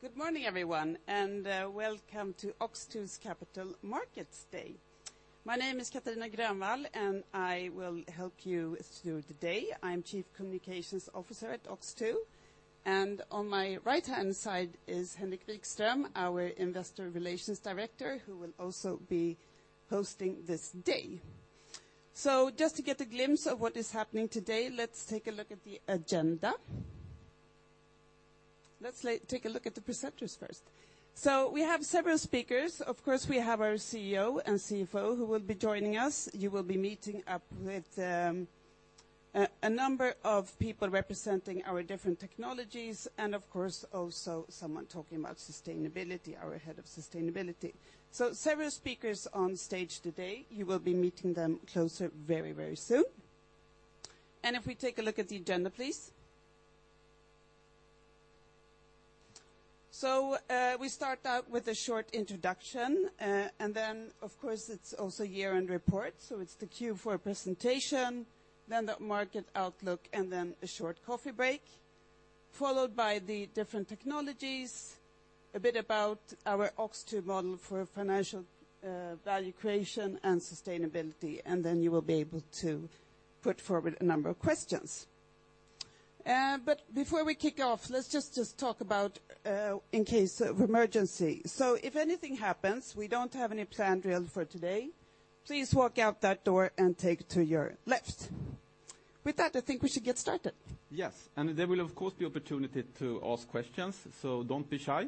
Good morning everyone, and welcome to OX2's Capital Markets Day. My name is Katarina Grönvall, and I will help you through the day. I am Chief Communications Officer at OX2, and on my right-hand side is Henrik Vikström, our investor relations director, who will also be hosting this day. Just to get a glimpse of what is happening today, let's take a look at the agenda. Let's take a look at the presenters first. We have several speakers. Of course, we have our CEO and CFO who will be joining us. You will be meeting up with a number of people representing our different technologies and of course also someone talking about sustainability, our head of sustainability. Several speakers on stage today, you will be meeting them closer very, very soon. If we take a look at the agenda, please. We start out with a short introduction, and then of course it's also year-end report, so it's the Q4 presentation, then the market outlook and then a short coffee break, followed by the different technologies, a bit about our OX2 model for financial, value creation and sustainability, and then you will be able to put forward a number of questions. But before we kick off, let's just talk about in case of emergency. If anything happens, we don't have any planned drill for today, please walk out that door and take to your left. With that, I think we should get started. Yes. There will of course, be opportunity to ask questions, so don't be shy.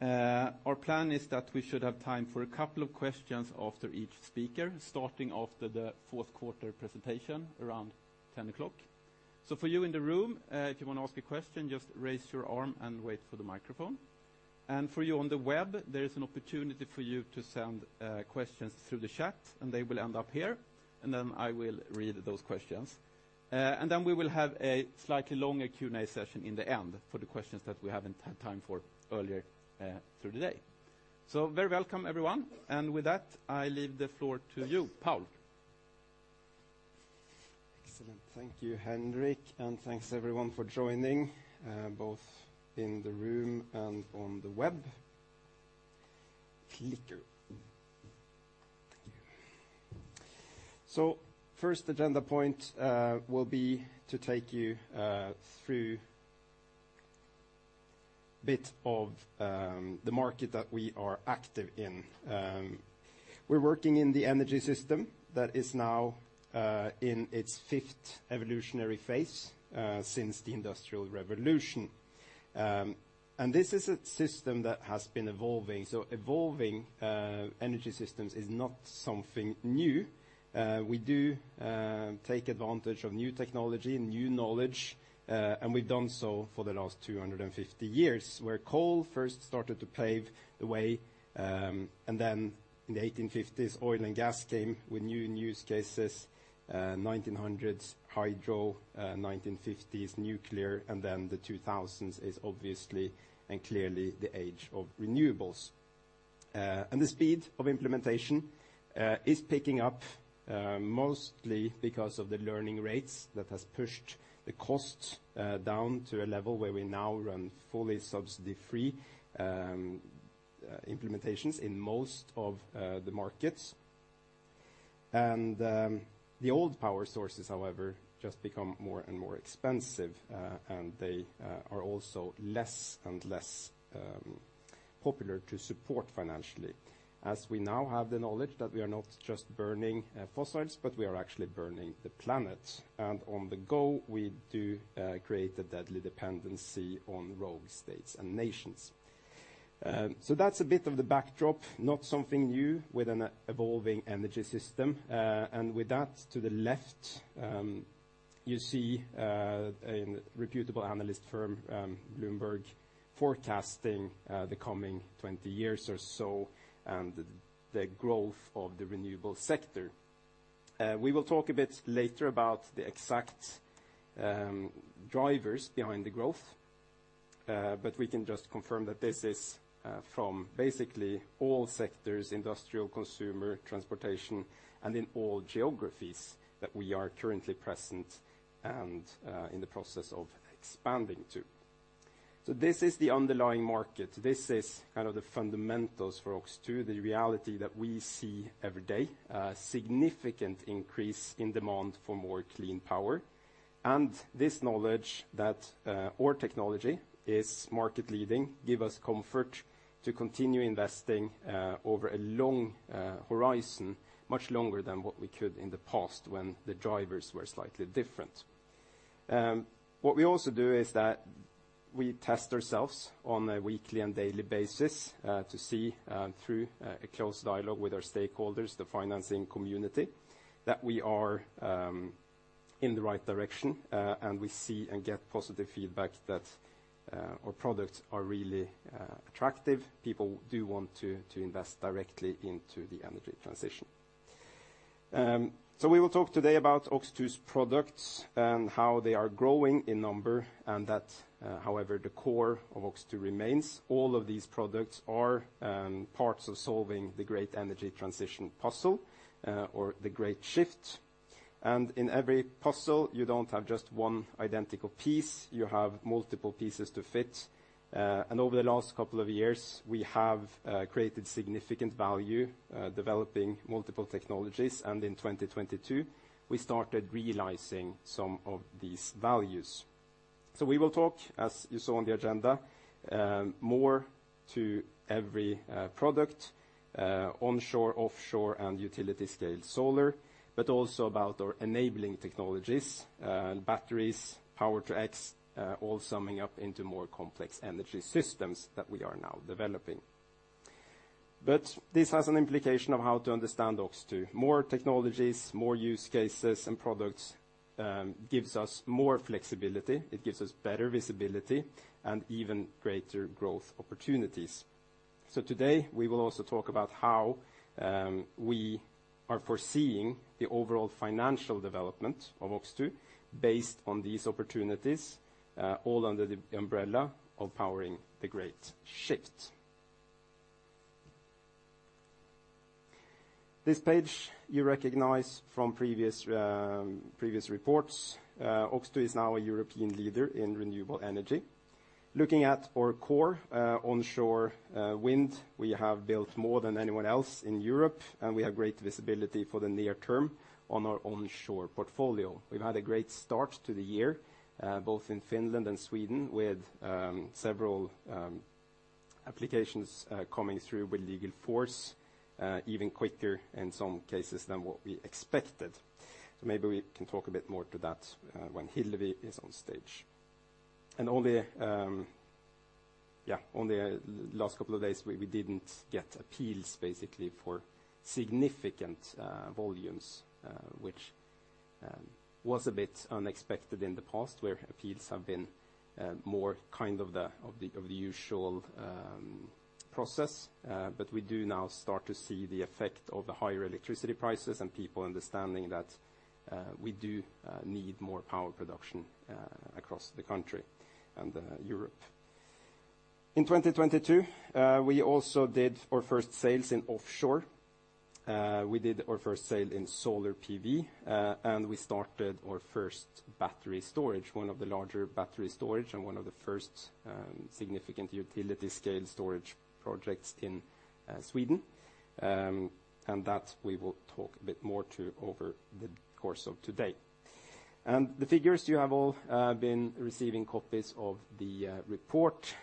Our plan is that we should have time for a couple of questions after each speaker, starting after the fourth quarter presentation around 10 o'clock. For you in the room, if you wanna ask a question, just raise your arm and wait for the microphone. For you on the web, there is an opportunity for you to send questions through the chat, and they will end up here, and then I will read those questions. Then we will have a slightly longer Q&A session in the end for the questions that we haven't had time for earlier through the day. Very welcome everyone. With that, I leave the floor to you, Paul. Excellent. Thank you, Henrik, and thanks everyone for joining, both in the room and on the web. Clicker. First agenda point will be to take you through bit of the market that we are active in. We're working in the energy system that is now in its fifth evolutionary phase since the Industrial Revolution. This is a system that has been evolving. Evolving energy systems is not something new. We do take advantage of new technology, new knowledge, and we've done so for the last 250 years, where coal first started to pave the way, and then in the 1850s oil and gas came with new use cases. 1900s hydro, 1950s nuclear, and then the 2000s is obviously and clearly the age of renewables. The speed of implementation is picking up mostly because of the learning rates that has pushed the costs down to a level where we now run fully subsidy-free implementations in most of the markets. The old power sources, however, just become more and more expensive, and they are also less and less popular to support financially, as we now have the knowledge that we are not just burning fossils, but we are actually burning the planet. On the go, we do create a deadly dependency on rogue states and nations. That's a bit of the backdrop, not something new with an evolving energy system. With that to the left, you see a reputable analyst firm, Bloomberg forecasting the coming 20 years or so, and the growth of the renewable sector. We will talk a bit later about the exact drivers behind the growth, but we can just confirm that this is from basically all sectors, industrial, consumer, transportation, and in all geographies that we are currently present and in the process of expanding to. This is the underlying market. This is kind of the fundamentals for OX2, the reality that we see every day, a significant increase in demand for more clean power. This knowledge that our technology is market leading give us comfort to continue investing over a long horizon, much longer than what we could in the past when the drivers were slightly different. What we also do is that we test ourselves on a weekly and daily basis, to see, through, a close dialogue with our stakeholders, the financing community, that we are, in the right direction, and we see and get positive feedback that, our products are really, attractive. People do want to invest directly into the energy transition. We will talk today about OX2's products and how they are growing in number, and that, however, the core of OX2 remains. All of these products are, parts of solving the great energy transition puzzle, or the great shift. In every puzzle, you don't have just one identical piece, you have multiple pieces to fit. Over the last couple of years, we have created significant value, developing multiple technologies, and in 2022, we started realizing some of these values. We will talk, as you saw on the agenda, more to every product, onshore, offshore, and utility-scale solar, but also about our enabling technologies, batteries, Power-to-X, all summing up into more complex energy systems that we are now developing. This has an implication of how to understand OX2. More technologies, more use cases and products, gives us more flexibility, it gives us better visibility and even greater growth opportunities. Today, we will also talk about how we are foreseeing the overall financial development of OX2 based on these opportunities, all under the umbrella of powering the great shift. This page you recognize from previous reports. OX2 is now a European leader in renewable energy. Looking at our core onshore wind, we have built more than anyone else in Europe. We have great visibility for the near term on our onshore portfolio. We've had a great start to the year, both in Finland and Sweden, with several applications coming through with legal force even quicker in some cases than what we expected. Maybe we can talk a bit more to that when Hillevi is on stage. Only last couple of days, we didn't get appeals basically for significant volumes, which was a bit unexpected in the past, where appeals have been more kind of the usual process. We do now start to see the effect of the higher electricity prices and people understanding that we do need more power production across the country and Europe. In 2022, we also did our first sales in offshore. We did our first sale in solar PV, and we started our first battery storage, one of the larger battery storage and one of the first significant utility scale storage projects in Sweden. That we will talk a bit more to over the course of today. The figures, you have all been receiving copies of the report.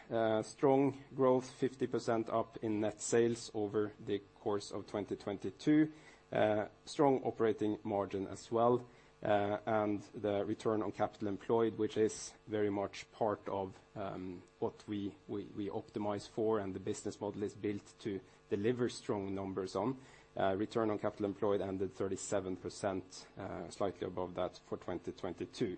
Strong growth, 50% up in net sales over the course of 2022. Strong operating margin as well, and the return on capital employed, which is very much part of, what we optimize for, and the business model is built to deliver strong numbers on. Return on capital employed ended 37%, slightly above that for 2022.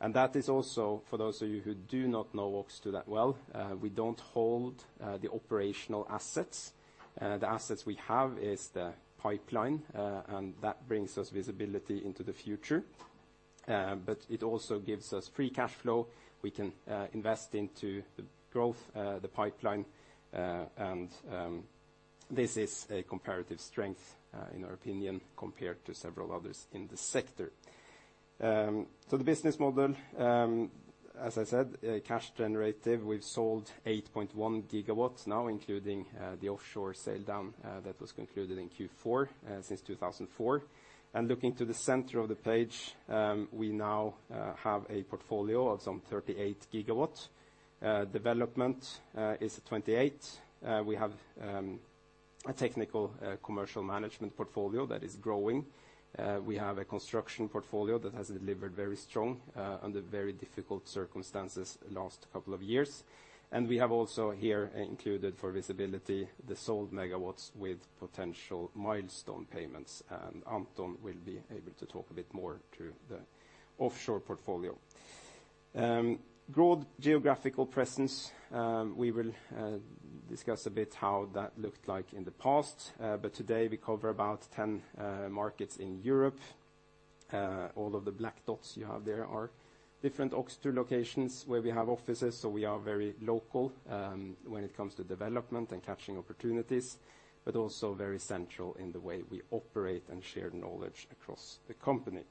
That is also, for those of you who do not know OX2 that well, we don't hold the operational assets. The assets we have is the pipeline, and that brings us visibility into the future. It also gives us free cash flow. We can invest into the growth, the pipeline, and this is a comparative strength, in our opinion, compared to several others in the sector. The business model, as I said, cash generative. We've sold 8.1 GW now, including the offshore sale down that was concluded in Q4 since 2004. Looking to the center of the page, we now have a portfolio of some 38 GW. Development is at 28. We have a technical commercial management portfolio that is growing. We have a construction portfolio that has delivered very strong under very difficult circumstances last couple of years. We have also here included for visibility the sold megawatts with potential milestone payments. Anton will be able to talk a bit more to the offshore portfolio. Broad geographical presence. We will discuss a bit how that looked like in the past. Today we cover about 10 markets in Europe. All of the black dots you have there are different OX2 locations where we have offices, so we are very local when it comes to development and catching opportunities, but also very central in the way we operate and share knowledge across the company.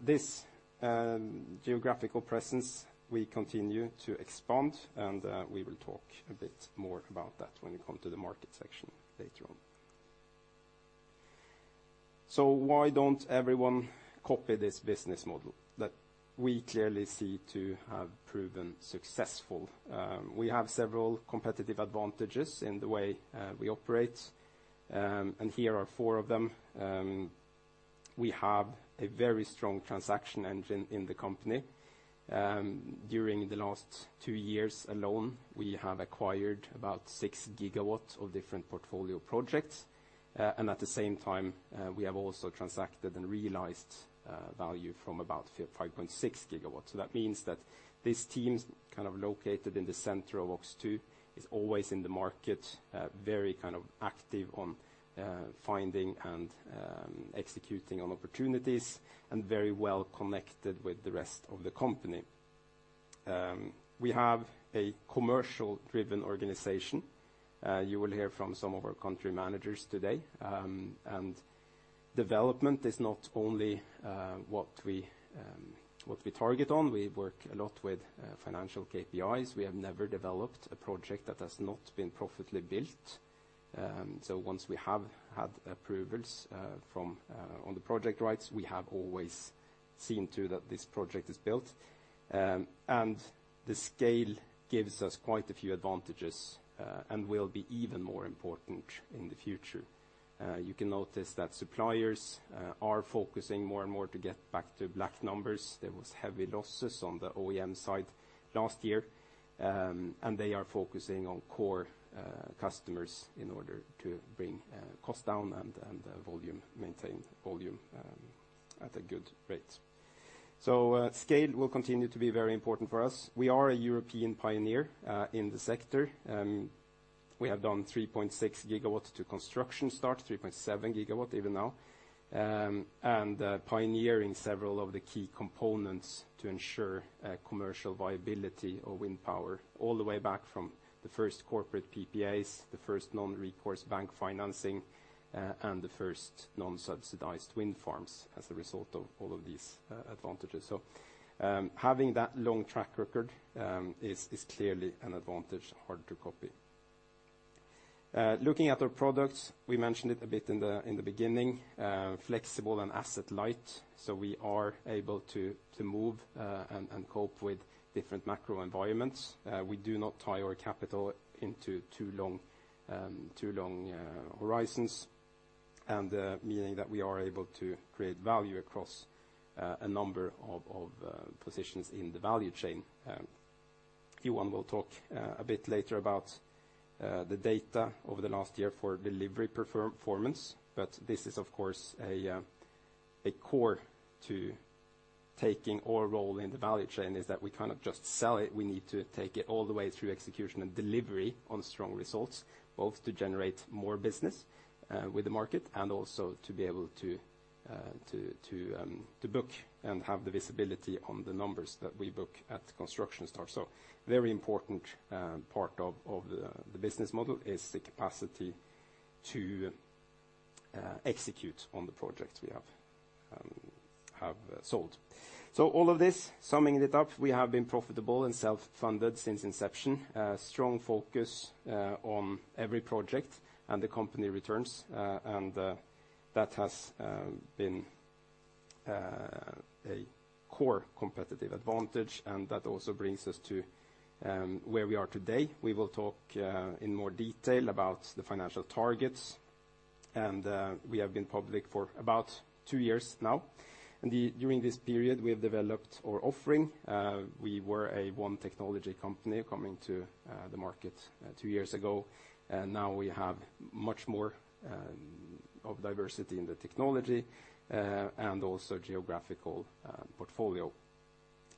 This geographical presence, we continue to expand, and we will talk a bit more about that when we come to the market section later on. Why don't everyone copy this business model that we clearly see to have proven successful? We have several competitive advantages in the way we operate, and here are four of them. We have a very strong transaction engine in the company. During the last two years alone, we have acquired about 6 GW of different portfolio projects. At the same time, we have also transacted and realized value from about 5.6 GW. That means that these teams, kind of located in the center of OX2, is always in the market, very kind of active on finding and executing on opportunities and very well connected with the rest of the company. We have a commercial driven organization, you will hear from some of our country managers today. Development is not only what we target on. We work a lot with financial KPIs. We have never developed a project that has not been profitably built. Once we have had approvals from on the project rights, we have always seen to that this project is built. The scale gives us quite a few advantages and will be even more important in the future. You can notice that suppliers are focusing more and more to get back to black numbers. There was heavy losses on the OEM side last year, and they are focusing on core customers in order to bring costs down and maintain volume at a good rate. Scale will continue to be very important for us. We are a European pioneer in the sector. We have done 3.6 GW to construction start, 3.7 GW even now, pioneering several of the key components to ensure commercial viability of wind power all the way back from the first corporate PPAs, the first non-recourse bank financing, and the first non-subsidized wind farms as a result of all of these advantages. Having that long track record is clearly an advantage hard to copy. Looking at our products, we mentioned it a bit in the beginning, flexible and asset light, so we are able to move and cope with different macro environments. We do not tie our capital into too long horizons and meaning that we are able to create value across a number of positions in the value chain. Johan will talk a bit later about the data over the last year for delivery performance. This is of course a core to taking our role in the value chain is that we cannot just sell it. We need to take it all the way through execution and delivery on strong results, both to generate more business with the market and also to be able to book and have the visibility on the numbers that we book at construction start. Very important part of the business model is the capacity to execute on the projects we have sold. All of this, summing it up, we have been profitable and self-funded since inception. Strong focus on every project and the company returns, and that has been a core competitive advantage, and that also brings us to where we are today. We will talk in more detail about the financial targets, and we have been public for about 2 years now. During this period, we have developed our offering. We were a 1 technology company coming to the market 2 years ago, and now we have much more of diversity in the technology and also geographical portfolio.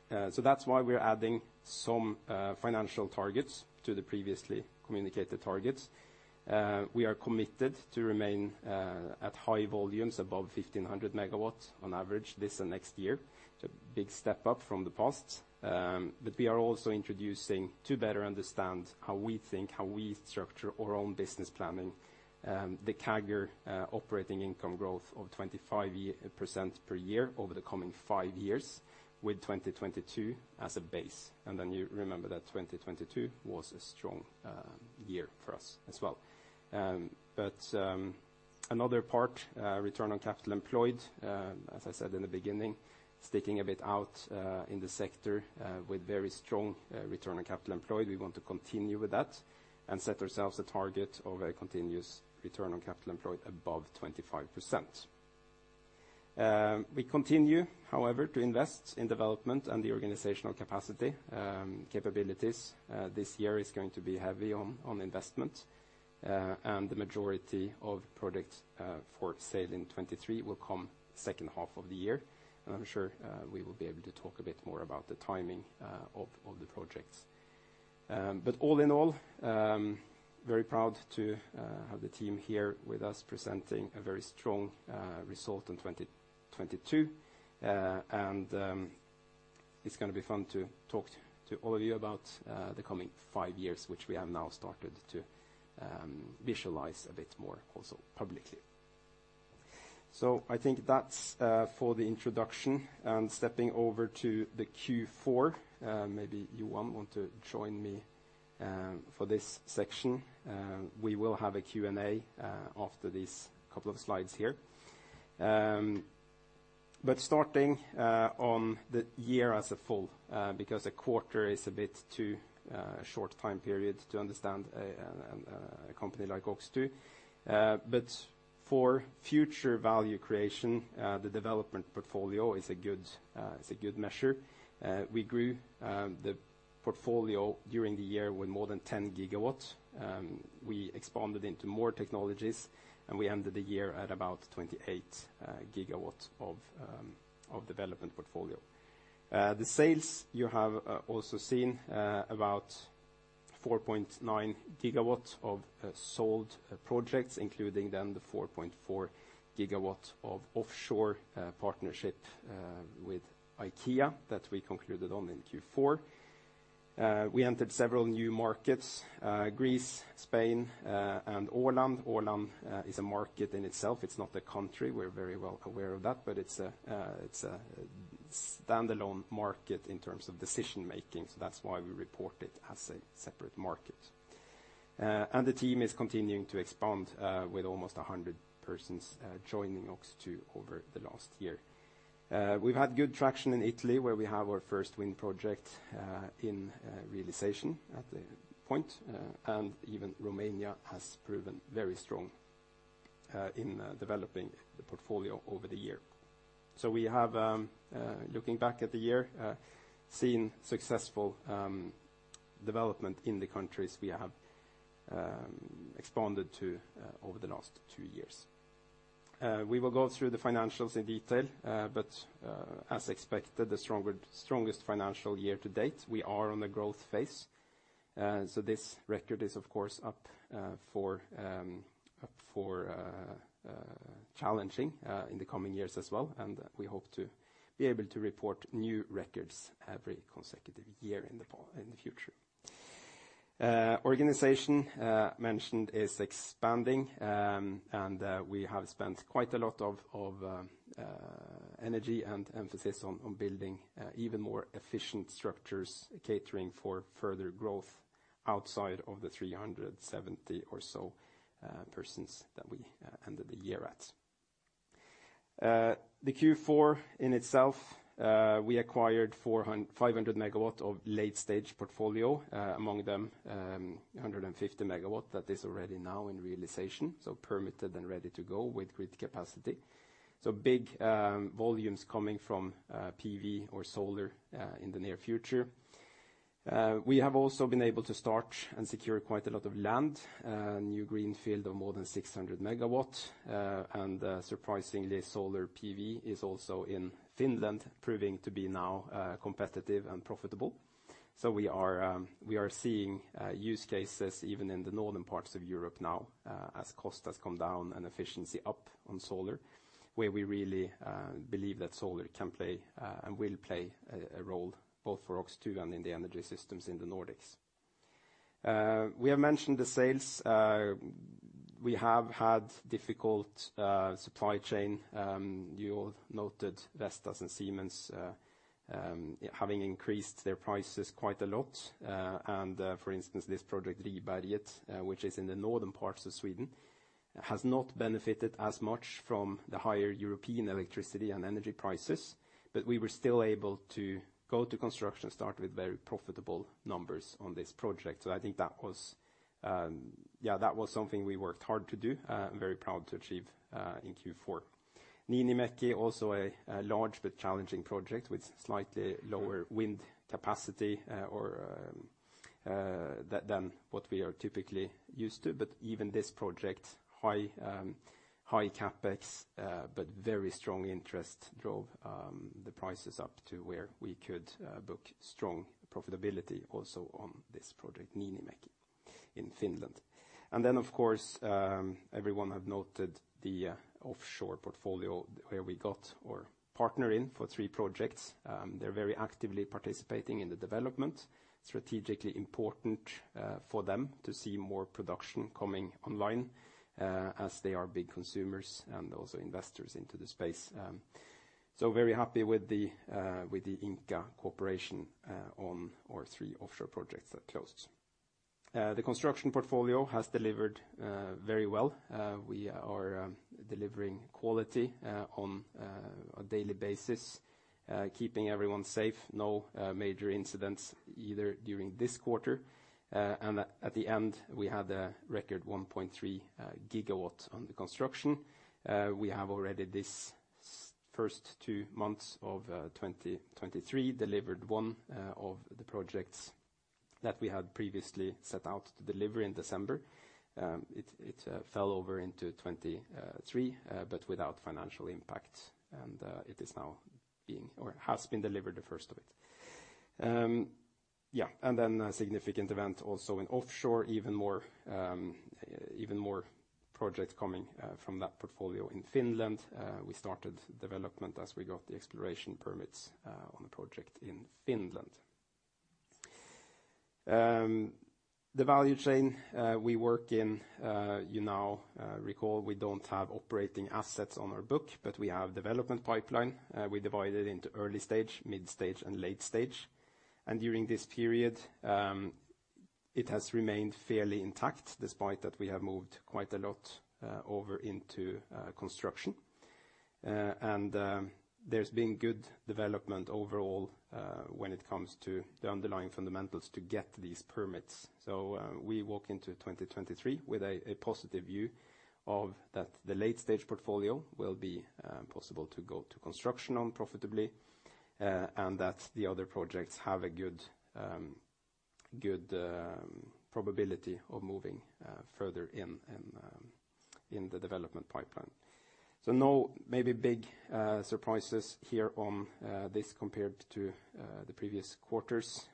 That's why we're adding some financial targets to the previously communicated targets. We are committed to remain at high volumes above 1,500 MW on average this and next year. It's a big step up from the past. We are also introducing to better understand how we think, how we structure our own business planning, the CAGR operating income growth of 25% per year over the coming 5 years with 2022 as a base. You remember that 2022 was a strong year for us as well. Another part, return on capital employed, as I said in the beginning, sticking a bit out in the sector with very strong return on capital employed. We want to continue with that and set ourselves a target of a continuous return on capital employed above 25%. We continue, however, to invest in development and the organizational capacity capabilities. This year is going to be heavy on investment, the majority of products for sale in 2023 will come second half of the year. I'm sure we will be able to talk a bit more about the timing of the projects. All in all, very proud to have the team here with us presenting a very strong result in 2022. It's gonna be fun to talk to all of you about the coming 5 years, which we have now started to visualize a bit more also publicly. I think that's for the introduction and stepping over to the Q4, maybe Johan want to join me for this section. We will have a Q&A after these couple of slides here. Starting on the year as a full, because a quarter is a bit too short time period to understand a company like OX2. For future value creation, the development portfolio is a good measure. We grew the portfolio during the year with more than 10 GW. We expanded into more technologies, we ended the year at about 28 GW of development portfolio. The sales you have also seen about 4.9 GW of sold projects, including then the 4.4 GW of Offshore partnership with IKEA that we concluded on in Q4. We entered several new markets, Greece, Spain, Åland. Åland is a market in itself. It's not a country. We're very well aware of that, but it's a standalone market in terms of decision-making, so that's why we report it as a separate market. The team is continuing to expand with almost 100 persons joining OX2 over the last year. We've had good traction in Italy, where we have our first wind project in realization at the point, and even Romania has proven very strong in developing the portfolio over the year. We have, looking back at the year, seen successful development in the countries we have expanded to over the last two years. We will go through the financials in detail, but as expected, the strongest financial year to date, we are on the growth phase. So this record is of course up for challenging in the coming years as well, and we hope to be able to report new records every consecutive year in the future. Organization mentioned is expanding, and we have spent quite a lot of energy and emphasis on building even more efficient structures catering for further growth outside of the 370 or so persons that we ended the year at. The Q4 in itself, we acquired 500 MW of late stage portfolio, among them, 150 MW that is already now in realization, so permitted and ready to go with grid capacity. Big volumes coming from PV or solar in the near future. We have also been able to start and secure quite a lot of land, new greenfield of more than 600 MW. Surprisingly, solar PV is also in Finland proving to be now competitive and profitable. We are seeing use cases even in the northern parts of Europe now as cost has come down and efficiency up on solar, where we really believe that solar can play and will play a role both for OX2 and in the energy systems in the Nordics. We have mentioned the sales. We have had difficult supply chain. You all noted Vestas and Siemens having increased their prices quite a lot. For instance, this project, Ribberget, which is in the northern parts of Sweden, has not benefited as much from the higher European electricity and energy prices. We were still able to go to construction start with very profitable numbers on this project. I think that was, yeah, that was something we worked hard to do, very proud to achieve in Q4. Niinimäki, also a large but challenging project with slightly lower wind capacity, or than what we are typically used to. Even this project, high CapEx, but very strong interest drove the prices up to where we could book strong profitability also on this project, Niinimäki in Finland. Of course, everyone have noted the offshore portfolio where we got or partner in for 3 projects. They're very actively participating in the development. Strategically important for them to see more production coming online as they are big consumers and also investors into the space. Very happy with the Ingka cooperation on our 3 Offshore projects that closed. The construction portfolio has delivered very well. We are delivering quality on a daily basis, keeping everyone safe. No major incidents either during this quarter. At the end, we had a record 1.3 GW on the construction. We have already this first 2 months of 2023 delivered 1 of the projects that we had previously set out to deliver in December. It fell over into 2023 without financial impact. It is now being or has been delivered the first of it. A significant event also in offshore, even more projects coming from that portfolio in Finland. We started development as we got the exploration permits on a project in Finland. The value chain we work in, you now recall we don't have operating assets on our book, but we have development pipeline, we divided into early stage, mid stage and late stage. During this period, it has remained fairly intact despite that we have moved quite a lot over into construction. There's been good development overall when it comes to the underlying fundamentals to get these permits. We walk into 2023 with a positive view of that the late stage portfolio will be possible to go to construction on profitably, and that the other projects have a good probability of moving further in the development pipeline. No maybe big surprises here on this compared to the previous quarters.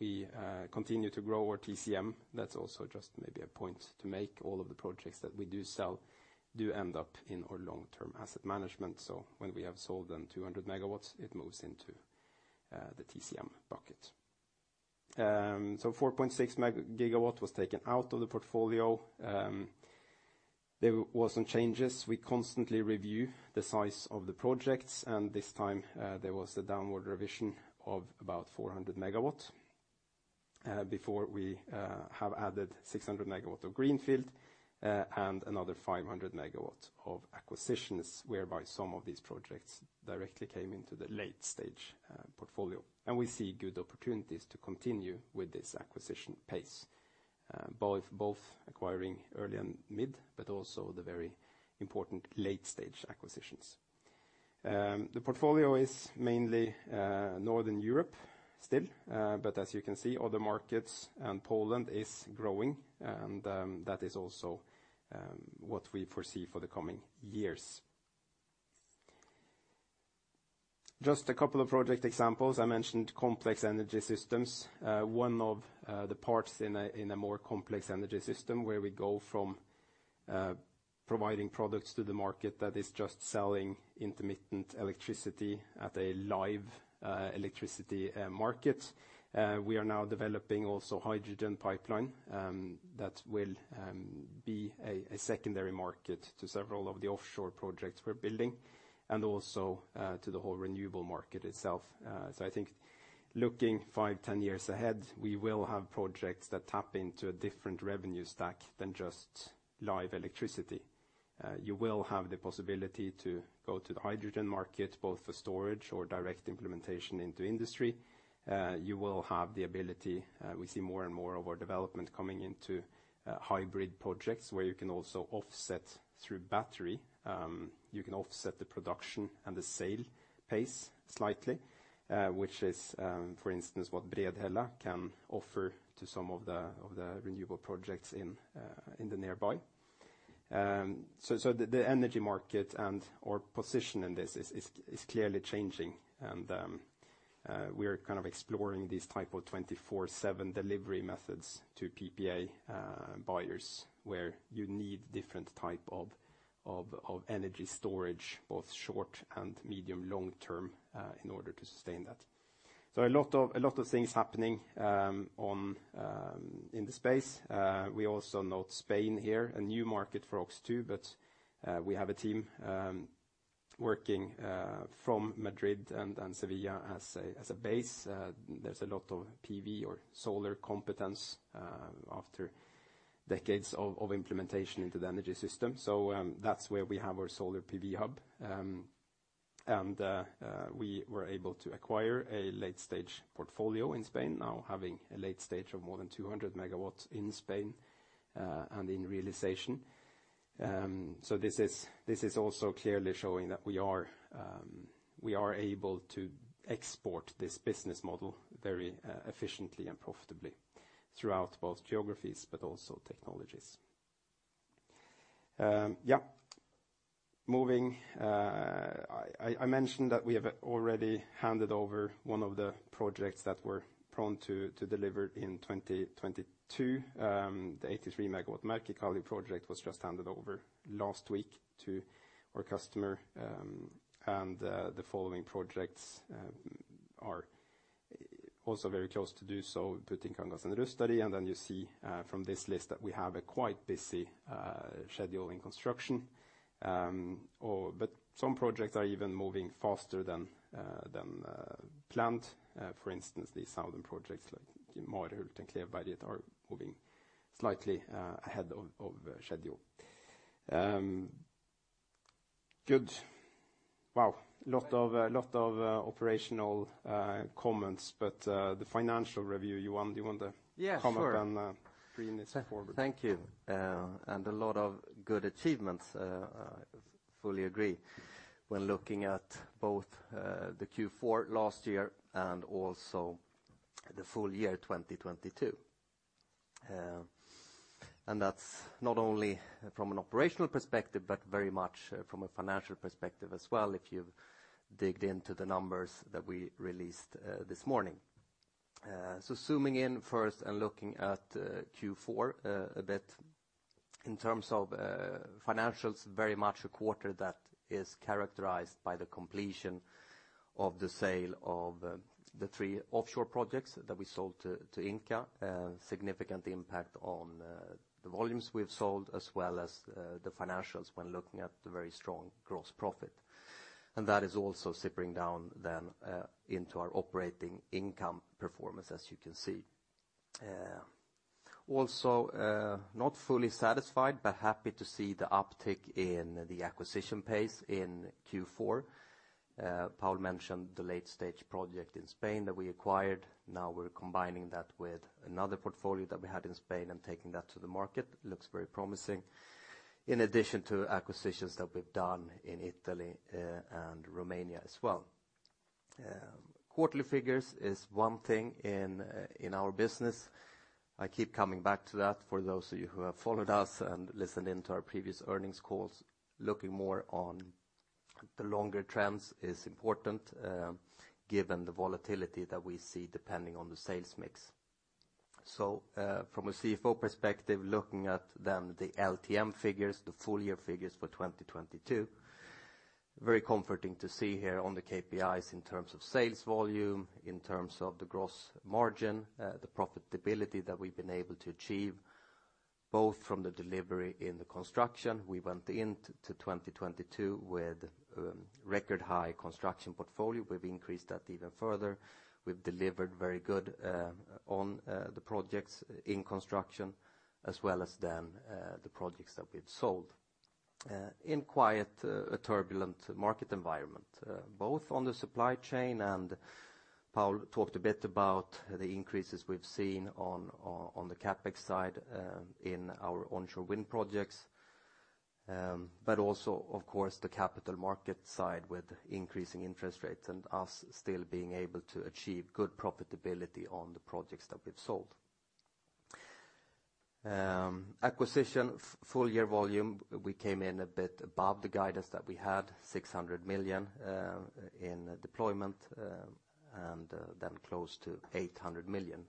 We continue to grow our TCM. That's also just maybe a point to make. All of the projects that we do sell do end up in our long-term asset management. When we have sold them 200 MW, it moves into the TCM bucket. 4.6 GW was taken out of the portfolio. There were some changes. We constantly review the size of the projects, and this time, there was a downward revision of about 400 MW. Before we have added 600 MW of greenfield, and another 500 MW of acquisitions, whereby some of these projects directly came into the late-stage portfolio. We see good opportunities to continue with this acquisition pace, both acquiring early and mid, but also the very important late-stage acquisitions. The portfolio is mainly Northern Europe still, but as you can see, other markets and Poland is growing and that is also what we foresee for the coming years. Just a couple of project examples. I mentioned complex energy systems. One of the parts in a more complex energy system where we go from providing products to the market that is just selling intermittent electricity at a live electricity market. We are now developing also hydrogen pipeline that will be a secondary market to several of the offshore projects we're building and also to the whole renewable market itself. I think looking 5, 10 years ahead, we will have projects that tap into a different revenue stack than just live electricity. You will have the possibility to go to the hydrogen market, both for storage or direct implementation into industry. You will have the ability, we see more and more of our development coming into hybrid projects where you can also offset through battery. You can offset the production and the sale pace slightly, which is, for instance, what Bredhälla can offer to some of the renewable projects in the nearby. The energy market and our position in this is clearly changing. We're kind of exploring these type of 24/7 delivery methods to PPA buyers where you need different type of energy storage, both short and medium long-term, in order to sustain that. A lot of things happening in the space. We also note Spain here, a new market for OX2, we have a team working from Madrid and Sevilla as a base. There's a lot of PV or solar competence after decades of implementation into the energy system. That's where we have our solar PV hub. We were able to acquire a late-stage portfolio in Spain, now having a late stage of more than 200 MW in Spain and in realization. This is also clearly showing that we are able to export this business model very efficiently and profitably throughout both geographies but also technologies. Moving. I mentioned that we have already handed over one of the projects that we're prone to deliver in 2022. The 83 MW Mäkikari project was just handed over last week to our customer. The following projects are also very close to do so, Puutikankangas and Rysteri. Then you see from this list that we have a quite busy schedule in construction. Some projects are even moving faster than planned. For instance, the southern projects like Marhult and Klevberget are moving slightly ahead of schedule. Good. Wow. Lot of, lot of operational comments, but the financial review, you want to... Yeah, sure. Come up and bring this forward. Thank you. A lot of good achievements. Fully agree when looking at both the Q4 last year and also the full year 2022. That's not only from an operational perspective, but very much from a financial perspective as well if you've digged into the numbers that we released this morning. Zooming in first and looking at Q4 a bit. In terms of financials, very much a quarter that is characterized by the completion of the sale of the three offshore projects that we sold to Ingka. Significant impact on the volumes we've sold, as well as the financials when looking at the very strong gross profit. That is also sipping down then into our operating income performance, as you can see. Also, not fully satisfied, but happy to see the uptick in the acquisition pace in Q4. Paul mentioned the late-stage project in Spain that we acquired. Now we're combining that with another portfolio that we had in Spain and taking that to the market. Looks very promising. In addition to acquisitions that we've done in Italy and Romania as well. Quarterly figures is one thing in our business. I keep coming back to that for those of you who have followed us and listened in to our previous earnings calls, looking more on the longer trends is important, given the volatility that we see depending on the sales mix. From a CFO perspective, looking at then the LTM figures, the full year figures for 2022, very comforting to see here on the KPIs in terms of sales volume, in terms of the gross margin, the profitability that we've been able to achieve, both from the delivery in the construction. We went into 2022 with record high construction portfolio. We've increased that even further. We've delivered very good on the projects in construction, as well as then the projects that we've sold in quite a turbulent market environment, both on the supply chain, and Paul talked a bit about the increases we've seen on the CapEx side in our onshore wind projects. Also of course the capital market side with increasing interest rates and us still being able to achieve good profitability on the projects that we've sold. Acquisition full year volume, we came in a bit above the guidance that we had, 600 million in deployment, then close to 800 million.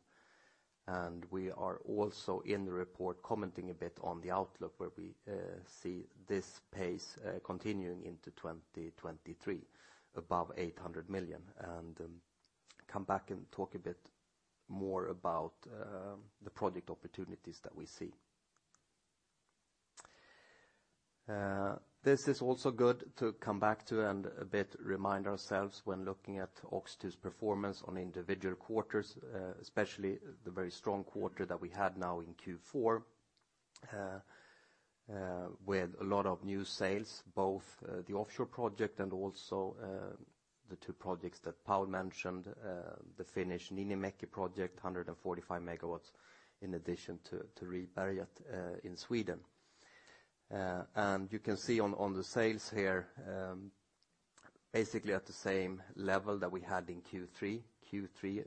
We are also in the report commenting a bit on the outlook where we see this pace continuing into 2023, above 800 million, come back and talk a bit more about the project opportunities that we see. This is also good to come back to and a bit remind ourselves when looking at OX2's performance on individual quarters, especially the very strong quarter that we had now in Q4, with a lot of new sales, both the offshore project and also the two projects that Paul mentioned, the Finnish Niinimaki project, 145 MW, in addition to Ribberget, in Sweden. You can see on the sales here, basically at the same level that we had in Q3. Q3,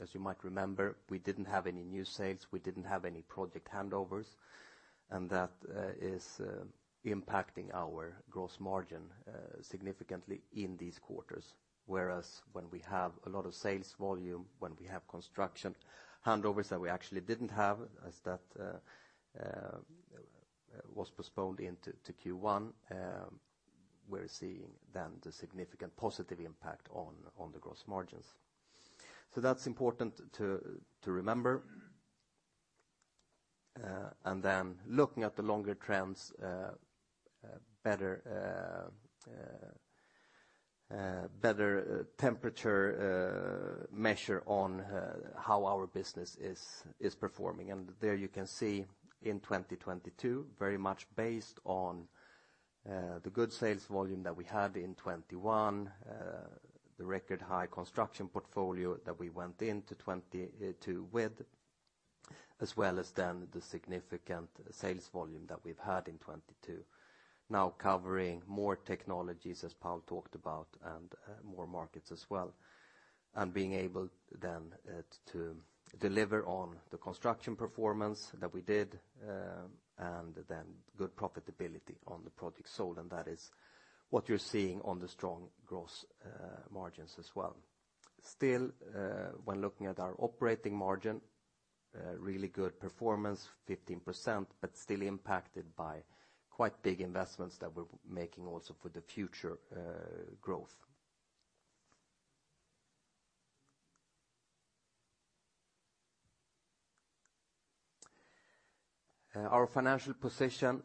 as you might remember, we didn't have any new sales, we didn't have any project handovers, and that is impacting our gross margin significantly in these quarters. Whereas when we have a lot of sales volume, when we have construction handovers that we actually didn't have, as that was postponed into Q1, we're seeing then the significant positive impact on the gross margins. That's important to remember. Looking at the longer trends, better temperature measure on how our business is performing. There you can see in 2022, very much based on the good sales volume that we had in 2021, the record high construction portfolio that we went into 2022 with, as well as then the significant sales volume that we've had in 2022. Now covering more technologies, as Paul talked about, and more markets as well, and being able then to deliver on the construction performance that we did, and then good profitability on the project sold, and that is what you're seeing on the strong gross margins as well. Still, when looking at our operating margin, really good performance, 15%, but still impacted by quite big investments that we're making also for the future growth. Our financial position,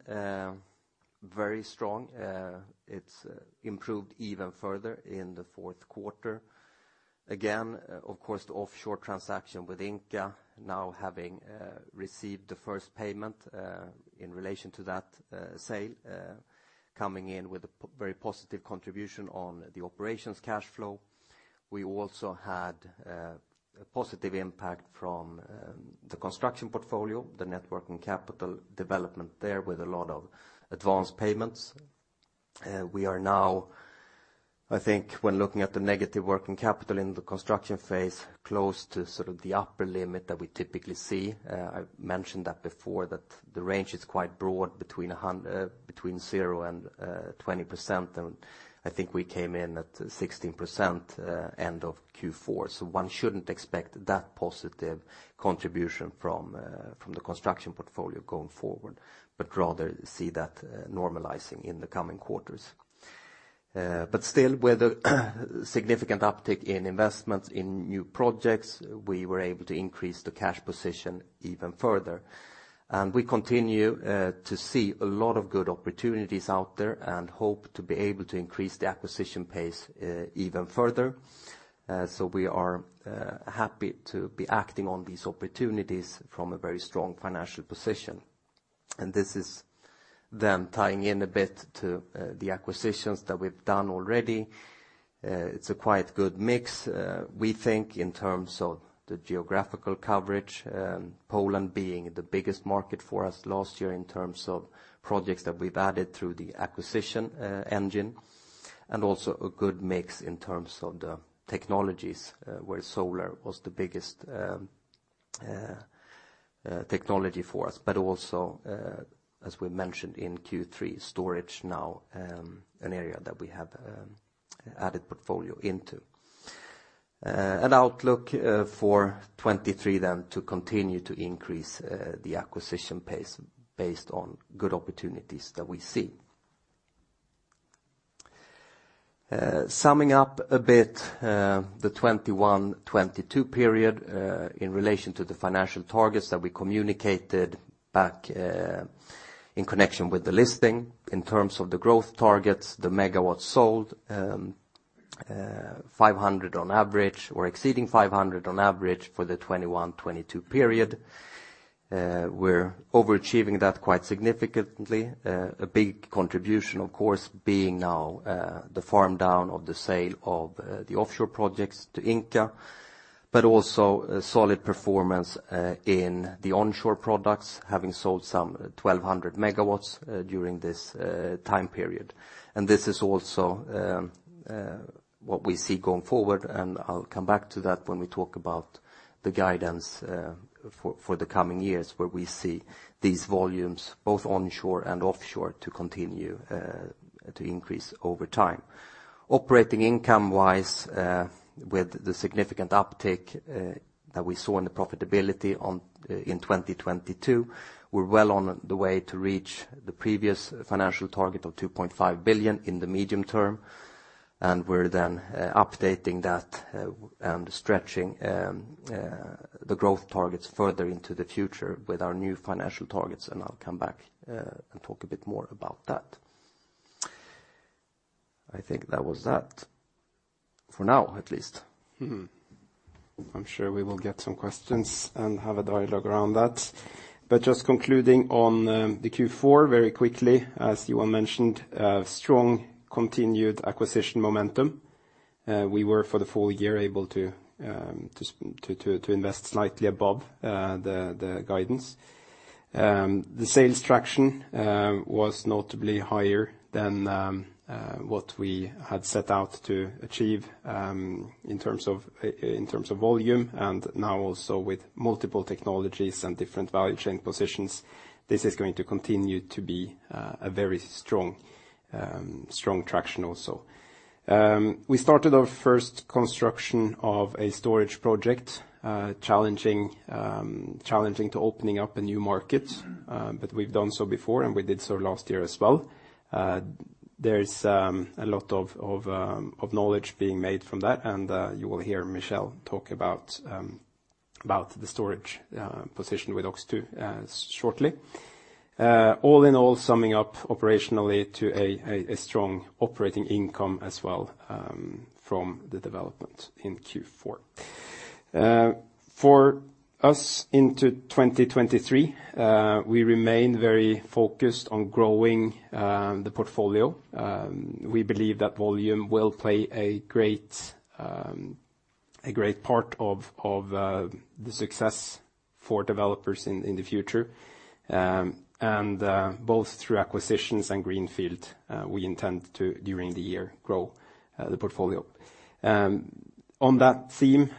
very strong. It's improved even further in the fourth quarter. Again, of course, the offshore transaction with Ingka now having received the first payment in relation to that sale, coming in with a very positive contribution on the operations cash flow. We also had a positive impact from the construction portfolio, the network and capital development there with a lot of advanced payments. We are now, I think, when looking at the negative working capital in the construction phase, close to sort of the upper limit that we typically see. I mentioned that before, that the range is quite broad between zero and 20%. I think we came in at 16% end of Q4. One shouldn't expect that positive contribution from from the construction portfolio going forward, but rather see that normalizing in the coming quarters. Still, with a significant uptick in investments in new projects, we were able to increase the cash position even further. We continue to see a lot of good opportunities out there and hope to be able to increase the acquisition pace even further. We are happy to be acting on these opportunities from a very strong financial position. This is tying in a bit to the acquisitions that we've done already. It's a quite good mix, we think, in terms of the geographical coverage, Poland being the biggest market for us last year in terms of projects that we've added through the acquisition engine, and also a good mix in terms of the technologies, where solar was the biggest technology for us, but also, as we mentioned in Q3, storage now, an area that we have added portfolio into. Outlook for 2023 then to continue to increase the acquisition pace based on good opportunities that we see. Summing up a bit the 2021, 2022 period in relation to the financial targets that we communicated back in connection with the listing. In terms of the growth targets, the megawatts sold, 500 on average or exceeding 500 on average for the 2021, 2022 period. We're overachieving that quite significantly. A big contribution of course being now the farm down of the sale of the offshore projects to Ingka, but also a solid performance in the onshore products, having sold some 1,200 MW during this time period. This is also what we see going forward. I'll come back to that when we talk about the guidance for the coming years, where we see these volumes both onshore and offshore to continue to increase over time. Operating income-wise, with the significant uptick that we saw in the profitability in 2022, we're well on the way to reach the previous financial target of 2.5 billion in the medium term. We're updating that and stretching the growth targets further into the future with our new financial targets. I'll come back and talk a bit more about that. I think that was that for now at least. I'm sure we will get some questions and have a dialogue around that. Just concluding on the Q4 very quickly, as Johan mentioned, strong continued acquisition momentum. We were for the full year able to invest slightly above the guidance. The sales traction was notably higher than what we had set out to achieve in terms of volume and now also with multiple technologies and different value chain positions. This is going to continue to be a very strong traction also. We started our first construction of a storage project, challenging to opening up a new market, but we've done so before, and we did so last year as well. There is a lot of knowledge being made from that. You will hear Michiel talk about the storage position with OX2 shortly. All in all, summing up operationally to a strong operating income as well from the development in Q4. For us into 2023, we remain very focused on growing the portfolio. We believe that volume will play a great part of the success for developers in the future. Both through acquisitions and greenfield, we intend to, during the year, grow the portfolio. On that theme,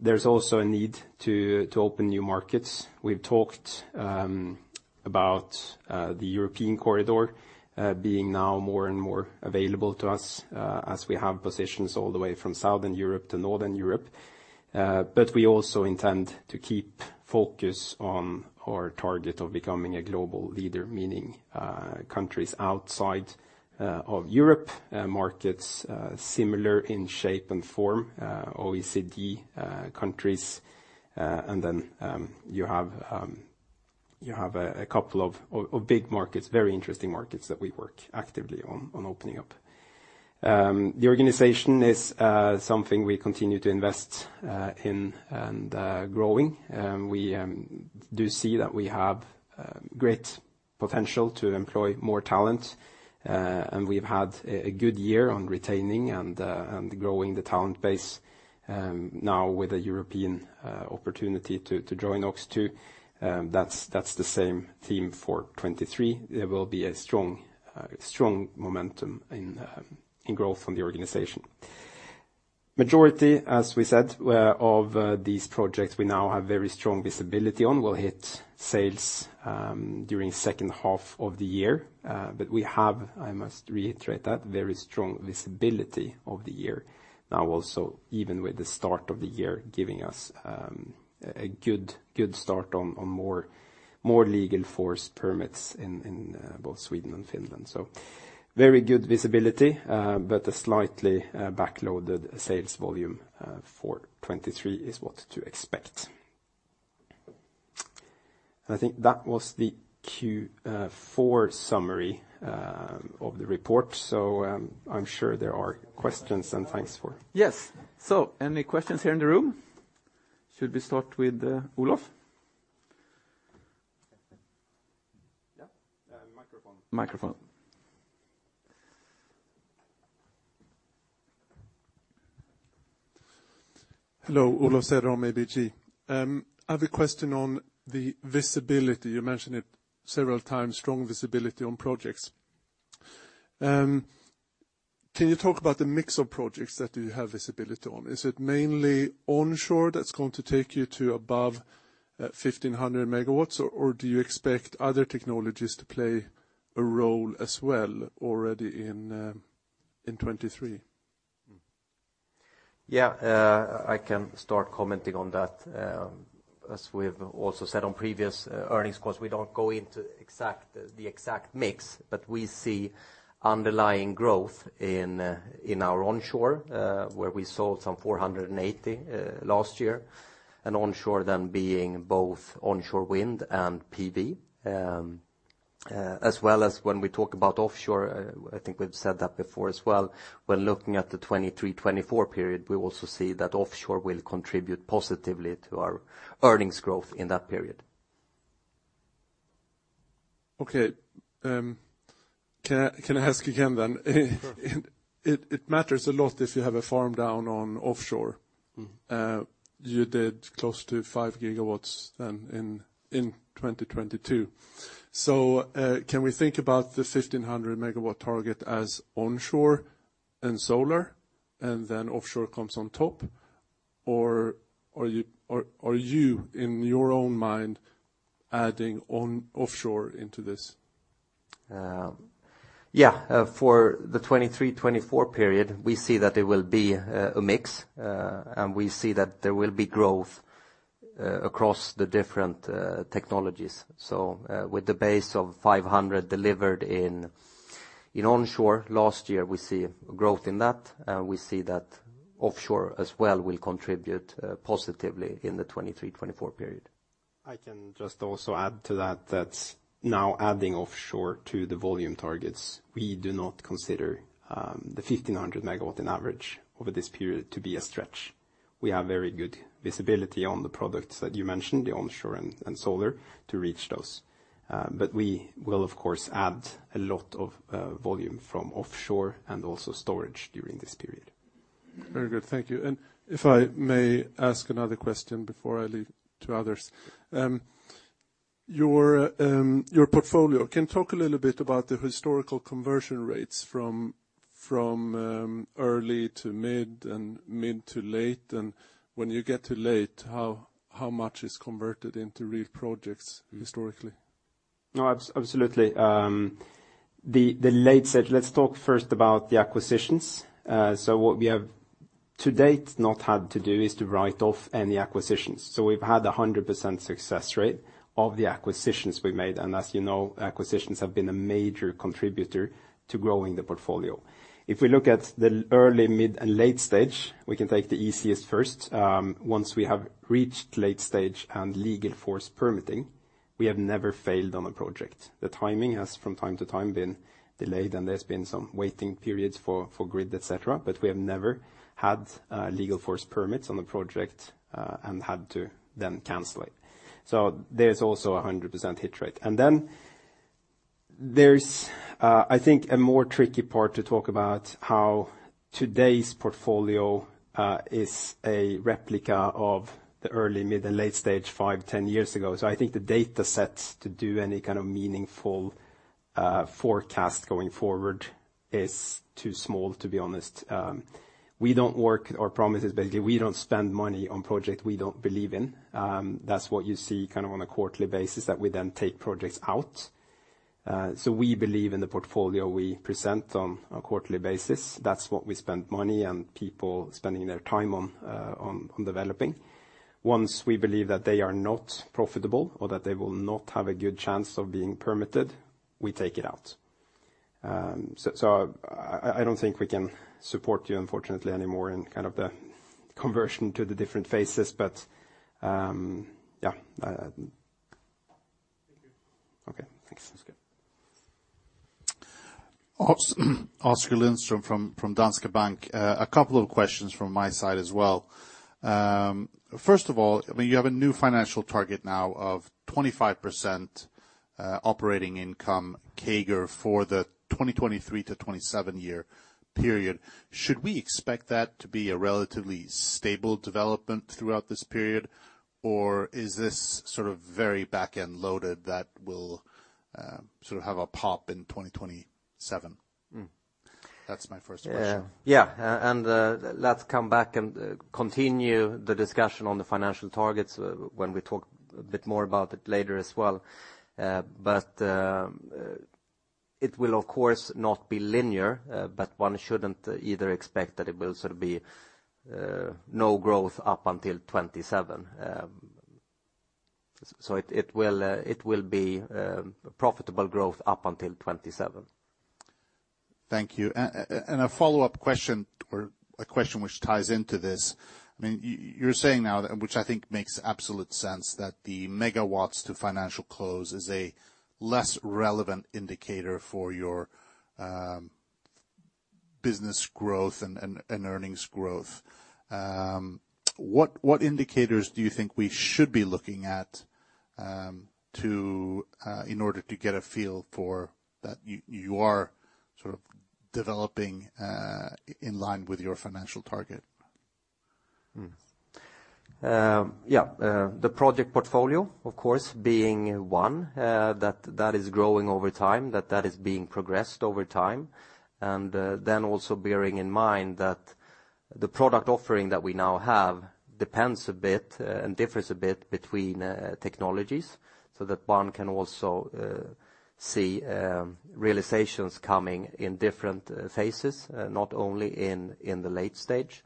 there's also a need to open new markets. We've talked about the European corridor being now more and more available to us as we have positions all the way from Southern Europe to Northern Europe. We also intend to keep focus on our target of becoming a global leader, meaning countries outside of Europe, markets similar in shape and form, OECD countries. You have a couple of big markets, very interesting markets that we work actively on opening up. The organization is something we continue to invest in and growing. We do see that we have great potential to employ more talent, and we've had a good year on retaining and growing the talent base. Now with a European opportunity to join OX2, that's the same theme for 2023. There will be a strong momentum in growth from the organization. Majority, as we said, of these projects we now have very strong visibility on. We'll hit sales during second half of the year, but we have, I must reiterate that, very strong visibility of the year. Now also, even with the start of the year giving us a good start on more legal force permits in both Sweden and Finland. Very good visibility, but a slightly backloaded sales volume for 2023 is what to expect. I think that was the Q4 summary of the report. I'm sure there are questions and thanks for... Yes. Any questions here in the room? Should we start with Olof? Yeah. Microphone. Microphone. Hello, Olof Cederholm, ABG. I have a question on the visibility. You mentioned it several times, strong visibility on projects Can you talk about the mix of projects that you have visibility on? Is it mainly onshore that's going to take you to above, 1,500 MW, or do you expect other technologies to play a role as well already in 2023? I can start commenting on that. As we have also said on previous earnings calls, we don't go into exact, the exact mix, but we see underlying growth in our onshore, where we sold some 480 last year, and onshore then being both onshore wind and PV. When we talk about offshore, I think we've said that before as well, when looking at the 2023, 2024 period, we also see that offshore will contribute positively to our earnings growth in that period. Okay. can I ask again then? Sure. It matters a lot if you have a farm down on offshore. Mm-hmm. You did close to 5 MW then in 2022. Can we think about the 1,500 MW target as onshore and solar, and then offshore comes on top? Are you in your own mind adding on offshore into this? Yeah. For the 2023, 2024 period, we see that it will be a mix, and we see that there will be growth across the different technologies. With the base of 500 delivered in onshore last year, we see growth in that, and we see that offshore as well will contribute positively in the 2023, 2024 period. I can just also add to that now adding offshore to the volume targets, we do not consider the 1,500 MW an average over this period to be a stretch. We have very good visibility on the products that you mentioned, the onshore and solar, to reach those. We will of course add a lot of volume from offshore and also storage during this period. Very good. Thank you. If I may ask another question before I leave to others. Your portfolio. Can you talk a little bit about the historical conversion rates from early to mid and mid to late? When you get to late, how much is converted into real projects historically? Absolutely. The late stage. Let's talk first about the acquisitions. What we have to date not had to do is to write off any acquisitions. We've had a 100% success rate of the acquisitions we made. As you know, acquisitions have been a major contributor to growing the portfolio. If we look at the early, mid, and late stage, we can take the easiest first. Once we have reached late stage and legal force permitting, we have never failed on a project. The timing has from time to time been delayed, and there's been some waiting periods for grid, et cetera, but we have never had legal force permits on a project and had to then cancel it. There's also a 100% hit rate. There's, I think a more tricky part to talk about how today's portfolio is a replica of the early, mid, and late stage 5, 10 years ago. I think the data sets to do any kind of meaningful forecast going forward is too small, to be honest. Our promise is basically, we don't spend money on project we don't believe in. That's what you see kind of on a quarterly basis, that we then take projects out. We believe in the portfolio we present on a quarterly basis. That's what we spend money and people spending their time on developing. Once we believe that they are not profitable or that they will not have a good chance of being permitted, we take it out. I don't think we can support you unfortunately anymore in kind of the conversion to the different phases. I... Thank you. Okay. Thanks. That's good. Oskar Lindström from Danske Bank. A couple of questions from my side as well. First of all, I mean, you have a new financial target now of 25% operating income CAGR for the 2023-2027 year period. Should we expect that to be a relatively stable development throughout this period, or is this sort of very back-end loaded that will sort of have a pop in 2027? Mm. That's my first question. Yeah. Let's come back and continue the discussion on the financial targets when we talk a bit more about it later as well. It will of course not be linear, but one shouldn't either expect that it will sort of be no growth up until 2027. It will be profitable growth up until 2027. Thank you. A follow-up question or a question which ties into this. I mean, you're saying now, which I think makes absolute sense, that the megawatts to financial close is a less relevant indicator for your business growth and earnings growth. What indicators do you think we should be looking at to in order to get a feel for that you are sort of developing in line with your financial target? Yeah, the project portfolio, of course, being one, that is growing over time, that is being progressed over time. Then also bearing in mind that the product offering that we now have depends a bit, and differs a bit between, technologies, that one can also, see, realizations coming in different phases, not only in the late stage.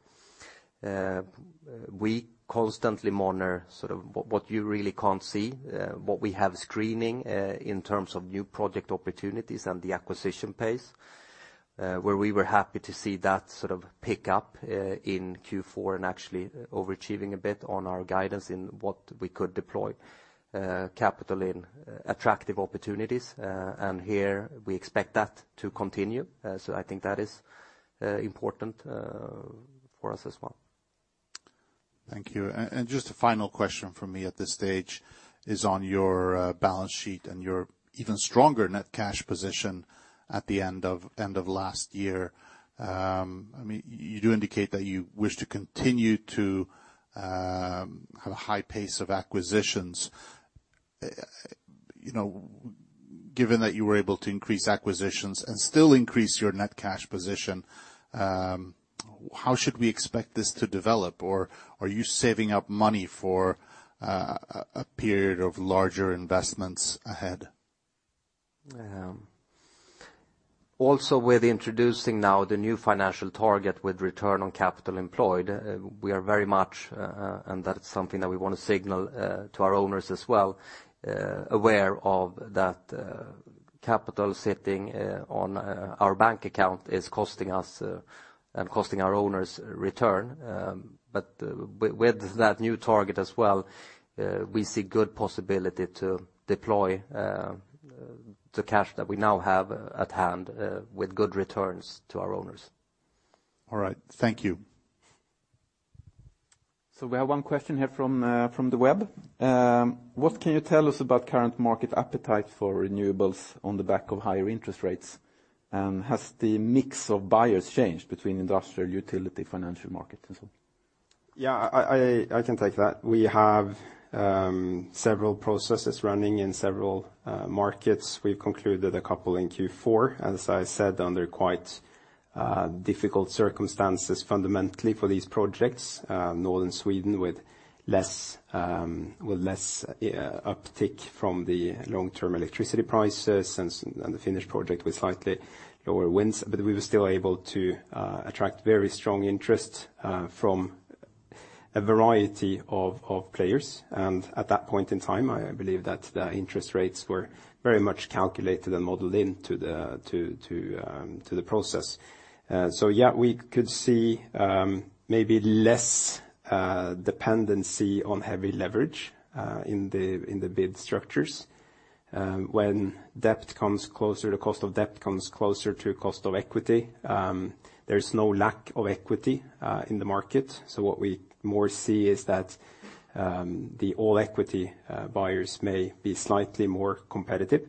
We constantly monitor sort of what you really can't see, what we have screening, in terms of new project opportunities and the acquisition pace, where we were happy to see that sort of pick up, in Q4 and actually overachieving a bit on our guidance in what we could deploy, capital in attractive opportunities. Here we expect that to continue, so I think that is important for us as well. Thank you. Just a final question from me at this stage is on your balance sheet and your even stronger net cash position at the end of last year. I mean, you do indicate that you wish to continue to have a high pace of acquisitions. You know, given that you were able to increase acquisitions and still increase your net cash position, how should we expect this to develop? Or are you saving up money for a period of larger investments ahead? Also with introducing now the new financial target with return on capital employed, we are very much, and that's something that we want to signal to our owners as well, aware of that, capital sitting on our bank account is costing us and costing our owners return. With that new target as well, we see good possibility to deploy the cash that we now have at hand with good returns to our owners. All right. Thank you. We have 1 question here from the web. What can you tell us about current market appetite for renewables on the back of higher interest rates? Has the mix of buyers changed between industrial, utility, financial market and so on? Yeah, I can take that. We have several processes running in several markets. We've concluded a couple in Q4, as I said, under quite difficult circumstances fundamentally for these projects, Northern Sweden with less uptick from the long-term electricity prices and the finished project with slightly lower winds. We were still able to attract very strong interest from a variety of players. At that point in time, I believe that the interest rates were very much calculated and modeled into the process. Yeah, we could see maybe less dependency on heavy leverage in the bid structures. When the cost of debt comes closer to cost of equity, there is no lack of equity in the market. What we more see is that the all equity buyers may be slightly more competitive.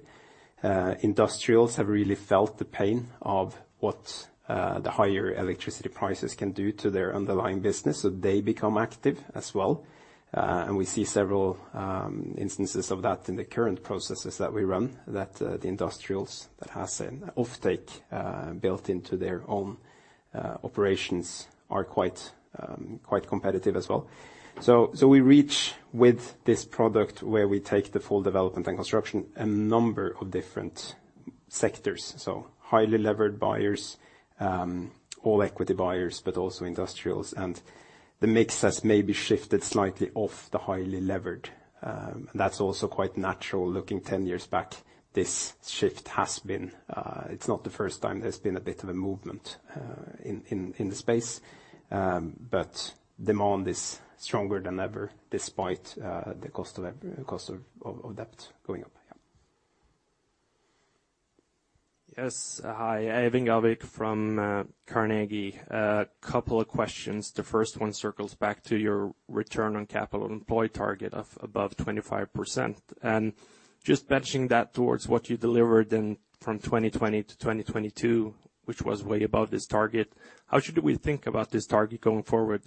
Industrials have really felt the pain of what the higher electricity prices can do to their underlying business, so they become active as well. We see several instances of that in the current processes that we run, that the industrials that has an offtake built into their own operations are quite competitive as well. We reach with this product where we take the full development and construction a number of different sectors. Highly levered buyers, all equity buyers, but also industrials. The mix has maybe shifted slightly off the highly levered. That's also quite natural. Looking 10 years back, this shift has been, it's not the first time there's been a bit of a movement in the space. Demand is stronger than ever despite the cost of debt going up. Yes. Hi. Even Gørvik from Carnegie. A couple of questions. The first one circles back to your return on capital employed target of above 25%. And just benching that towards what you delivered in, from 2020-2022, which was way above this target, how should we think about this target going forward?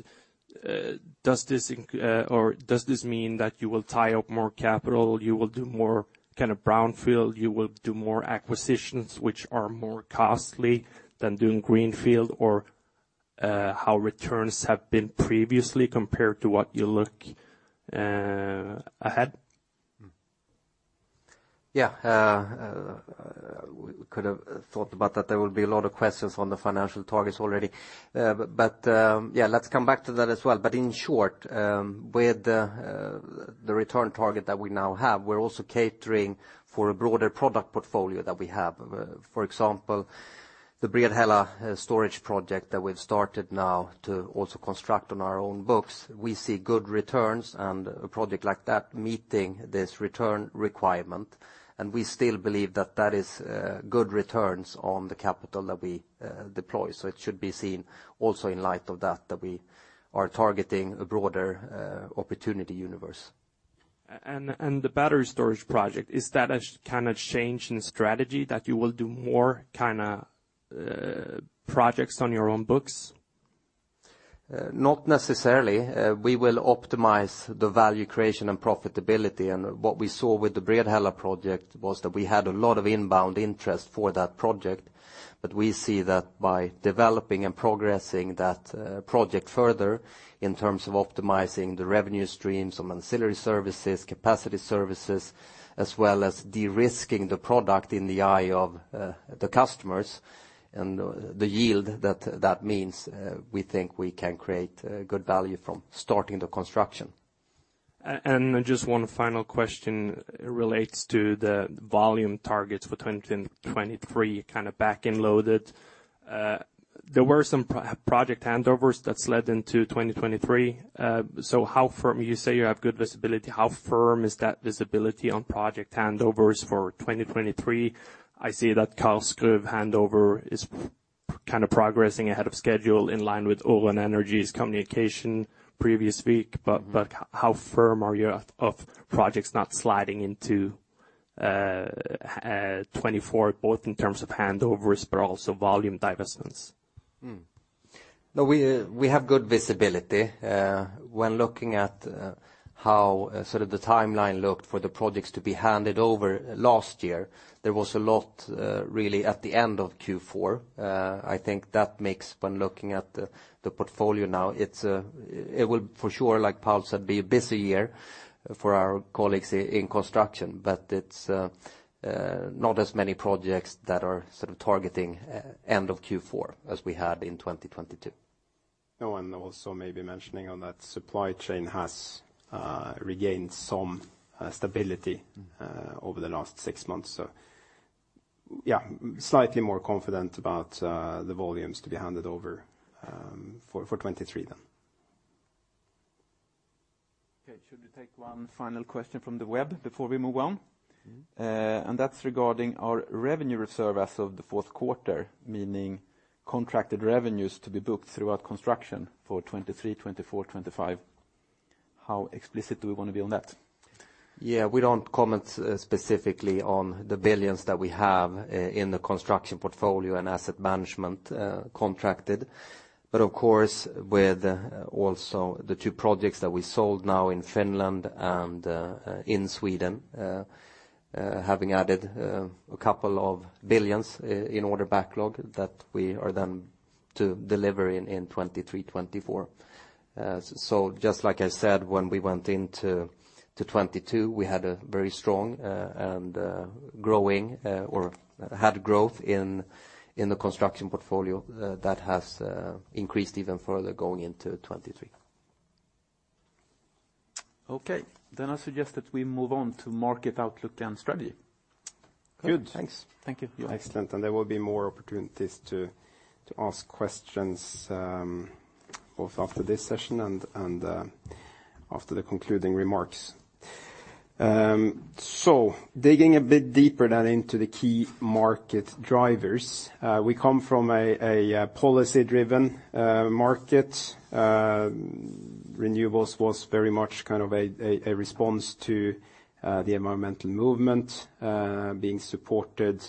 Does this mean that you will tie up more capital, you will do more kind of brownfield, you will do more acquisitions which are more costly than doing greenfield, or, how returns have been previously compared to what you look ahead? We could have thought about that there will be a lot of questions on the financial targets already. Let's come back to that as well. In short, with the return target that we now have, we're also catering for a broader product portfolio that we have. For example, the Bredhälla storage project that we've started now to also construct on our own books, we see good returns and a project like that meeting this return requirement. We still believe that that is good returns on the capital that we deploy. It should be seen also in light of that we are targeting a broader opportunity universe. The battery storage project, is that a kind of change in strategy that you will do more kind of projects on your own books? Not necessarily. We will optimize the value creation and profitability. What we saw with the Bredhälla project was that we had a lot of inbound interest for that project. We see that by developing and progressing that project further in terms of optimizing the revenue streams on ancillary services, capacity services, as well as de-risking the product in the eye of the customers and the yield that means, we think we can create good value from starting the construction. Just one final question relates to the volume targets for 2023 kind of back-end loaded. There were some project handovers that slid into 2023. You say you have good visibility, how firm is that visibility on project handovers for 2023? I see that Karlskoga handover is kind of progressing ahead of schedule in line with Ocean Winds's communication previous week. How firm are you of projects not sliding into 2024, both in terms of handovers but also volume divestments? No, we have good visibility. When looking at how sort of the timeline looked for the projects to be handed over last year, there was a lot really at the end of Q4. I think that makes when looking at the portfolio now, it will for sure, like Paul said, be a busy year for our colleagues in construction, but it's not as many projects that are sort of targeting end of Q4 as we had in 2022. Also maybe mentioning on that supply chain has regained some stability over the last 6 months. Yeah, slightly more confident about the volumes to be handed over for 2023 then. Should we take one final question from the web before we move on? Mm-hmm. That's regarding our revenue reserve as of the fourth quarter, meaning contracted revenues to be booked throughout construction for 2023, 2024, 2025. How explicit do we want to be on that? We don't comment specifically on the billions that we have in the construction portfolio and asset management contracted. Of course, with also the two projects that we sold now in Finland and in Sweden, having added a couple of billions in order backlog that we are then to deliver in 2023, 2024. Just like I said, when we went into 2022, we had a very strong and growing or had growth in the construction portfolio, that has increased even further going into 2023. Okay. I suggest that we move on to market outlook and strategy. Good. Thanks. Thank you. Excellent. There will be more opportunities to ask questions, both after this session and after the concluding remarks. Digging a bit deeper then into the key market drivers, we come from a policy-driven market. Renewables was very much kind of a response to the environmental movement, being supported.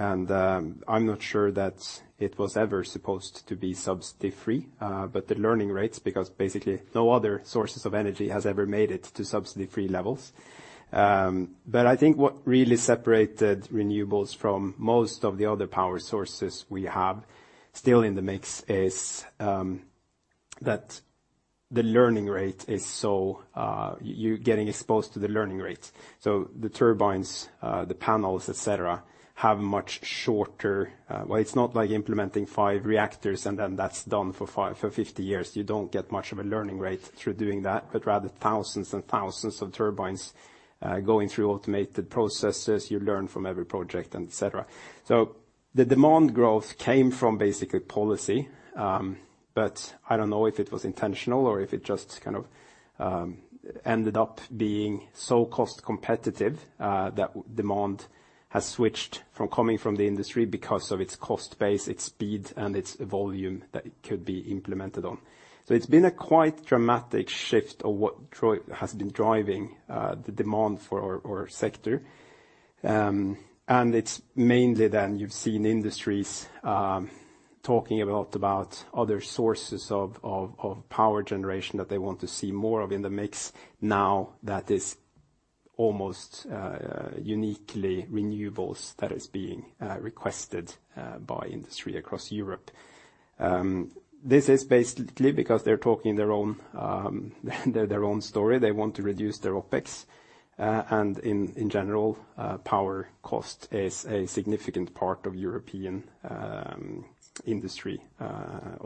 I'm not sure that it was ever supposed to be subsidy-free, but the learning rates, because basically no other sources of energy has ever made it to subsidy-free levels. I think what really separated renewables from most of the other power sources we have still in the mix is that the learning rate is so, you're getting exposed to the learning rate. The turbines, the panels, et cetera, have much shorter. Well, it's not like implementing 5 reactors and then that's done for 50 years. You don't get much of a learning rate through doing that, but rather thousands and thousands of turbines going through automated processes, you learn from every project, and et cetera. The demand growth came from basically policy, but I don't know if it was intentional or if it just kind of ended up being so cost competitive that demand has switched from coming from the industry because of its cost base, its speed, and its volume that it could be implemented on. It's been a quite dramatic shift of what has been driving the demand for our sector. It's mainly then you've seen industries talking a lot about other sources of, of power generation that they want to see more of in the mix now that is almost uniquely renewables that is being requested by industry across Europe. This is basically because they're talking their own their own story. They want to reduce their OpEx and in general, power cost is a significant part of European industry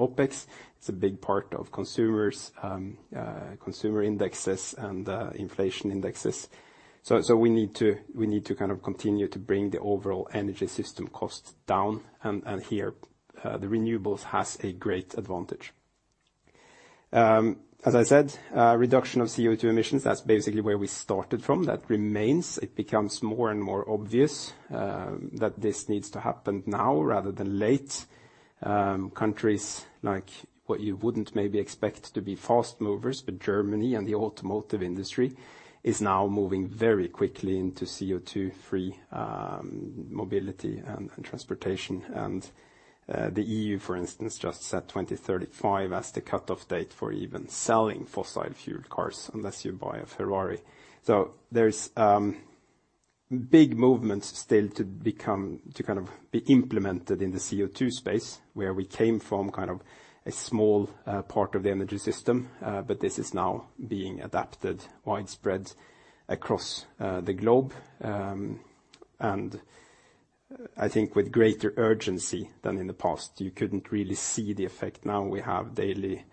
OpEx. It's a big part of consumers consumer indexes and inflation indexes. We need to kind of continue to bring the overall energy system costs down and here the renewables has a great advantage. As I said, reduction of CO2 emissions, that's basically where we started from. That remains. It becomes more and more obvious that this needs to happen now rather than late. Countries like what you wouldn't maybe expect to be fast movers, Germany and the automotive industry is now moving very quickly into CO2 free mobility and transportation. The EU, for instance, just set 2035 as the cutoff date for even selling fossil fueled cars unless you buy a Ferrari. There's big movements still to kind of be implemented in the CO2 space where we came from kind of a small part of the energy system, this is now being adapted widespread across the globe. I think with greater urgency than in the past. You couldn't really see the effect. Now we have daily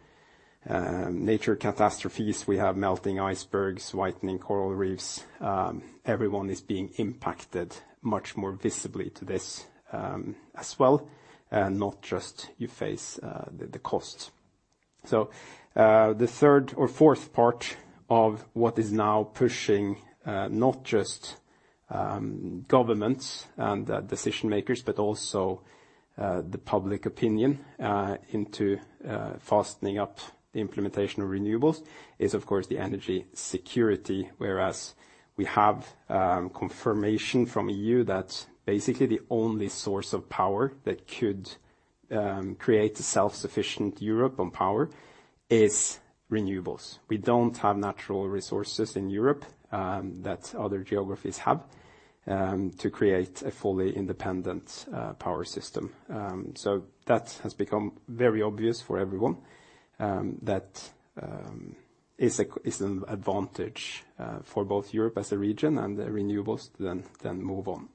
nature catastrophes. We have melting icebergs, whitening coral reefs. Everyone is being impacted much more visibly to this as well, not just you face the costs. The third or fourth part of what is now pushing not just governments and decision makers, but also the public opinion into fastening up the implementation of renewables is of course the energy security. Whereas we have confirmation from EU that basically the only source of power that could create a self-sufficient Europe on power is renewables. We don't have natural resources in Europe that other geographies have to create a fully independent power system. That has become very obvious for everyone that is an advantage for both Europe as a region and the renewables then move on.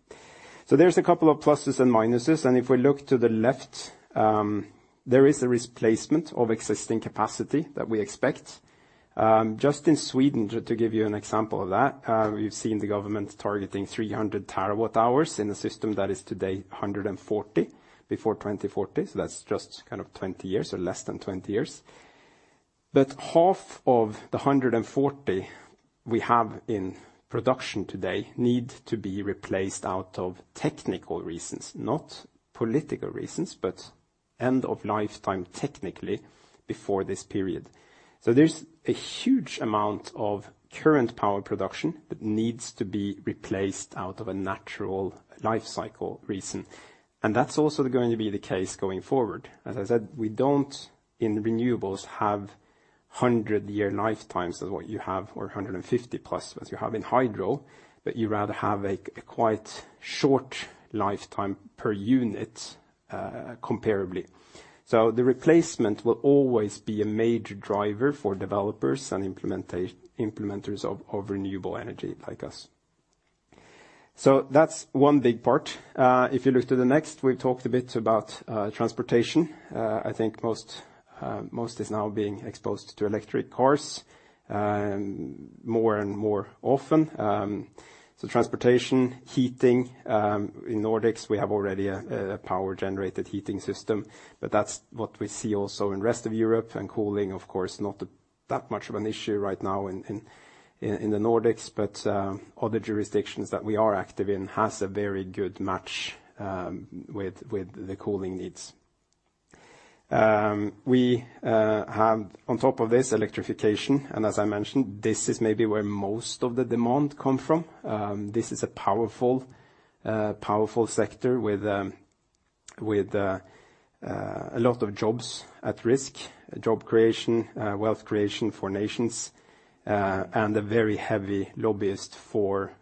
There's a couple of pluses and minuses, and if we look to the left, there is a replacement of existing capacity that we expect. Just in Sweden, just to give you an example of that, we've seen the government targeting 300 TWh in a system that is today 140 before 2040. That's just kind of 20 years or less than 20 years. Half of the 140 we have in production today need to be replaced out of technical reasons, not political reasons, but end of lifetime technically before this period. There's a huge amount of current power production that needs to be replaced out of a natural life cycle reason. That's also going to be the case going forward. I said, we don't in renewables have 100-year lifetimes as what you have or 150+ as you have in hydro. You rather have a quite short lifetime per unit, comparably. The replacement will always be a major driver for developers and implementers of renewable energy like us. That's one big part. If you look to the next, we've talked a bit about transportation. I think most is now being exposed to electric cars, more and more often. Transportation, heating, in Nordics, we have already a power-generated heating system. That's what we see also in rest of Europe. Cooling, of course, not that much of an issue right now in the Nordics, but other jurisdictions that we are active in has a very good match with the cooling needs. We have on top of this electrification, and as I mentioned, this is maybe where most of the demand come from. This is a powerful sector with a lot of jobs at risk, job creation, wealth creation for nations, and a very heavy lobbyist for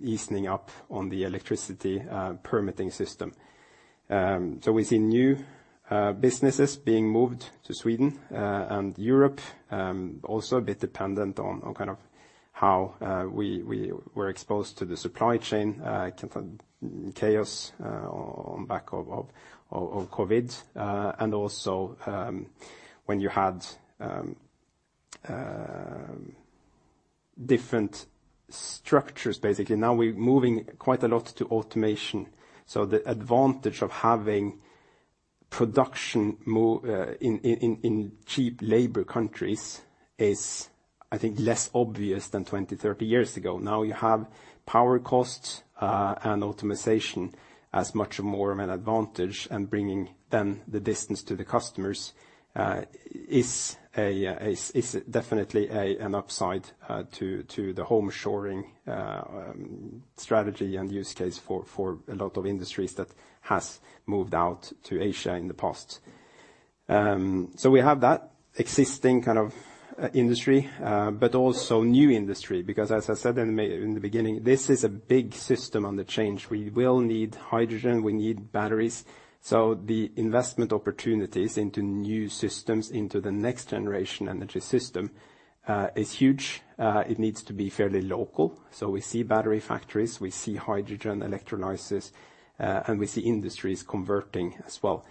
easing up on the electricity permitting system. We see new businesses being moved to Sweden and Europe, also a bit dependent on kind of how we were exposed to the supply chain chaos on back of COVID. Also, when you had different structures, basically. Now we're moving quite a lot to automation. The advantage of having production in cheap labor countries is, I think, less obvious than 20, 30 years ago. Now you have power costs, and optimization as much more of an advantage, and bringing then the distance to the customers, is definitely an upside to the home shoring strategy and use case for a lot of industries that has moved out to Asia in the past. We have that existing kind of industry, but also new industry because as I said in the beginning, this is a big system under change. We will need hydrogen, we need batteries. The investment opportunities into new systems, into the next generation energy system, is huge. It needs to be fairly local. We see battery factories, we see hydrogen electrolysis, and we see industries converting as well.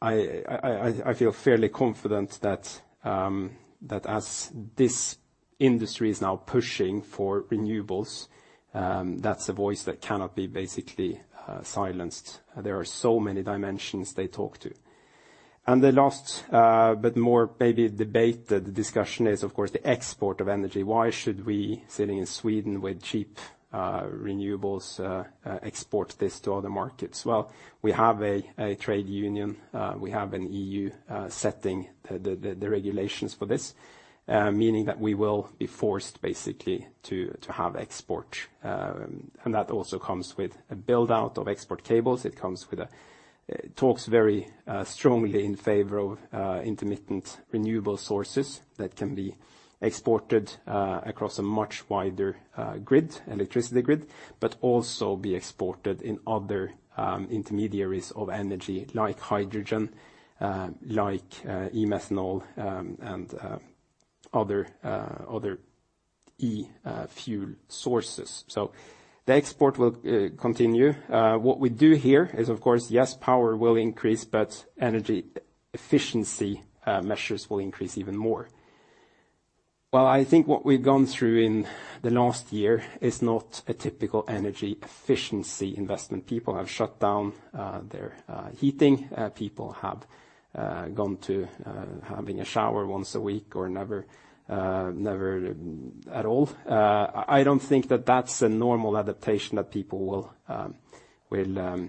I feel fairly confident that as this industry is now pushing for renewables. That's a voice that cannot be basically silenced. There are so many dimensions they talk to. The last, but more maybe debate, the discussion is of course, the export of energy. Why should we sitting in Sweden with cheap renewables, export this to other markets? We have a trade union, we have an EU setting the regulations for this, meaning that we will be forced basically to have export. That also comes with a build-out of export cables. It comes with a... Talks very strongly in favor of intermittent renewable sources that can be exported across a much wider grid, electricity grid, but also be exported in other intermediaries of energy like hydrogen, like e-methanol, and other e-fuel sources. The export will continue. What we do here is, of course, yes, power will increase, but energy efficiency measures will increase even more. I think what we've gone through in the last year is not a typical energy efficiency investment. People have shut down their heating. People have gone to having a shower once a week or never at all. I don't think that that's a normal adaptation that people will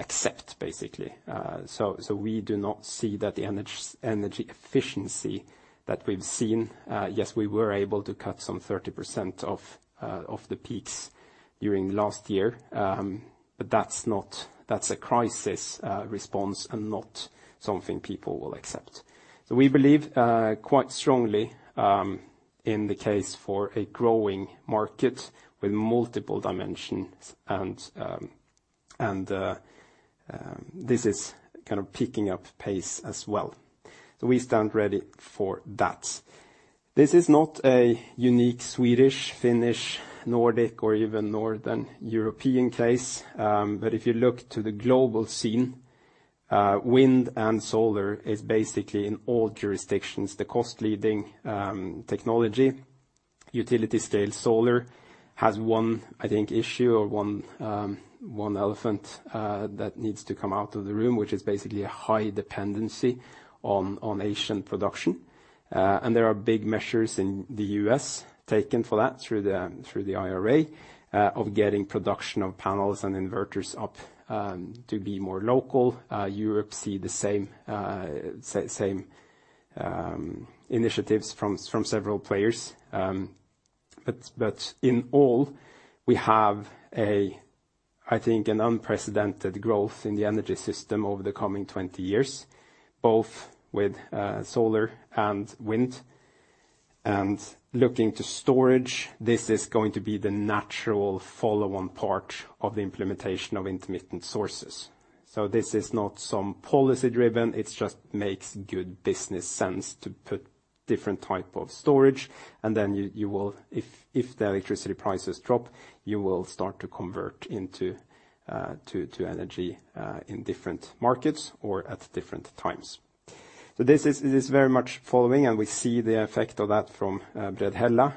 accept basically. So we do not see that the energy efficiency that we've seen, yes, we were able to cut some 30% of the peaks during last year. That's a crisis response and not something people will accept. We believe quite strongly in the case for a growing market with multiple dimensions and this is kind of picking up pace as well. We stand ready for that. This is not a unique Swedish, Finnish, Nordic, or even Northern European case. If you look to the global scene, wind and solar is basically in all jurisdictions, the cost leading technology. Utility scale solar has one, I think, issue or one elephant that needs to come out of the room, which is basically a high dependency on Asian production. There are big measures in the U.S. taken for that through the IRA of getting production of panels and inverters up to be more local. Europe see the same initiatives from several players. In all, we have a, I think, an unprecedented growth in the energy system over the coming 20 years, both with solar and wind. Looking to storage, this is going to be the natural follow on part of the implementation of intermittent sources. This is not some policy driven, it just makes good business sense to put different type of storage. You will if the electricity prices drop, you will start to convert into energy in different markets or at different times. This is very much following, and we see the effect of that from Bredhälla.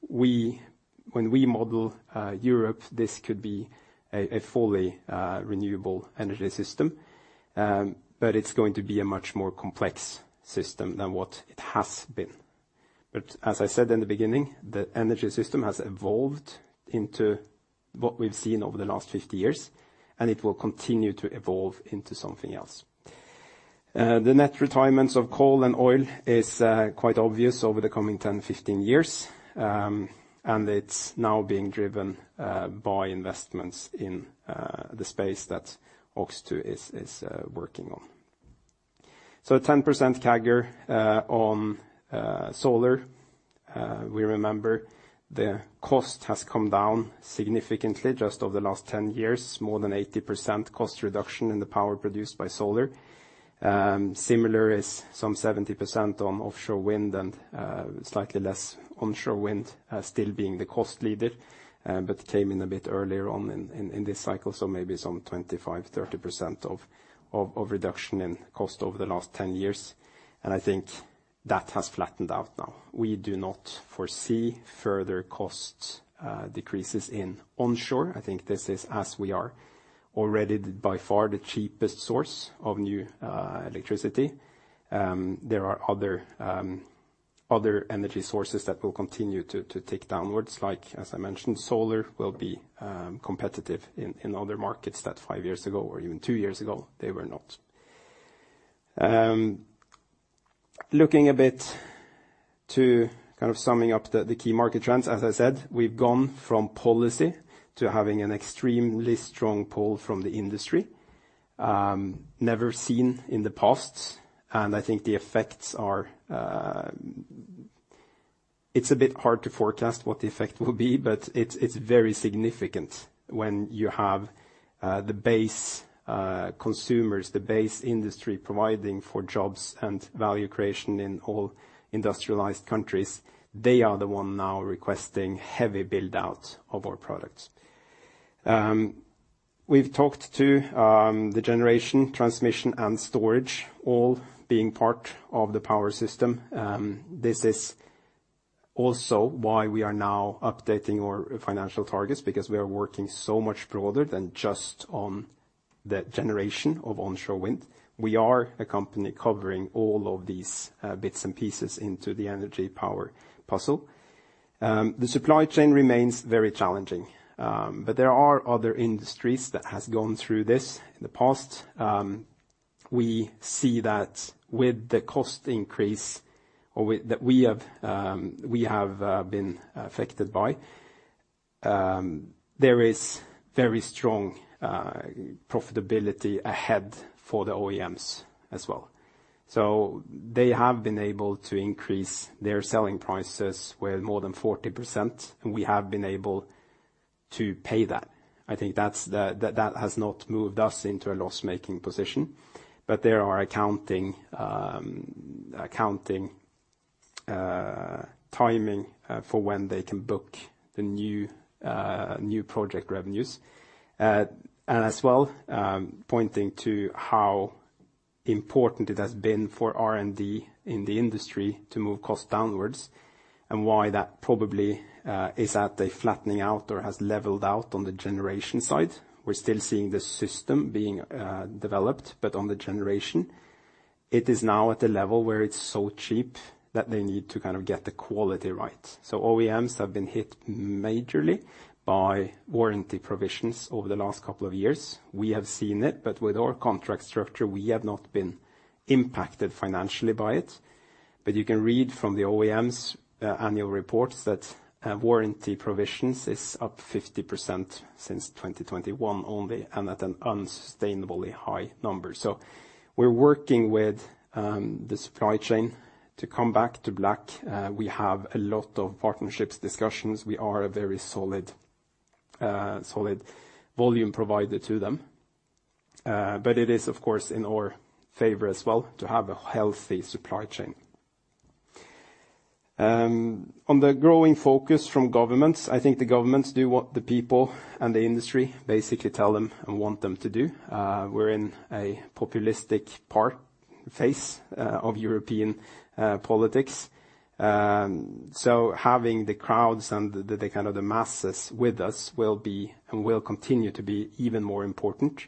When we model Europe, this could be a fully renewable energy system. It's going to be a much more complex system than what it has been. As I said in the beginning, the energy system has evolved into what we've seen over the last 50 years, and it will continue to evolve into something else. The net retirements of coal and oil is quite obvious over the coming 10, 15 years. It's now being driven by investments in the space that OX2 is working on. A 10% CAGR on solar. We remember the cost has come down significantly just over the last 10 years, more than 80% cost reduction in the power produced by solar. Similar is some 70% on offshore wind and slightly less onshore wind, still being the cost leader, but came in a bit earlier on in this cycle. Maybe some 25-30% of reduction in cost over the last 10 years. I think that has flattened out now. We do not foresee further cost decreases in onshore. I think this is as we are already by far the cheapest source of new electricity. There are other energy sources that will continue to tick downwards. Like as I mentioned, solar will be competitive in other markets that five years ago or even two years ago they were not. Looking a bit to kind of summing up the key market trends. As I said, we've gone from policy to having an extremely strong pull from the industry, never seen in the past. I think the effects are, it's a bit hard to forecast what the effect will be, but it's very significant when you have the base consumers, the base industry providing for jobs and value creation in all industrialized countries. They are the one now requesting heavy build-out of our products. We've talked to the generation, transmission and storage all being part of the power system. This is also why we are now updating our financial targets because we are working so much broader than just on the generation of onshore wind. We are a company covering all of these bits and pieces into the energy power puzzle. The supply chain remains very challenging, but there are other industries that has gone through this in the past. We see that with the cost increase or that we have, we have been affected by, there is very strong profitability ahead for the OEMs as well. They have been able to increase their selling prices with more than 40%, and we have been able to pay that. I think that's the that has not moved us into a loss-making position. There are accounting, timing, for when they can book the new project revenues. As well, pointing to how important it has been for R&D in the industry to move costs downwards and why that probably is at a flattening out or has leveled out on the generation side. We're still seeing the system being developed, but on the generation, it is now at a level where it's so cheap that they need to kind of get the quality right. OEMs have been hit majorly by warranty provisions over the last couple of years. We have seen it, but with our contract structure, we have not been impacted financially by it. You can read from the OEM's annual reports that warranty provisions is up 50% since 2021 only and at an unsustainably high number. We're working with the supply chain to come back to black. We have a lot of partnerships discussions. We are a very solid volume provider to them. It is, of course, in our favor as well to have a healthy supply chain. On the growing focus from governments, I think the governments do what the people and the industry basically tell them and want them to do. We're in a populistic phase of European politics. Having the crowds and the kind of the masses with us will be and will continue to be even more important.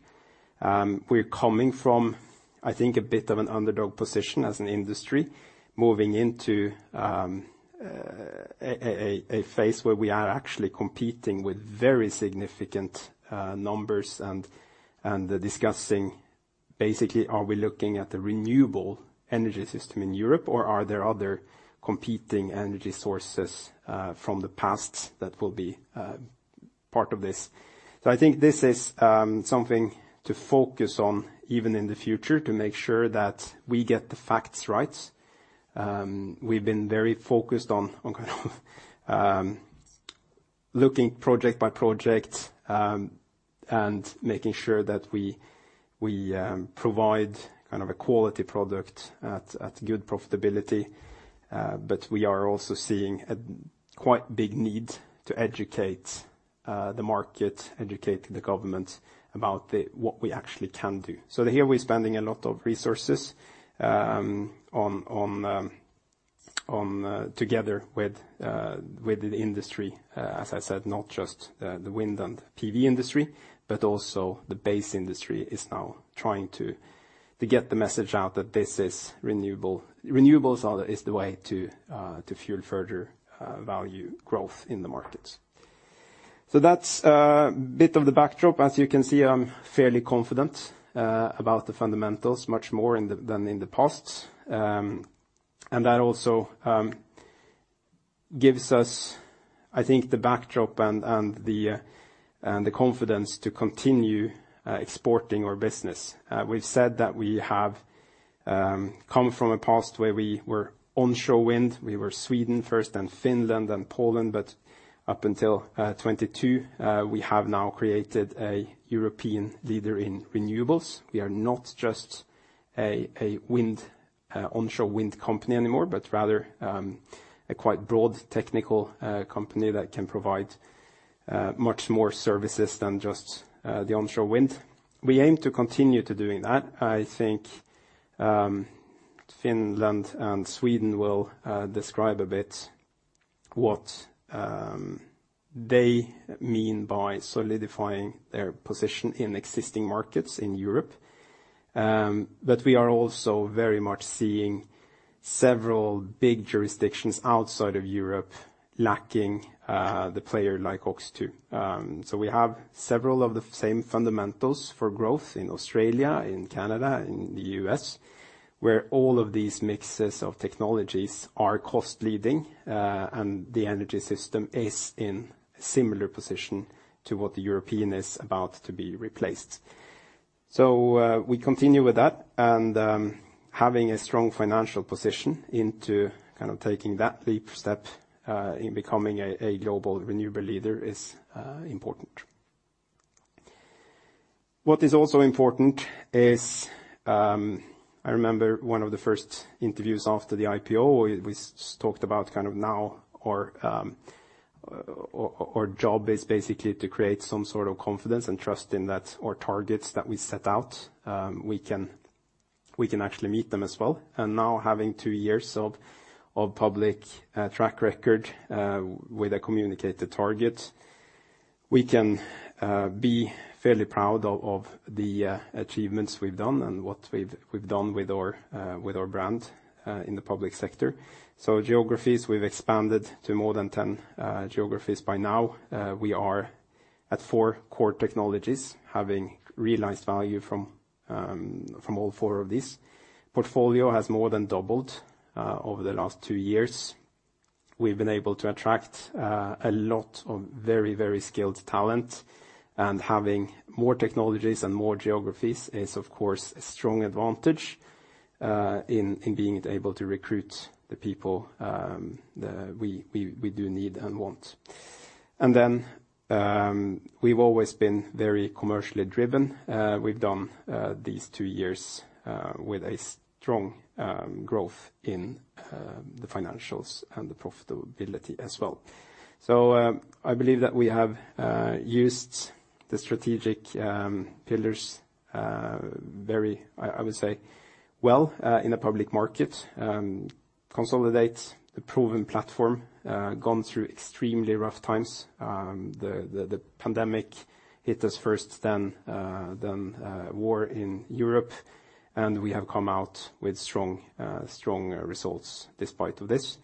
We're coming from, I think, a bit of an underdog position as an industry, moving into a phase where we are actually competing with very significant numbers and discussing basically, are we looking at the renewable energy system in Europe, or are there other competing energy sources from the past that will be part of this? I think this is something to focus on even in the future to make sure that we get the facts right. We've been very focused on kind of looking project by project and making sure that we provide kind of a quality product at good profitability. We are also seeing a quite big need to educate the market, educate the government about what we actually can do. Here we're spending a lot of resources together with the industry, as I said, not just the wind and PV industry, but also the base industry is now trying to get the message out that this is renewable. Renewables is the way to fuel further value growth in the markets. That's a bit of the backdrop. As you can see, I'm fairly confident about the fundamentals much more than in the past. That also gives us, I think, the backdrop and the confidence to continue exporting our business. We've said that we have come from a past where we were onshore wind. We were Sweden first, then Finland, then Poland. Up until 2022, we have now created a European leader in renewables. We are not just a wind, onshore wind company anymore, but rather a quite broad technical company that can provide much more services than just the onshore wind. We aim to continue to doing that. I think, Finland and Sweden will describe a bit what they mean by solidifying their position in existing markets in Europe. We are also very much seeing several big jurisdictions outside of Europe lacking the player like OX2. We have several of the same fundamentals for growth in Australia, in Canada, in the U.S., where all of these mixes of technologies are cost leading, and the energy system is in a similar position to what the European is about to be replaced. We continue with that and having a strong financial position into kind of taking that leap step in becoming a global renewable leader is important. What is also important is I remember one of the first interviews after the IPO, we talked about kind of now our job is basically to create some sort of confidence and trust in that our targets that we set out, we can actually meet them as well. Now having 2 years of public track record with a communicated target, we can be fairly proud of the achievements we've done and what we've done with our brand in the public sector. Geographies, we've expanded to more than 10 geographies by now. We are at 4 core technologies, having realized value from all 4 of these. Portfolio has more than doubled over the last 2 years. We've been able to attract a lot of very, very skilled talent, and having more technologies and more geographies is, of course, a strong advantage in being able to recruit the people we do need and want. We've always been very commercially driven. We've done these 2 years with a strong growth in the financials and the profitability as well. I believe that we have used the strategic pillars very, I would say, well, in a public market. Consolidate the proven platform, gone through extremely rough times. The pandemic hit us first, then war in Europe, we have come out with strong results despite of this.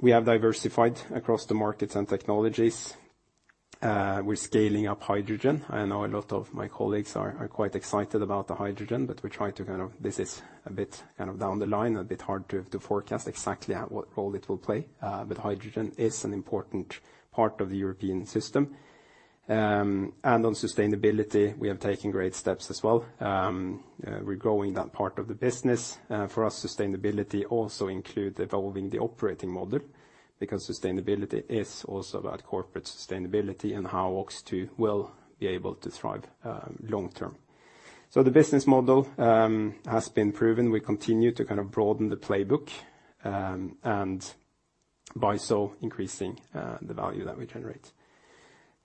We have diversified across the markets and technologies. We're scaling up hydrogen. I know a lot of my colleagues are quite excited about the hydrogen, this is a bit down the line, a bit hard to forecast exactly at what role it will play, hydrogen is an important part of the European system. On sustainability, we have taken great steps as well. We're growing that part of the business. For us, sustainability also include evolving the operating model because sustainability is also about corporate sustainability and how OX2 will be able to thrive long term. The business model has been proven. We continue to kind of broaden the playbook, and by so increasing the value that we generate.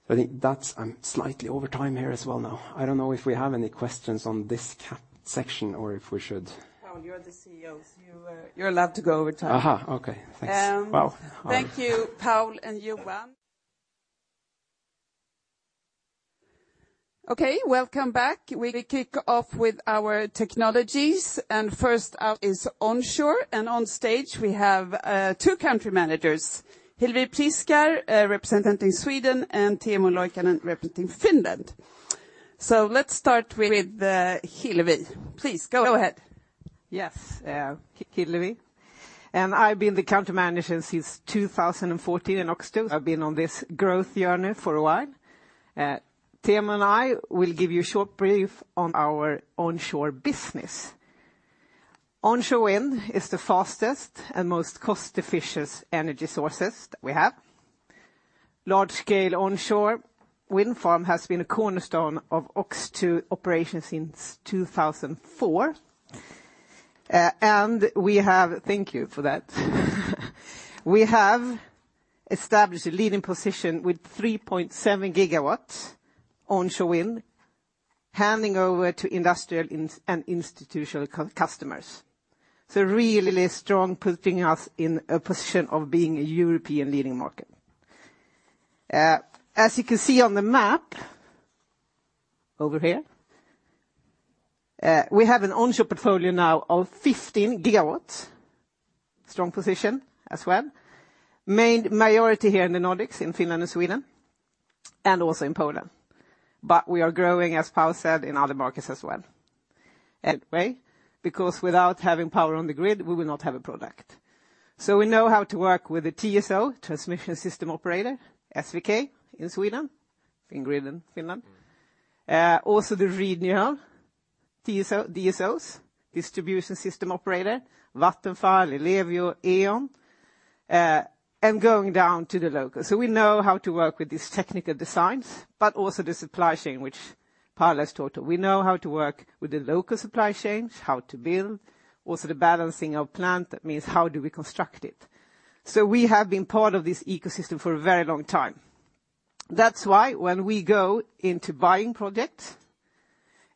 I think I'm slightly over time here as well now. I don't know if we have any questions on this section or if we. Paul, you're the CEO, so you're allowed to go over time. Okay. Thanks. Um- Wow. Thank you, Paul and Johan. Okay, welcome back. We will kick off with our technologies, first up is onshore. On stage, we have two country managers, Hillevi Priscar, representing Sweden, and Teemu Loikkanen representing Finland. Let's start with Hillevi. Please go ahead. Yes, Hillevi. I've been the country manager since 2014 in OX2. I've been on this growth journey for a while. Teemu and I will give you a short brief on our onshore business. Onshore wind is the fastest and most cost-efficient energy sources that we have. Large-scale onshore wind farm has been a cornerstone of OX2 operations since 2004. Thank you for that. We have established a leading position with 3.7 GW onshore wind, handing over to industrial and institutional customers. Really strong, putting us in a position of being a European leading market. As you can see on the map over here, we have an onshore portfolio now of 15 GW. Strong position as well. Majority here in the Nordics, in Finland and Sweden, and also in Poland. We are growing, as Paul said, in other markets as well. Anyway, without having power on the grid, we will not have a product. We know how to work with the TSO, transmission system operator, SVK in Sweden, Fingrid in Finland. Also the regional DSOs, distribution system operator, Vattenfall, Ellevio, E.ON, and going down to the local. We know how to work with these technical designs, but also the supply chain, which Paul has talked of. We know how to work with the local supply chains, how to build, also the balancing of plant. That means how do we construct it. We have been part of this ecosystem for a very long time. That's why when we go into buying projects,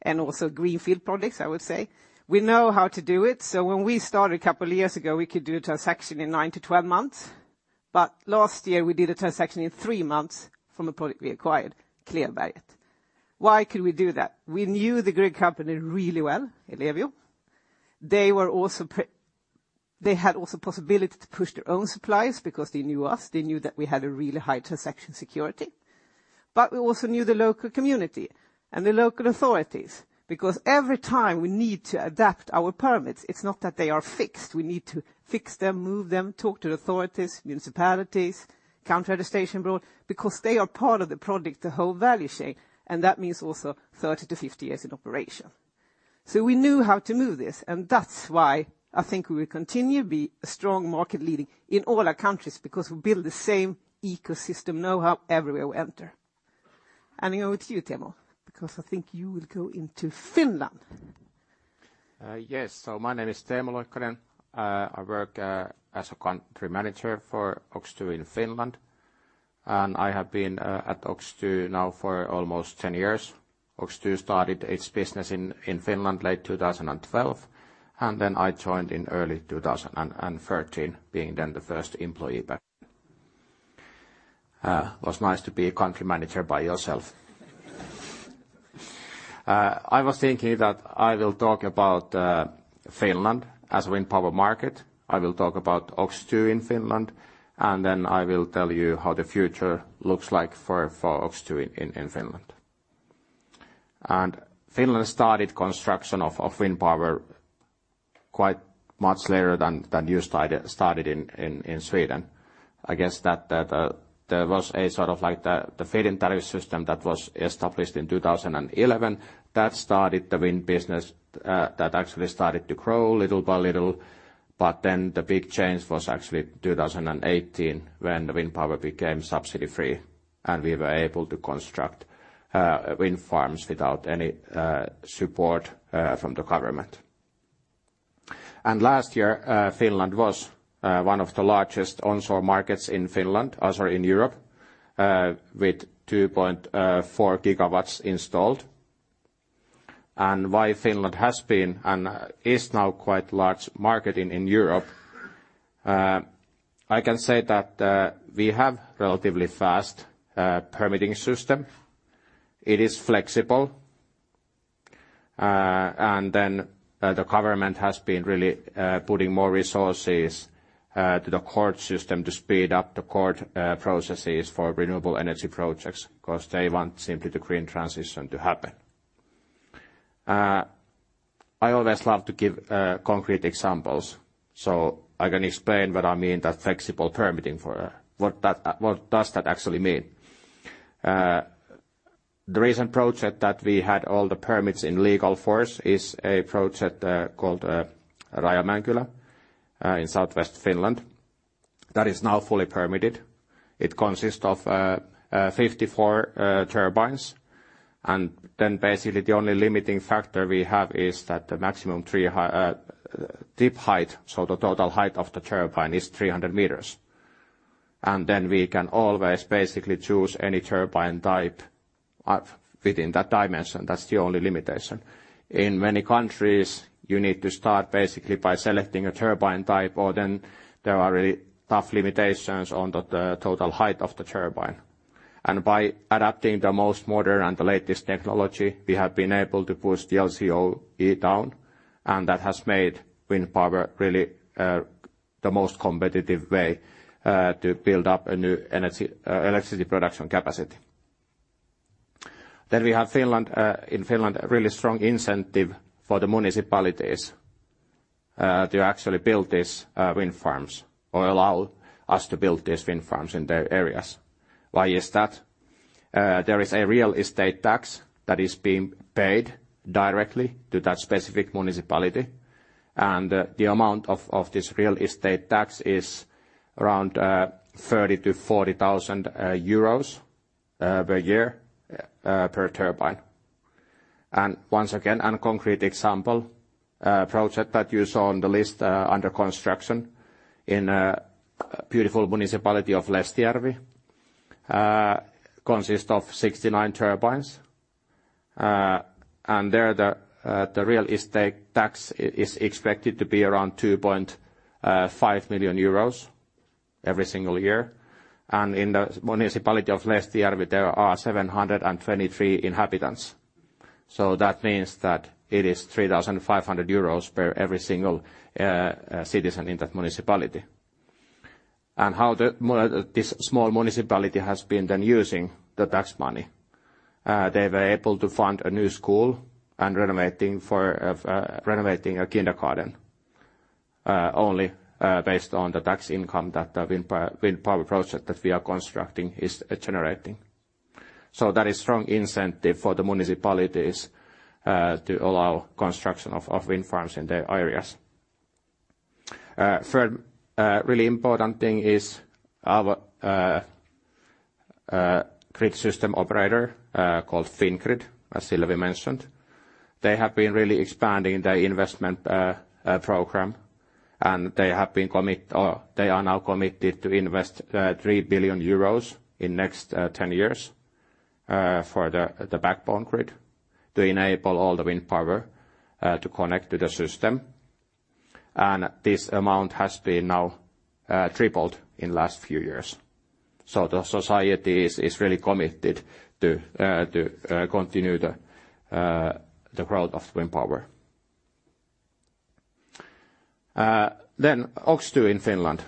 and also greenfield projects, I would say, we know how to do it. When we started a couple of years ago, we could do a transaction in 9-12 months. Last year, we did a transaction in 3 months from a project we acquired, Klevberget. Why could we do that? We knew the grid company really well, Ellevio. They had also possibility to push their own supplies because they knew us. They knew that we had a really high transaction security. We also knew the local community and the local authorities, because every time we need to adapt our permits, it's not that they are fixed. We need to fix them, move them, talk to the authorities, municipalities, County Administrative Board, because they are part of the project, the whole value chain, and that means also 30-50 years in operation. We knew how to move this, and that's why I think we will continue to be a strong market leading in all our countries because we build the same ecosystem know-how everywhere we enter. Handing over to you, Teemu, because I think you will go into Finland. Yes. My name is Teemu Loikkanen. I work as a Country Manager for OX2 in Finland. I have been at OX2 now for almost 10 years. OX2 started its business in Finland late 2012. I joined in early 2013, being then the first employee back. It was nice to be a Country Manager by yourself. I was thinking that I will talk about Finland as a wind power market. I will talk about OX2 in Finland. I will tell you how the future looks like for OX2 in Finland. Finland started construction of wind power quite much later than you started in Sweden. I guess that, there was a sort of like the feed-in tariff system that was established in 2011, that started the wind business, that actually started to grow little by little. The big change was actually 2018 when the wind power became subsidy-free, and we were able to construct wind farms without any support from the government. Last year, Finland was one of the largest onshore markets in Finland, or sorry, in Europe, with 2.4 GW installed. Why Finland has been and is now quite large market in Europe, I can say that, we have relatively fast permitting system. It is flexible. The government has been really putting more resources to the court system to speed up the court processes for renewable energy projects because they want simply the green transition to happen. I always love to give concrete examples, so I can explain what I mean that flexible permitting for what that actually mean. The recent project that we had all the permits in legal force is a project called Rajamäenkylä in Southwest Finland. That is now fully permitted. It consists of 54 turbines. Basically the only limiting factor we have is that the maximum three high tip height, so the total height of the turbine is 300 meters. We can always basically choose any turbine type within that dimension. That's the only limitation. In many countries, you need to start basically by selecting a turbine type, there are really tough limitations on the total height of the turbine. By adapting the most modern and the latest technology, we have been able to push the LCOE down, and that has made wind power really the most competitive way to build up a new energy electricity production capacity. We have Finland, in Finland, a really strong incentive for the municipalities to actually build these wind farms or allow us to build these wind farms in their areas. Why is that? There is a real estate tax that is being paid directly to that specific municipality, and the amount of this real estate tax is around 30,000-40,000 euros per year per turbine. Once again, a concrete example, a project that you saw on the list, under construction in a beautiful municipality of Lestijärvi, consists of 69 turbines. There the real estate tax is expected to be around 2.5 million euros every single year. In the municipality of Lestijärvi, there are 723 inhabitants. That means that it is 3,500 euros per every single citizen in that municipality. How this small municipality has been using the tax money. They were able to fund a new school and renovating a kindergarten, only based on the tax income that the wind power project that we are constructing is generating. That is strong incentive for the municipalities to allow construction of wind farms in their areas. Third, really important thing is our grid system operator called Fingrid, as Hillevi Priscar mentioned. They have been really expanding their investment program, and they are now committed to invest 3 billion euros in next 10 years for the backbone grid to enable all the wind power to connect to the system. This amount has been now tripled in last few years. The society is really committed to continue the growth of wind power. OX2 in Finland.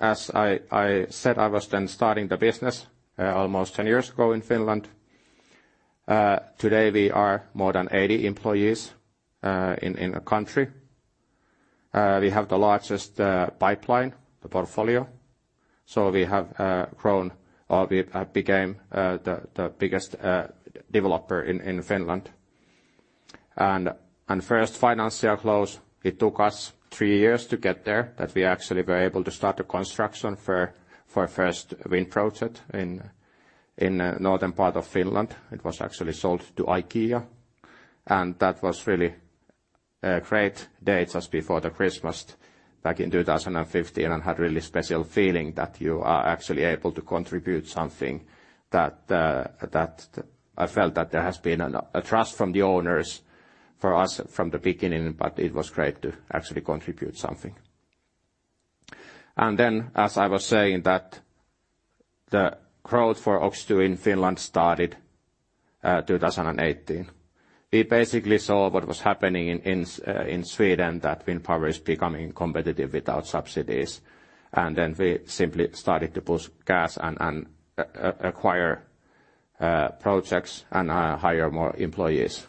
As I said I was then starting the business almost 10 years ago in Finland. Today we are more than 80 employees in the country. We have the largest pipeline, the portfolio. We have grown or became the biggest developer in Finland. First financial close, it took us 3 years to get there, that we actually were able to start the construction for our first wind project in northern part of Finland. It was actually sold to IKEA. That was really a great day just before the Christmas back in 2015, and had really special feeling that you are actually able to contribute something that. I felt that there has been an, a trust from the owners for us from the beginning. It was great to actually contribute something. As I was saying, that the growth for OX2 in Finland started 2018. We basically saw what was happening in Sweden, that wind power is becoming competitive without subsidies. We simply started to push gas and acquire projects and hire more employees.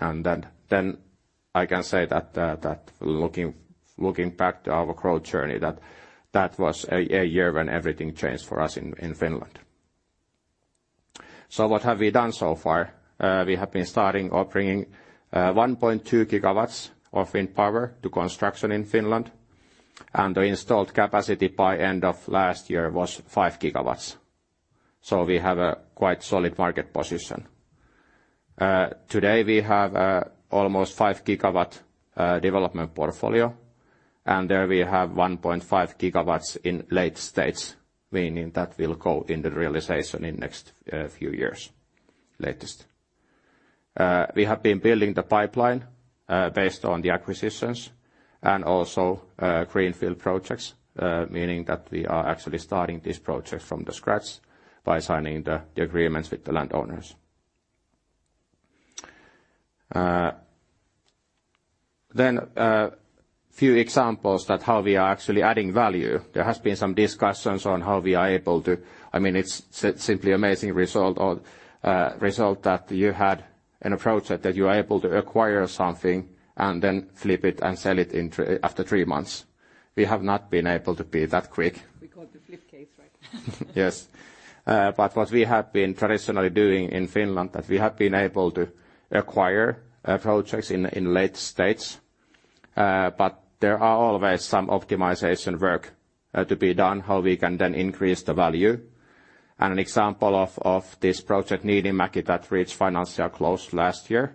I can say that looking back to our growth journey, that was a year when everything changed for us in Finland. What have we done so far? We have been starting or bringing 1.2 GW of wind power to construction in Finland, and the installed capacity by end of last year was 5 GW. We have a quite solid market position. Today, we have almost 5 GW development portfolio. There we have 1.5 GW in late stage, meaning that will go into realization in next few years at latest. We have been building the pipeline based on the acquisitions and also greenfield projects, meaning that we are actually starting these projects from the scratch by signing the agreements with the landowners. A few examples that how we are actually adding value. There has been some discussions on how we are able to... I mean, it's simply amazing result or result that you had an approach that you are able to acquire something and then flip it and sell it after 3 months. We have not been able to be that quick. We call it the flip case, right? Yes. What we have been traditionally doing in Finland, that we have been able to acquire projects in late stage. There are always some optimization work to be done, how we can then increase the value. An example of this project, Niinimäki, that reached financial close last year.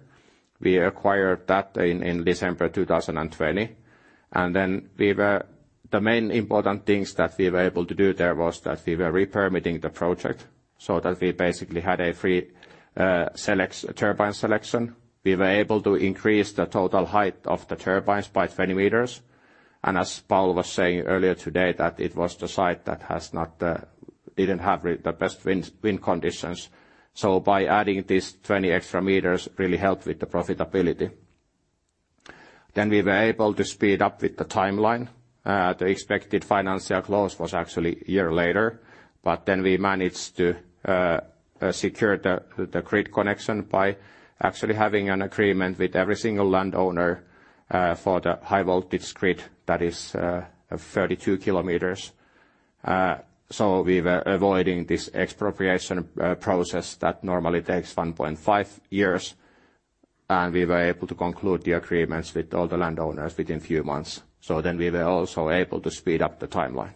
We acquired that in December 2020. Then the main important things that we were able to do there was that we were re-permitting the project so that we basically had a free turbine selection. We were able to increase the total height of the turbines by 20 meters. As Paul was saying earlier today, that it was the site that has not, didn't have the best wind conditions. By adding these 20 extra meters really helped with the profitability. We were able to speed up with the timeline. The expected financial close was actually a year later. We managed to secure the grid connection by actually having an agreement with every single landowner for the high voltage grid that is 32 km. We were avoiding this expropriation process that normally takes 1.5 years, and we were able to conclude the agreements with all the landowners within few months. We were also able to speed up the timeline.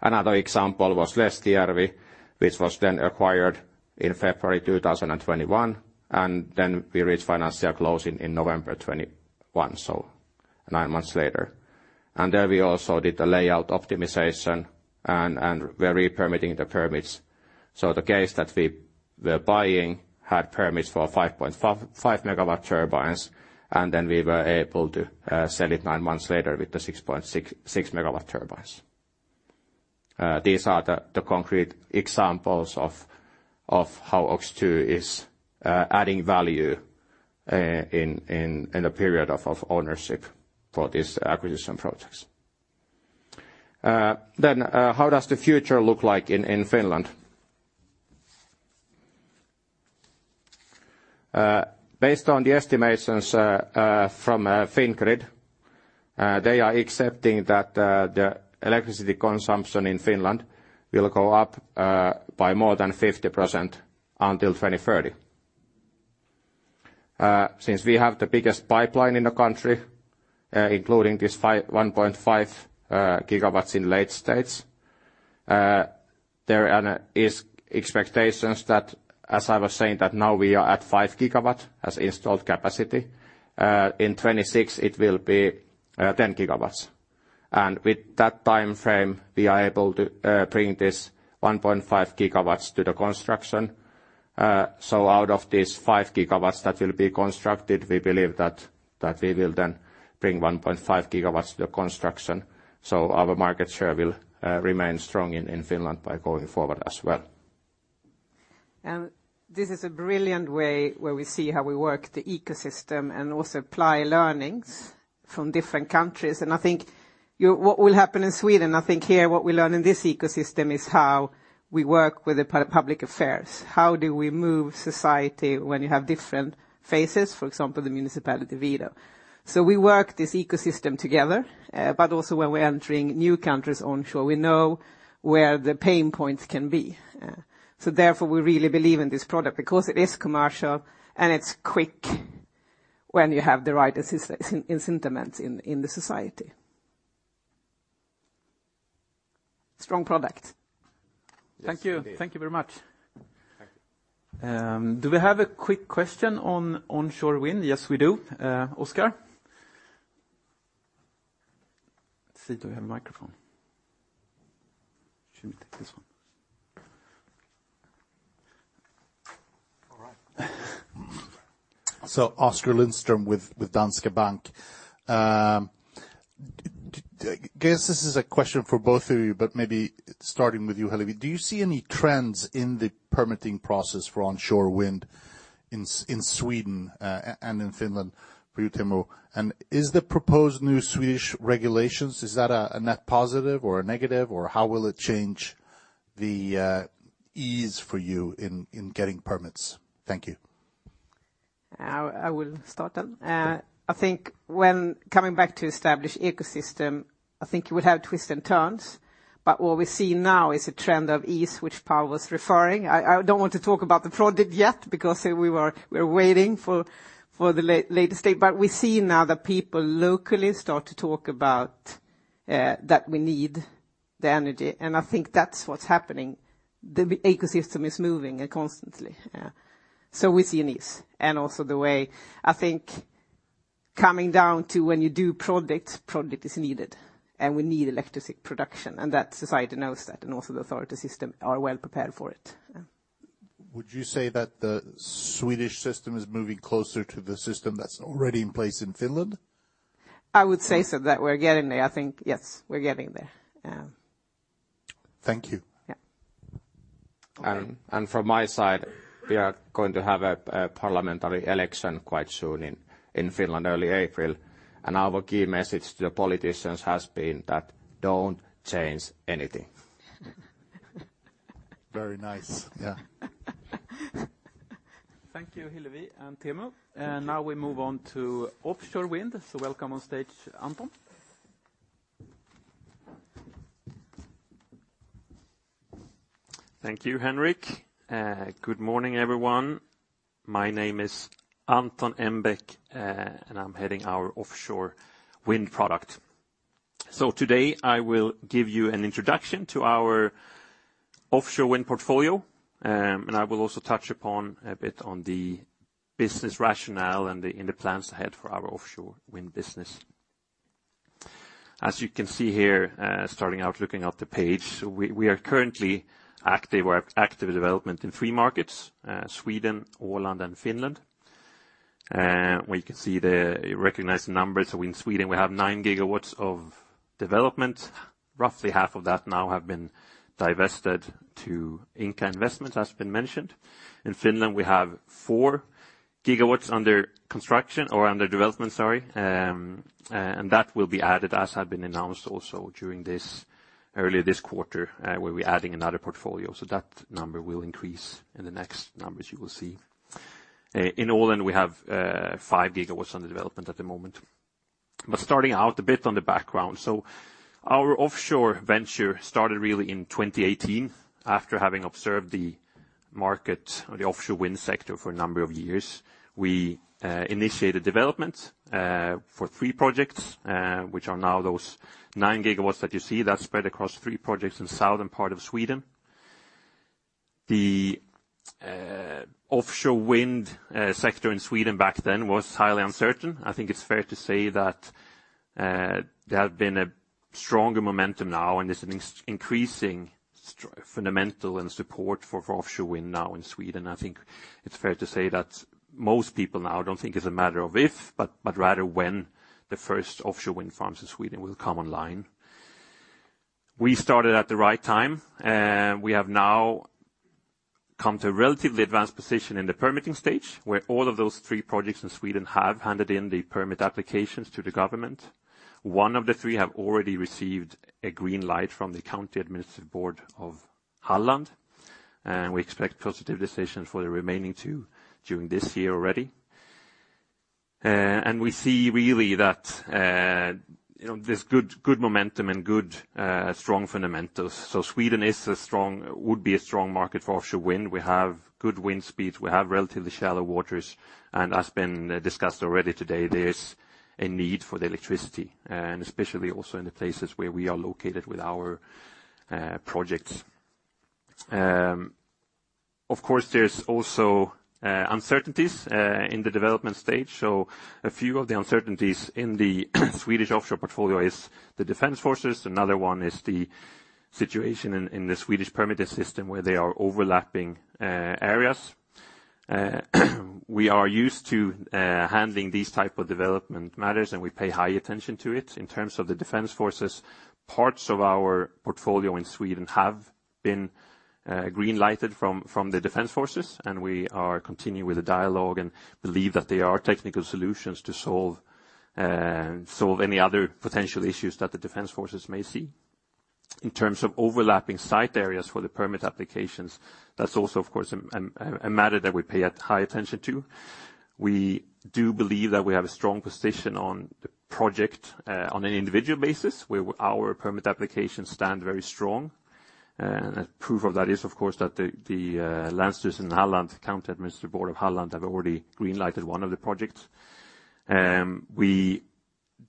Another example was Lestijärvi, which was then acquired in February 2021, and then we reached financial closing in November 2021, so 9 months later. There we also did a layout optimization and were re-permitting the permits. The case that we were buying had permits for 5.5 MW turbines, and then we were able to sell it 9 months later with the 6.6 MW turbines. These are the concrete examples of how OX2 is adding value in a period of ownership for these acquisition projects. How does the future look like in Finland? Based on the estimations from Fingrid, they are accepting that the electricity consumption in Finland will go up by more than 50% until 2030. Since we have the biggest pipeline in the country, including this 1.5 GW in late stage, there an expectations that, as I was saying, that now we are at 5 GW as installed capacity. In 2026, it will be 10 GW. With that timeframe, we are able to bring this 1.5 GW to the construction. Out of these 5 GW that will be constructed, we believe that we will then bring 1.5 GW to the construction. Our market share will remain strong in Finland by going forward as well. This is a brilliant way where we see how we work the ecosystem and also apply learnings from different countries. I think what will happen in Sweden, I think here what we learn in this ecosystem is how we work with the public affairs. How do we move society when you have different phases, for example, the municipality of Idre. We work this ecosystem together, but also when we're entering new countries onshore, we know where the pain points can be. Therefore, we really believe in this product because it is commercial and it's quick when you have the right sentiment in the society. Strong product. Thank you. Yes, indeed. Thank you very much. Thank you. Do we have a quick question on onshore wind? Yes, we do. Oskar. Let's see. Do we have a microphone? Should we take this one? Oskar Lindström with Danske Bank. I guess this is a question for both of you, but maybe starting with you, Hillevi. Do you see any trends in the permitting process for onshore wind in Sweden and in Finland for you, Teemu? Is the proposed new Swedish regulations, is that a net positive or a negative, or how will it change the ease for you in getting permits? Thank you. I will start then. I think when coming back to established ecosystem, I think you would have twists and turns. What we see now is a trend of ease, which Pål was referring. I don't want to talk about the project yet because we're waiting for the latest date. We see now that people locally start to talk about that we need the energy, and I think that's what's happening. The ecosystem is moving constantly. Yeah. We're seeing this, and also the way, I think coming down to when you do projects, project is needed, and we need electric production, and that society knows that, and also the authority system are well prepared for it. Yeah. Would you say that the Swedish system is moving closer to the system that's already in place in Finland? I would say so, that we're getting there. I think, yes, we're getting there. Yeah. Thank you. Yeah. Okay. From my side, we are going to have a parliamentary election quite soon in Finland, early April. Our key message to the politicians has been that don't change anything. Very nice. Yeah. Thank you, Hillevi and Teemu. Now we move on to offshore wind. Welcome on stage, Anton. Thank you, Henrik. Good morning, everyone. My name is Anton Embäck, I'm heading our offshore wind product. Today, I will give you an introduction to our offshore wind portfolio, I will also touch upon a bit on the business rationale and the plans ahead for our offshore wind business. As you can see here, starting out looking at the page, we are currently active or have active development in 3 markets, Sweden, Åland, and Finland. Where you can see the recognized numbers. In Sweden, we have 9 GW of development. Roughly half of that now have been divested to Ingka Investments, as been mentioned. In Finland, we have 4 GW under construction or under development, sorry. That will be added, as had been announced also during this, earlier this quarter, we'll be adding another portfolio. That number will increase in the next numbers you will see. In Åland, we have 5 GW under development at the moment. Starting out a bit on the background. Our offshore venture started really in 2018 after having observed the market or the offshore wind sector for a number of years. We initiated development for 3 projects, which are now those 9 GW that you see. That's spread across 3 projects in southern part of Sweden. The offshore wind sector in Sweden back then was highly uncertain. I think it's fair to say that there have been a stronger momentum now, and there's an increasing fundamental and support for offshore wind now in Sweden. I think it's fair to say that most people now don't think it's a matter of if, but rather when the first offshore wind farms in Sweden will come online. We started at the right time, we have now come to a relatively advanced position in the permitting stage, where all of those three projects in Sweden have handed in the permit applications to the government. One of the three have already received a green light from the County Administrative Board of Halland. We expect positive decisions for the remaining two during this year already. We see really that, you know, there's good momentum and strong fundamentals. Sweden is a strong market for offshore wind. We have good wind speeds, we have relatively shallow waters, and as been discussed already today, there's a need for the electricity, and especially also in the places where we are located with our projects. Of course, there's also uncertainties in the development stage. A few of the uncertainties in the Swedish offshore portfolio is the defense forces. Another one is the situation in the Swedish permitting system, where they are overlapping areas. We are used to handling these type of development matters, and we pay high attention to it. In terms of Parts of our portfolio in Sweden have been green lighted from the defense forces, we are continuing with the dialogue and believe that there are technical solutions to solve any other potential issues that the defense forces may see. In terms of overlapping site areas for the permit applications, that's also, of course, a matter that we pay high attention to. We do believe that we have a strong position on the project, on an individual basis, where our permit applications stand very strong. Proof of that is, of course, that the Länsstyrelsen in Halland, County Administrative Board of Halland, have already green lighted one of the projects. We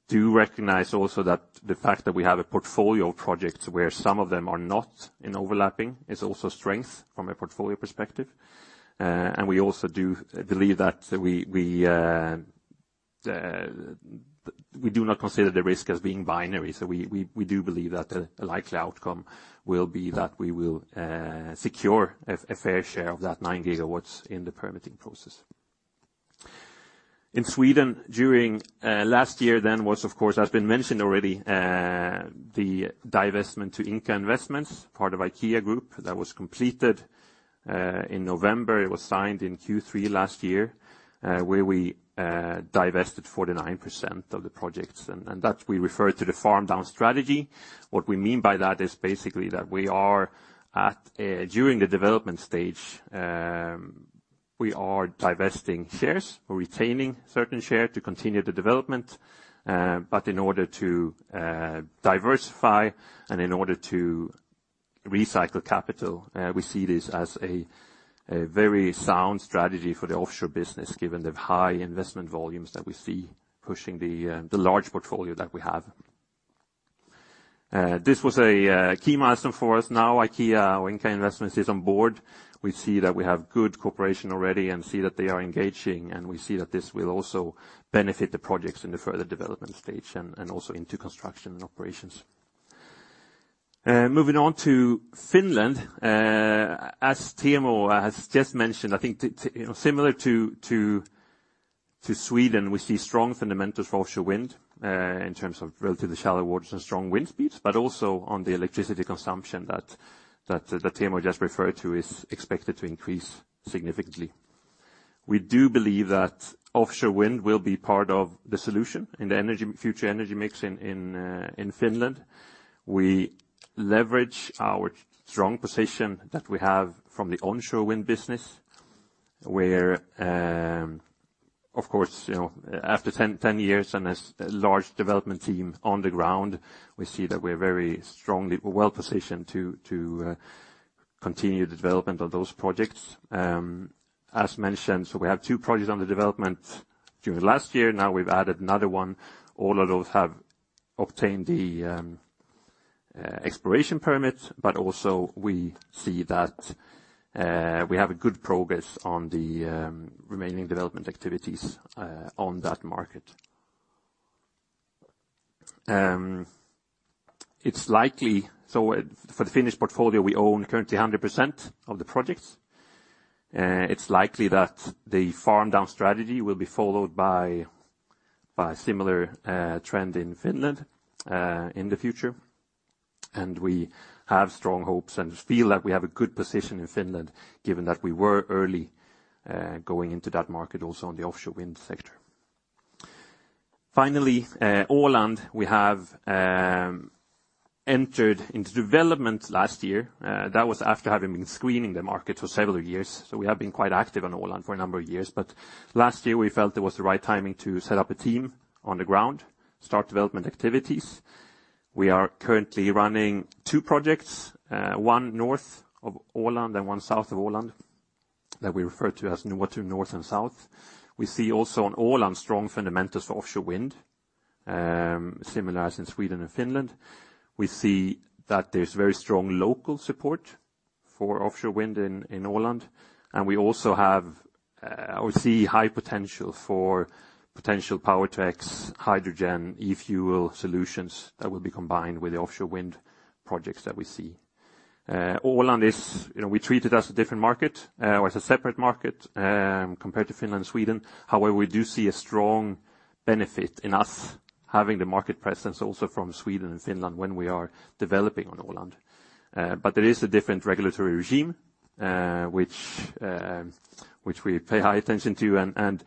do recognize also that the fact that we have a portfolio of projects where some of them are not in overlapping is also strength from a portfolio perspective. We also do believe that we do not consider the risk as being binary, so we do believe that a likely outcome will be that we will secure a fair share of that 9 GW in the permitting process. In Sweden, during last year, then was, of course, has been mentioned already, the divestment to Ingka Investments, part of IKEA Group, that was completed in November. It was signed in Q3 last year, where we divested 49% of the projects and that we refer to the farm-down strategy. What we mean by that is basically that we are at during the development stage, we are divesting shares. We're retaining certain share to continue the development, but in order to diversify and in order to recycle capital, we see this as a very sound strategy for the offshore business given the high investment volumes that we see pushing the large portfolio that we have. This was a key milestone for us. Now IKEA or Ingka Investments is on board. We see that we have good cooperation already and see that they are engaging, and we see that this will also benefit the projects in the further development stage and also into construction and operations. Moving on to Finland. As Teemu has just mentioned, I think you know, similar to Sweden, we see strong fundamentals for offshore wind in terms of relatively shallow waters and strong wind speeds, but also on the electricity consumption that Teemu just referred to is expected to increase significantly. We do believe that offshore wind will be part of the solution in the future energy mix in Finland. We leverage our strong position that we have from the onshore wind business, where, of course, you know, after 10 years and as a large development team on the ground, we see that we're well-positioned to continue the development of those projects. As mentioned, we have two projects under development during last year. Now we've added another one. All of those have obtained the exploration permit. Also we see that we have good progress on the remaining development activities on that market. So for the Finnish portfolio, we own currently 100% of the projects. It's likely that the farm-down strategy will be followed by similar trend in Finland in the future. We have strong hopes and feel that we have a good position in Finland given that we were early going into that market also in the offshore wind sector. Finally, Åland, we have entered into development last year. That was after having been screening the market for several years. We have been quite active on Åland for a number of years. Last year, we felt it was the right timing to set up a team on the ground, start development activities. We are currently running two projects, one north of Åland and one south of Åland, that we refer to as Noatun North and South. We see also on Åland strong fundamentals for offshore wind, similar as in Sweden and Finland. We see that there's very strong local support for offshore wind in Åland, and we also have or see high potential for potential Power-to-X, hydrogen, e-fuel solutions that will be combined with the offshore wind projects that we see. Åland is, you know, we treat it as a different market or as a separate market compared to Finland and Sweden. However, we do see a strong benefit in us having the market presence also from Sweden and Finland when we are developing on Åland. It is a different regulatory regime, which we pay high attention to and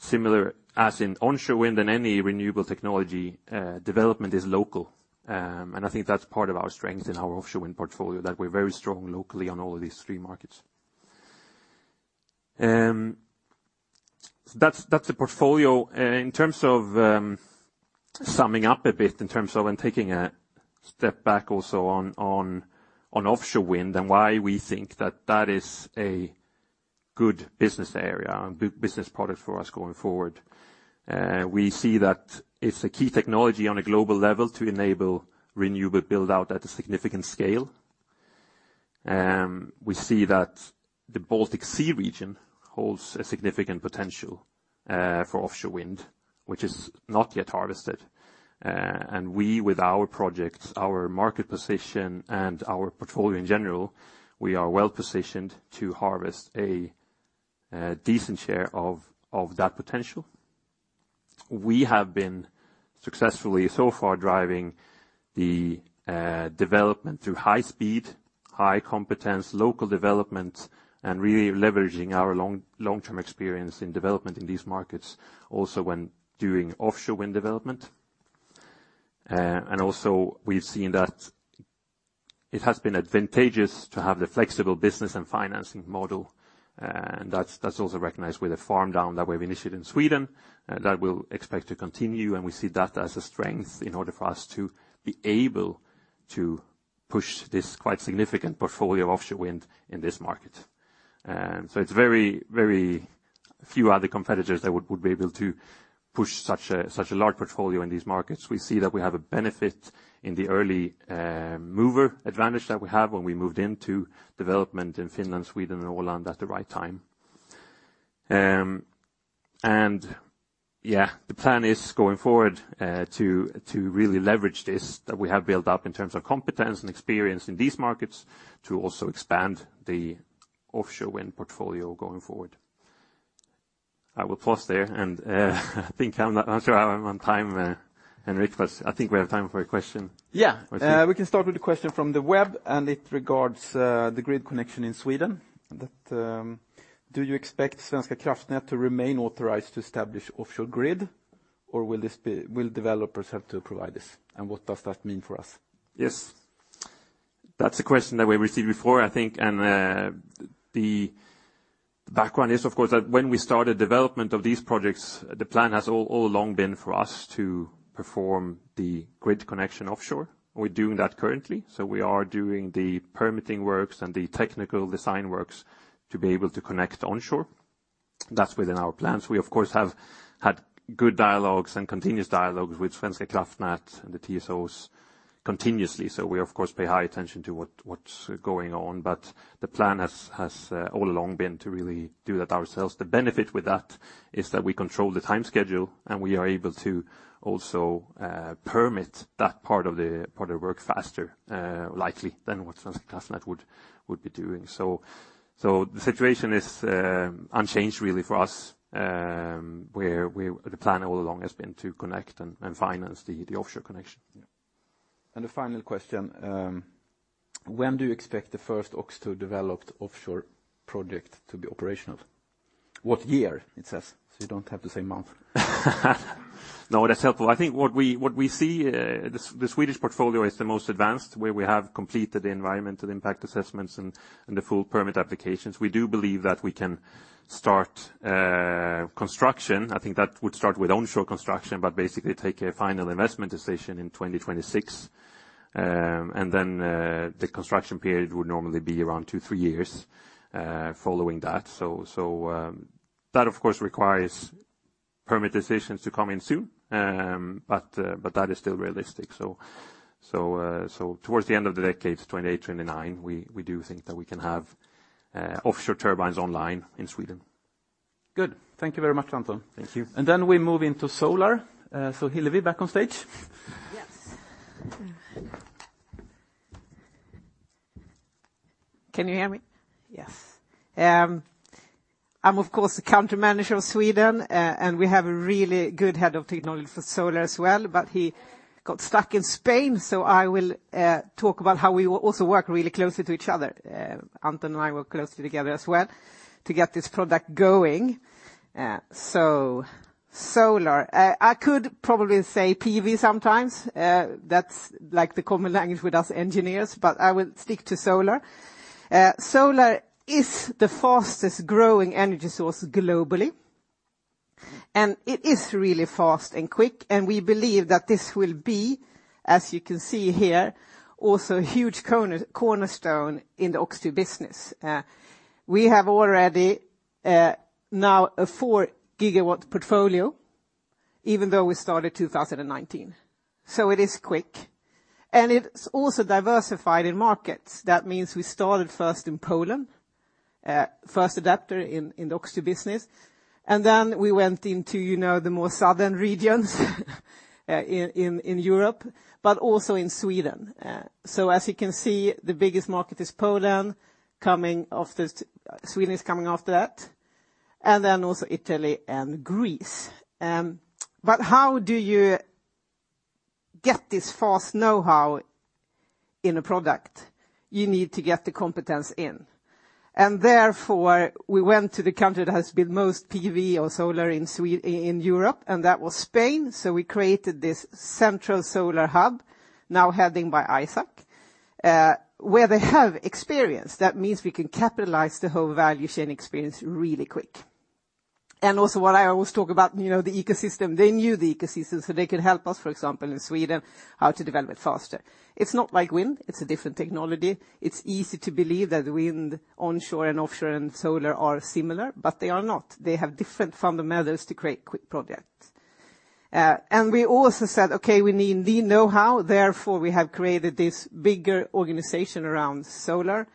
similar as in onshore wind and any renewable technology, development is local. I think that's part of our strength in our offshore wind portfolio, that we're very strong locally on all of these three markets. That's the portfolio. In terms of, summing up a bit in terms of when taking a step back also on offshore wind and why we think that is a good business area and good business product for us going forward, we see that it's a key technology on a global level to enable renewable build-out at a significant scale. We see that the Baltic Sea region holds a significant potential for offshore wind, which is not yet harvested. We with our projects, our market position, and our portfolio in general, we are well-positioned to harvest a decent share of that potential. We have been successfully so far driving the development through high speed, high competence, local development and really leveraging our long-term experience in development in these markets also when doing offshore wind development. Also we've seen that it has been advantageous to have the flexible business and financing model, and that's also recognized with the farm down that we've initiated in Sweden, that we'll expect to continue, and we see that as a strength in order for us to be able to push this quite significant portfolio of offshore wind in this market. It's very, very few other competitors that would be able to push such a large portfolio in these markets. We see that we have a benefit in the early mover advantage that we have when we moved into development in Finland, Sweden and Åland at the right time. Yeah, the plan is going forward, to really leverage this that we have built up in terms of competence and experience in these markets to also expand the offshore wind portfolio going forward. I will pause there, and, I think I'm not sure how I'm on time, Henrik, but I think we have time for a question. Yeah. Okay. We can start with the question from the web. It regards the grid connection in Sweden. Do you expect Svenska kraftnät to remain authorized to establish offshore grid, or will developers have to provide this? What does that mean for us? Yes. That's a question that we received before, I think, and the background is, of course, that when we started development of these projects, the plan has all along been for us to perform the grid connection offshore. We're doing that currently. We are doing the permitting works and the technical design works to be able to connect onshore. That's within our plans. We, of course, have had good dialogues and continuous dialogues with Svenska kraftnät and the TSOs continuously. We, of course, pay high attention to what's going on. The plan has all along been to really do that ourselves. The benefit with that is that we control the time schedule, and we are able to also permit that part of the work faster, likely than what Svenska kraftnät would be doing. The situation is unchanged really for us. The plan all along has been to connect and finance the offshore connection. Yeah. The final question, when do you expect the first Ørsted-developed offshore project to be operational? What year it says. You don't have to say month. No, that's helpful. I think what we see, the Swedish portfolio is the most advanced, where we have completed the environmental impact assessments and the full permit applications. We do believe that we can start construction. I think that would start with onshore construction, but basically take a final investment decision in 2026. The construction period would normally be around 2-3 years following that. That of course requires permit decisions to come in soon. That is still realistic. Towards the end of the decade, 2028, 2029, we do think that we can have offshore turbines online in Sweden. Good. Thank you very much, Anton. Thank you. We move into solar. Hillevi back on stage. Yes. Can you hear me? Yes. I'm of course the Country Manager Sweden, and we have a really good head of technology for solar as well, but he got stuck in Spain, I will talk about how we also work really closely to each other. Anton and I work closely together as well to get this product going. Solar. I could probably say PV sometimes, that's like the common language with us engineers, but I will stick to solar. Solar is the fastest growing energy source globally, it is really fast and quick, and we believe that this will be, as you can see here, also a huge cornerstone in the Ørsted business. We have already, now a 4 GW portfolio, even though we started 2019. It is quick. It's also diversified in markets. That means we started first in Poland, first adapter in the Ørsted business. Then we went into, you know, the more southern regions in Europe, but also in Sweden. As you can see, the biggest market is Poland, coming after. Sweden is coming after that. Then also Italy and Greece. How do you get this fast know-how in a product? You need to get the competence in. Therefore, we went to the country that has built most PV or solar in Europe, and that was Spain. We created this central solar hub, now heading by Isaac, where they have experience. That means we can capitalize the whole value chain experience really quick. Also what I always talk about, you know, the ecosystem. They knew the ecosystem, so they can help us, for example, in Sweden, how to develop it faster. It's not like wind. It's a different technology. It's easy to believe that wind, onshore and offshore, and solar are similar, but they are not. They have different fundamentals to create quick projects. We also said, "Okay, we need the know-how." Therefore, we have created this bigger organization around solar,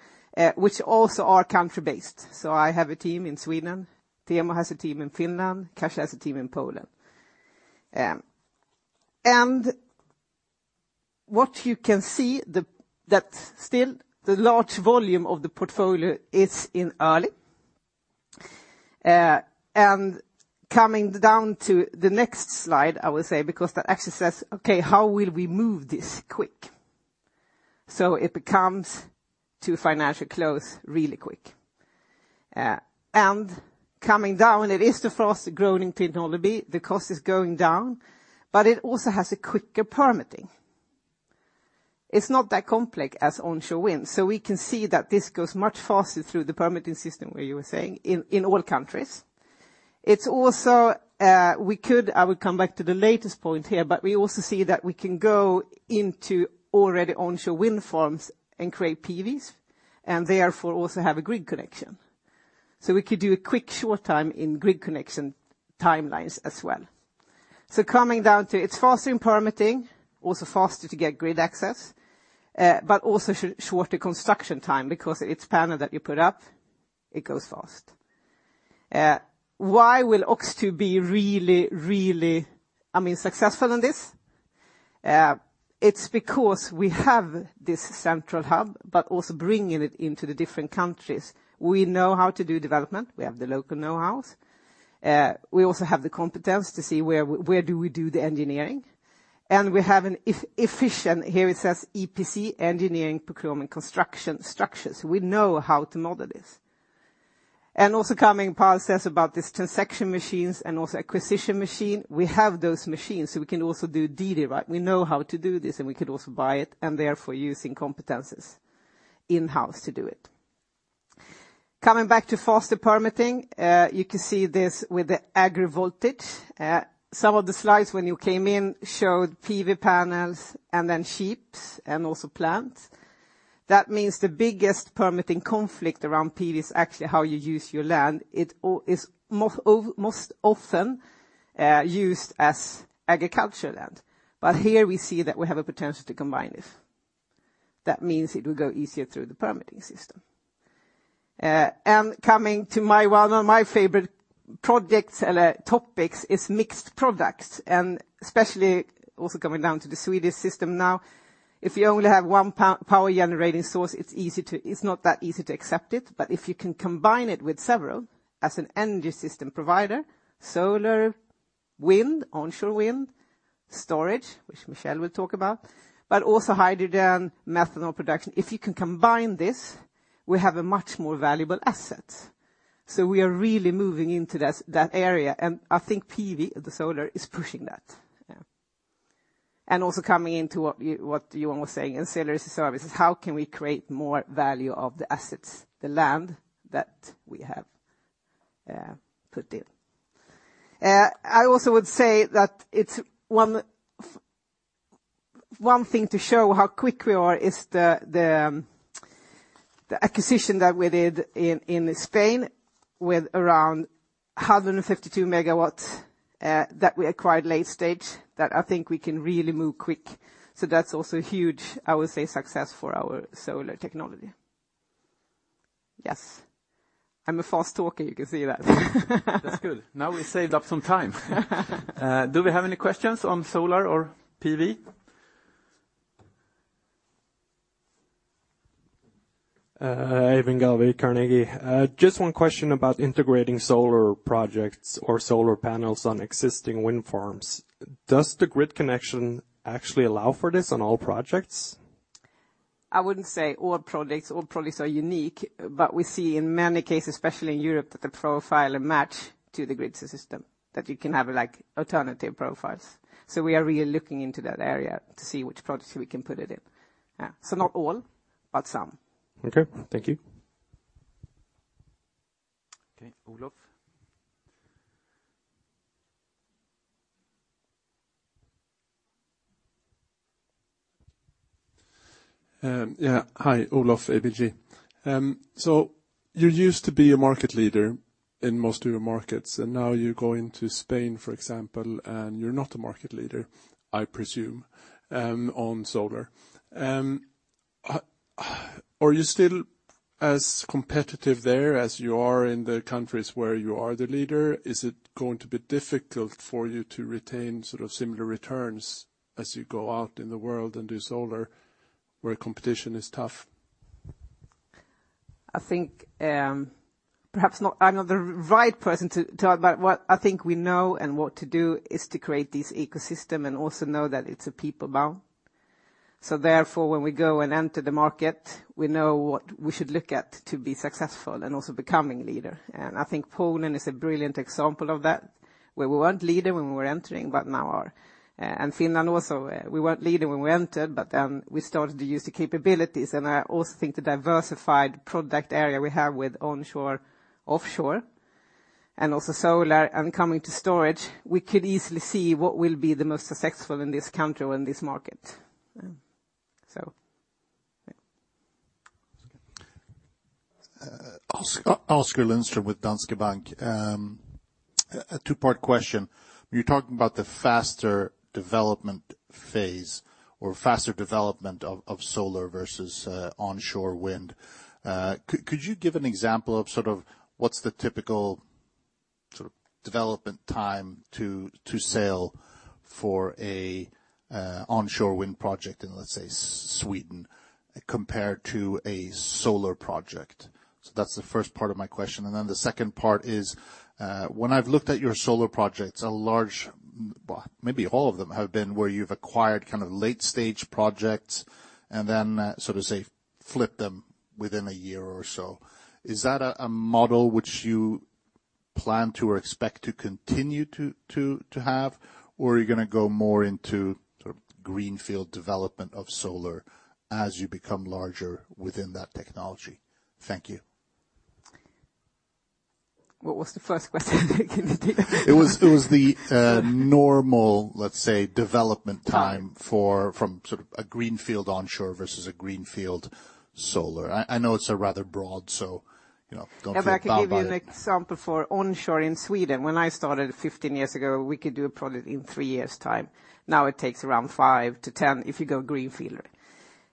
which also are country-based. I have a team in Sweden, Teemu has a team in Finland, Kasia has a team in Poland. What you can see the, that still the large volume of the portfolio is in early. Coming down to the next slide, I will say, because that actually says, okay, how will we move this quick? It becomes to financial close really quick. Coming down, it is the fastest-growing technology. The cost is going down. It also has a quicker permitting. It's not that complex as onshore wind. We can see that this goes much faster through the permitting system, where you were saying, in all countries. It's also, I will come back to the latest point here. We also see that we can go into already onshore wind farms and create PVs, and therefore also have a grid connection. We could do a quick short time in grid connection timelines as well. Coming down to it's faster in permitting, also faster to get grid access, but also shorter construction time because it's panel that you put up, it goes fast. Why will OX2 be really, I mean, successful in this? It's because we have this central hub, also bringing it into the different countries. We know how to do development. We have the local know-hows. We also have the competence to see where do we do the engineering. We have an efficient, here it says EPC, engineering, procurement, construction structures. We know how to model this. Also coming, Paul says about this transaction machines and also acquisition machine. We have those machines, so we can also do DD, right? We know how to do this, and we could also buy it, and therefore using competences in-house to do it. Coming back to faster permitting, you can see this with the AgriPV. Some of the slides when you came in showed PV panels and then sheep and also plants. That means the biggest permitting conflict around PV is actually how you use your land. It's most often used as agriculture land. Here we see that we have a potential to combine this. That means it will go easier through the permitting system. Coming to my, one of my favorite projects or topics is mixed products, and especially also coming down to the Swedish system now. If you only have one power generating source, it's not that easy to accept it. If you can combine it with several as an energy system provider, solar, wind, onshore wind, storage, which Michiel will talk about, but also hydrogen, methanol production. If you can combine this, we have a much more valuable asset. We are really moving into this, that area. I think PV, the solar, is pushing that. Yeah. Coming into what Johan was saying in Sellers Services, how can we create more value of the assets, the land that we have, put in? I also would say that it's one thing to show how quick we are is the acquisition that we did in Spain with around 152 MW that we acquired late stage, that I think we can really move quick. That's also huge, I would say, success for our solar technology. Yes. I'm a fast talker, you can see that. That's good. Now we saved up some time. Do we have any questions on solar or PV? Even Gørvik, Carnegie. Just one question about integrating solar projects or solar panels on existing wind farms. Does the grid connection actually allow for this on all projects? I wouldn't say all projects. All projects are unique. We see in many cases, especially in Europe, that the profile match to the grid system, that you can have, like, alternative profiles. We are really looking into that area to see which projects we can put it in. Yeah. Not all, but some. Okay. Thank you. Okay. Olof? Yeah. Hi, Olof, ABG. You used to be a market leader in most of your markets, and now you're going to Spain, for example, and you're not a market leader, I presume, on solar. Are you still as competitive there as you are in the countries where you are the leader? Is it going to be difficult for you to retain sort of similar returns as you go out in the world and do solar where competition is tough? I think perhaps not. I'm not the right person to talk about. What I think we know and what to do is to create this ecosystem and also know that it's a people bound. Therefore, when we go and enter the market, we know what we should look at to be successful and also becoming leader. I think Poland is a brilliant example of that, where we weren't leader when we were entering, but now are. Finland also, we weren't leader when we entered, but we started to use the capabilities. I also think the diversified product area we have with onshore, offshore, and also solar and coming to storage, we could easily see what will be the most successful in this country or in this market. Yeah. Okay. Oskar Lindström with Danske Bank. A two-part question. You're talking about the faster development phase or faster development of solar versus onshore wind. Could you give an example of sort of what's the typical development time to sail for a onshore wind project in, let's say, Sweden compared to a solar project? That's the first part of my question. The second part is, when I've looked at your solar projects, a large, well, maybe all of them have been where you've acquired kind of late stage projects and then sort of, say, flip them within a year or so. Is that a model which you plan to or expect to continue to have? Are you gonna go more into sort of greenfield development of solar as you become larger within that technology? Thank you. What was the first question? It was the normal, let's say, development time from sort of a greenfield onshore versus a greenfield solar. I know it's a rather broad, so, you know, don't feel bound by it. If I can give you an example for onshore in Sweden. When I started 15 years ago, we could do a project in 3 years' time. Now it takes around 5-10 if you go greenfield.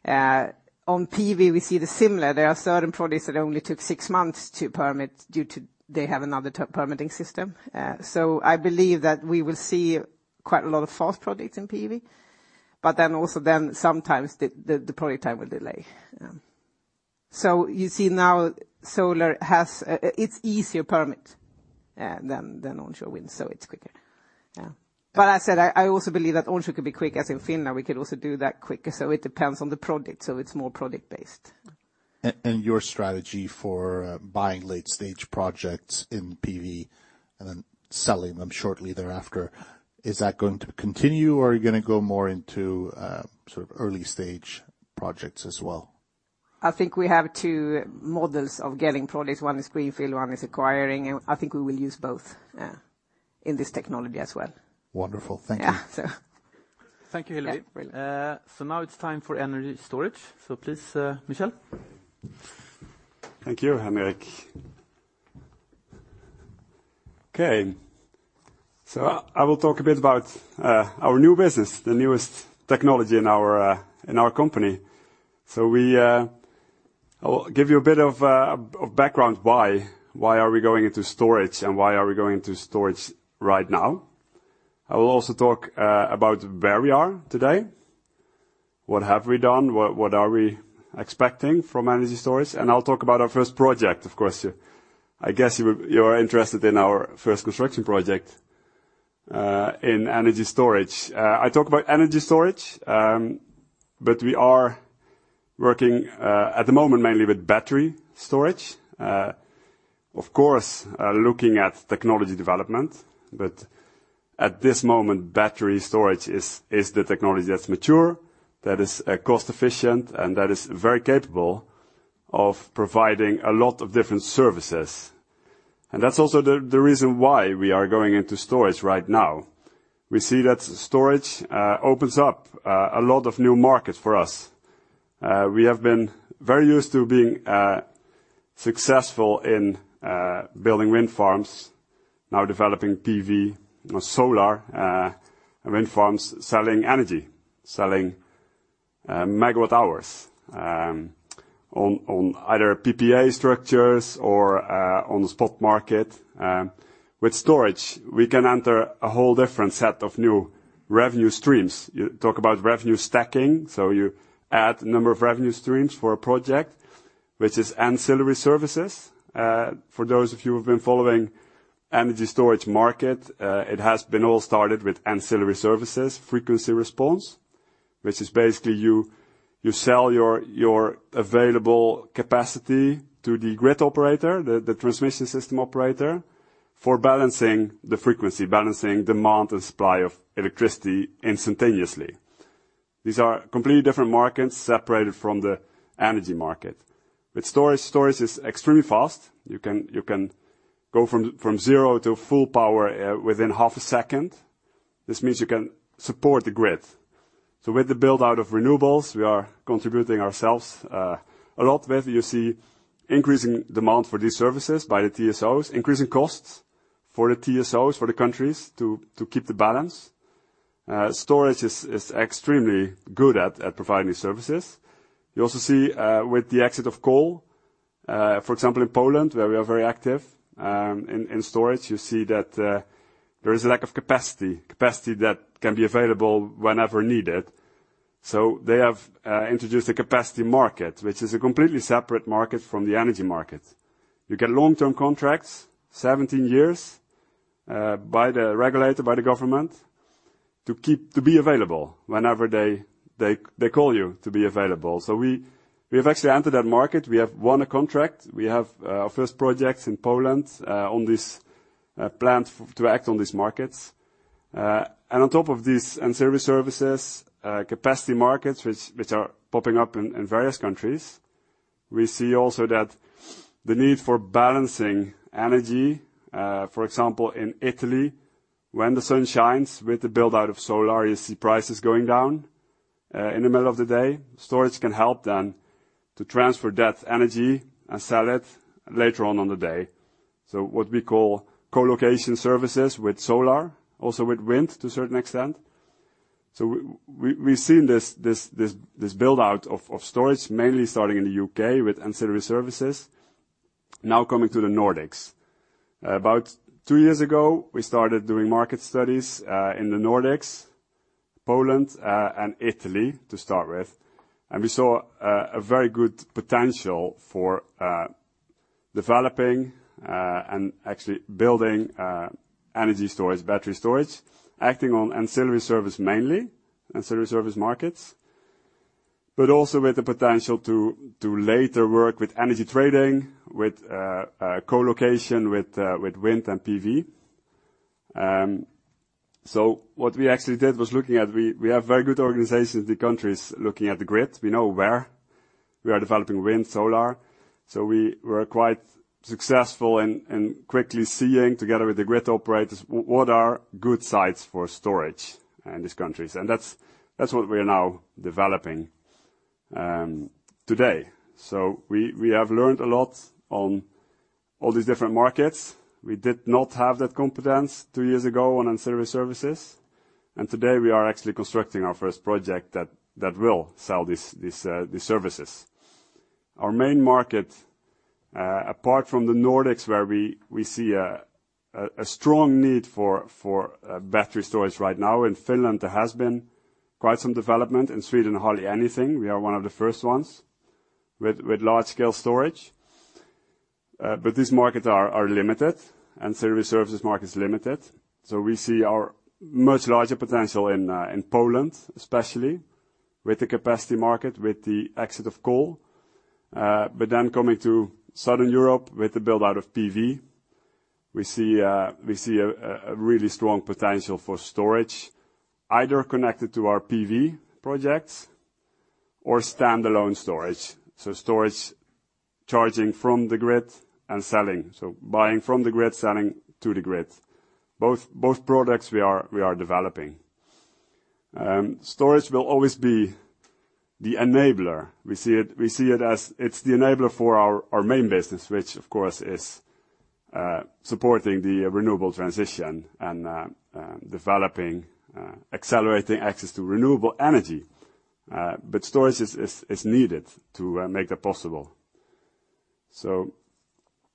On PV we see the similar. There are certain projects that only took 6 months to permit due to they have another permitting system. I believe that we will see quite a lot of fast projects in PV, but then also then sometimes the project time will delay. You see now solar has, it's easier permit than onshore wind, so it's quicker. Yeah. I said, I also believe that onshore could be quick, as in Finland, we could also do that quicker. It depends on the project, so it's more project based. Your strategy for buying late stage projects in PV and then selling them shortly thereafter, is that going to continue or are you gonna go more into, sort of early stage projects as well? I think we have 2 models of getting projects. 1 is greenfield, 1 is acquiring, and I think we will use both in this technology as well. Wonderful. Thank you. Yeah. Thank you, Hillevi. Now it's time for energy storage. Please, Michiel. Thank you, Henrik. Okay. I will talk a bit about our new business, the newest technology in our company. I'll give you a bit of background why. Why are we going into storage, and why are we going to storage right now? I will also talk about where we are today, what have we done, what are we expecting from energy storage, and I'll talk about our first project, of course. I guess you are interested in our first construction project in energy storage. I talk about energy storage, but we are working at the moment mainly with battery storage. Of course, looking at technology development. At this moment, battery storage is the technology that's mature, that is cost efficient, and that is very capable of providing a lot of different services. That's also the reason why we are going into storage right now. We see that storage opens up a lot of new markets for us. We have been very used to being successful in building wind farms, now developing PV, solar, wind farms, selling energy, selling megawatt hours on either PPA structures or on the spot market. With storage, we can enter a whole different set of new revenue streams. You talk about revenue stacking, so you add a number of revenue streams for a project, which is ancillary services. For those of you who have been following energy storage market, it has been all started with ancillary services, frequency response, which is basically you sell your available capacity to the grid operator, the transmission system operator, for balancing the frequency, balancing demand and supply of electricity instantaneously. These are completely different markets separated from the energy market. With storage is extremely fast. You can go from zero to full power within half a second. This means you can support the grid. With the build-out of renewables, we are contributing ourselves a lot. Whether you see increasing demand for these services by the TSOs, increasing costs for the TSOs, for the countries to keep the balance. Storage is extremely good at providing these services. You also see with the exit of coal, for example, in Poland, where we are very active in storage, you see that there is a lack of capacity that can be available whenever needed. They have introduced a capacity market, which is a completely separate market from the energy market. You get long-term contracts, 17 years, by the regulator, by the government, to be available whenever they call you to be available. We have actually entered that market. We have won a contract. We have our first project in Poland on this plan to act on these markets. On top of these ancillary services, capacity markets, which are popping up in various countries, we see also that the need for balancing energy, for example, in Italy, when the sun shines with the build-out of solar, you see prices going down in the middle of the day. Storage can help then to transfer that energy and sell it later on on the day. What we call co-location services with solar, also with wind to a certain extent. We've seen this build out of storage mainly starting in the UK with ancillary services now coming to the Nordics. About two years ago, we started doing market studies in the Nordics, Poland, and Italy to start with. We saw a very good potential for developing and actually building energy storage, battery storage, acting on ancillary service mainly, ancillary service markets, but also with the potential to later work with energy trading, with co-location, with wind and PV. What we actually did was looking at we have very good organizations in the countries looking at the grid. We know where we are developing wind, solar. We were quite successful in quickly seeing together with the grid operators what are good sites for storage in these countries. That's what we are now developing today. We have learned a lot on all these different markets. We did not have that competence 2 years ago on ancillary services, and today we are actually constructing our first project that will sell these services. Our main market, apart from the Nordics, where we see a strong need for battery storage right now, in Finland, there has been quite some development. In Sweden, hardly anything. We are one of the first ones with large scale storage. These markets are limited. Ancillary services market is limited. We see our much larger potential in Poland, especially with the capacity market, with the exit of coal. Coming to Southern Europe with the build-out of PV, we see a really strong potential for storage, either connected to our PV projects or standalone storage. Storage charging from the grid and selling. Buying from the grid, selling to the grid. Both products we are developing. Storage will always be the enabler. We see it as it's the enabler for our main business, which of course is supporting the renewable transition and developing accelerating access to renewable energy. Storage is needed to make that possible.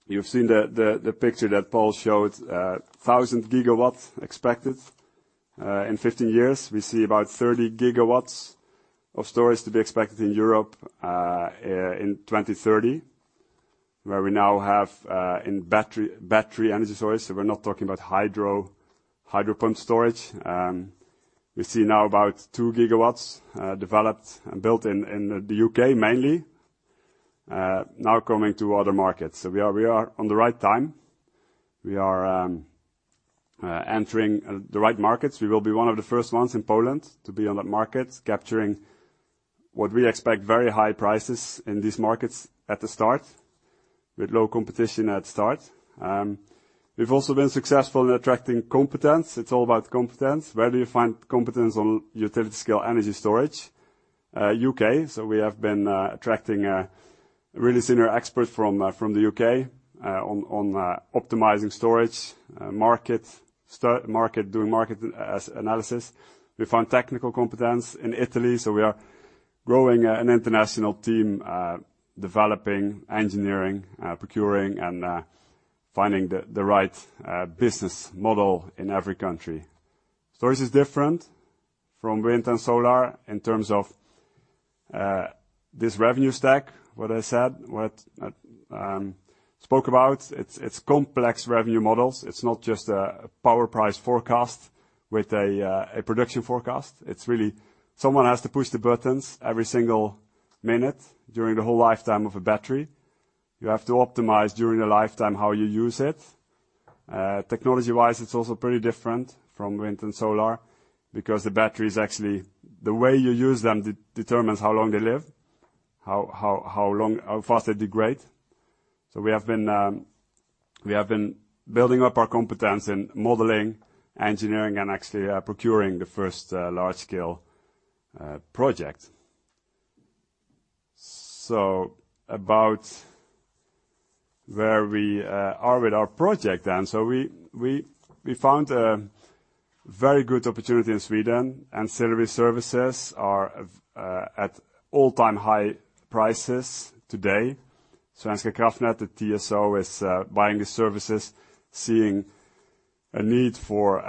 You've seen the picture that Paul showed, 1,000 GW expected in 15 years. We see about 30 GW of storage to be expected in Europe in 2030, where we now have in battery energy storage, we're not talking about hydro pump storage. We see now about 2 GW developed and built in the UK mainly, now coming to other markets. We are on the right time. We are entering the right markets. We will be one of the first ones in Poland to be on that market, capturing what we expect very high prices in these markets at the start with low competition at start. We've also been successful in attracting competence. It's all about competence. Where do you find competence on utility scale energy storage? UK. We have been attracting really senior experts from the UK on optimizing storage market, doing market analysis. We found technical competence in Italy, we are growing an international team, developing engineering, procuring and finding the right business model in every country. Storage is different from wind and solar in terms of this revenue stack, what I said, what spoke about. It's complex revenue models. It's not just a power price forecast with a production forecast. It's really someone has to push the buttons every single minute during the whole lifetime of a battery. You have to optimize during the lifetime how you use it. Technology-wise, it's also pretty different from wind and solar because the battery is actually. The way you use them determines how long they live, how long, how fast they degrade. We have been building up our competence in modeling, engineering, and actually procuring the first large-scale project. About where we are with our project. We found a very good opportunity in Sweden. Ancillary services are at all-time high prices today. Svenska kraftnät, the TSO, is buying these services, seeing a need for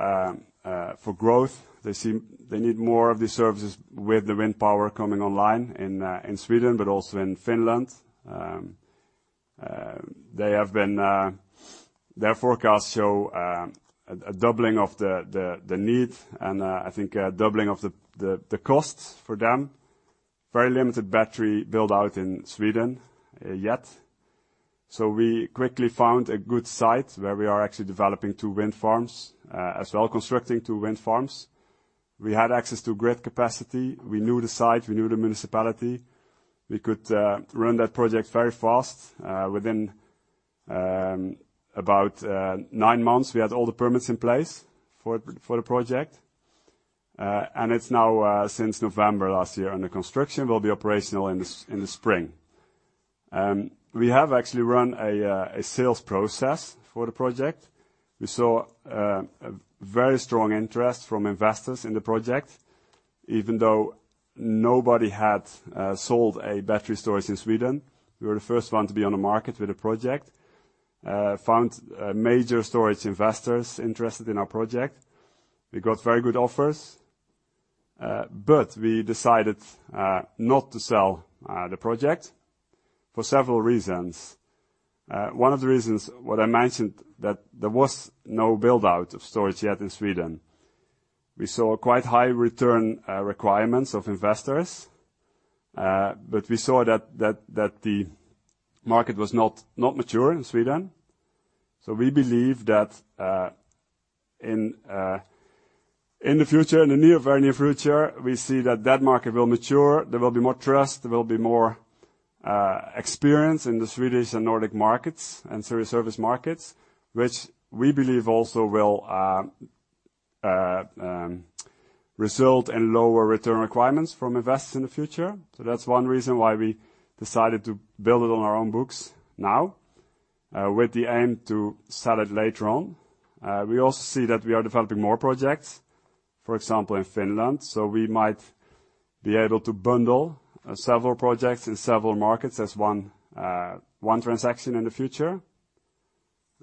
growth. They need more of these services with the wind power coming online in Sweden, but also in Finland. Their forecasts show a doubling of the need and I think a doubling of the costs for them. Very limited battery build out in Sweden yet. We quickly found a good site where we are actually developing 2 wind farms, as well constructing 2 wind farms. We had access to grid capacity. We knew the site, we knew the municipality. We could run that project very fast. Within about 9 months, we had all the permits in place for the project. It's now since November last year under construction, will be operational in the spring. We have actually run a sales process for the project. We saw a very strong interest from investors in the project, even though nobody had sold a battery storage in Sweden. We were the first one to be on the market with a project. Found major storage investors interested in our project. We got very good offers. We decided not to sell the project for several reasons. One of the reasons, what I mentioned, that there was no build-out of storage yet in Sweden. We saw quite high return requirements of investors. We saw that the market was not mature in Sweden. We believe that in the future, in the near, very near future, we see that that market will mature. There will be more trust, there will be more experience in the Swedish and Nordic markets and service markets, which we believe also will result in lower return requirements from investors in the future. That's one reason why we decided to build it on our own books now, with the aim to sell it later on. We also see that we are developing more projects, for example, in Finland, we might be able to bundle several projects in several markets as one transaction in the future.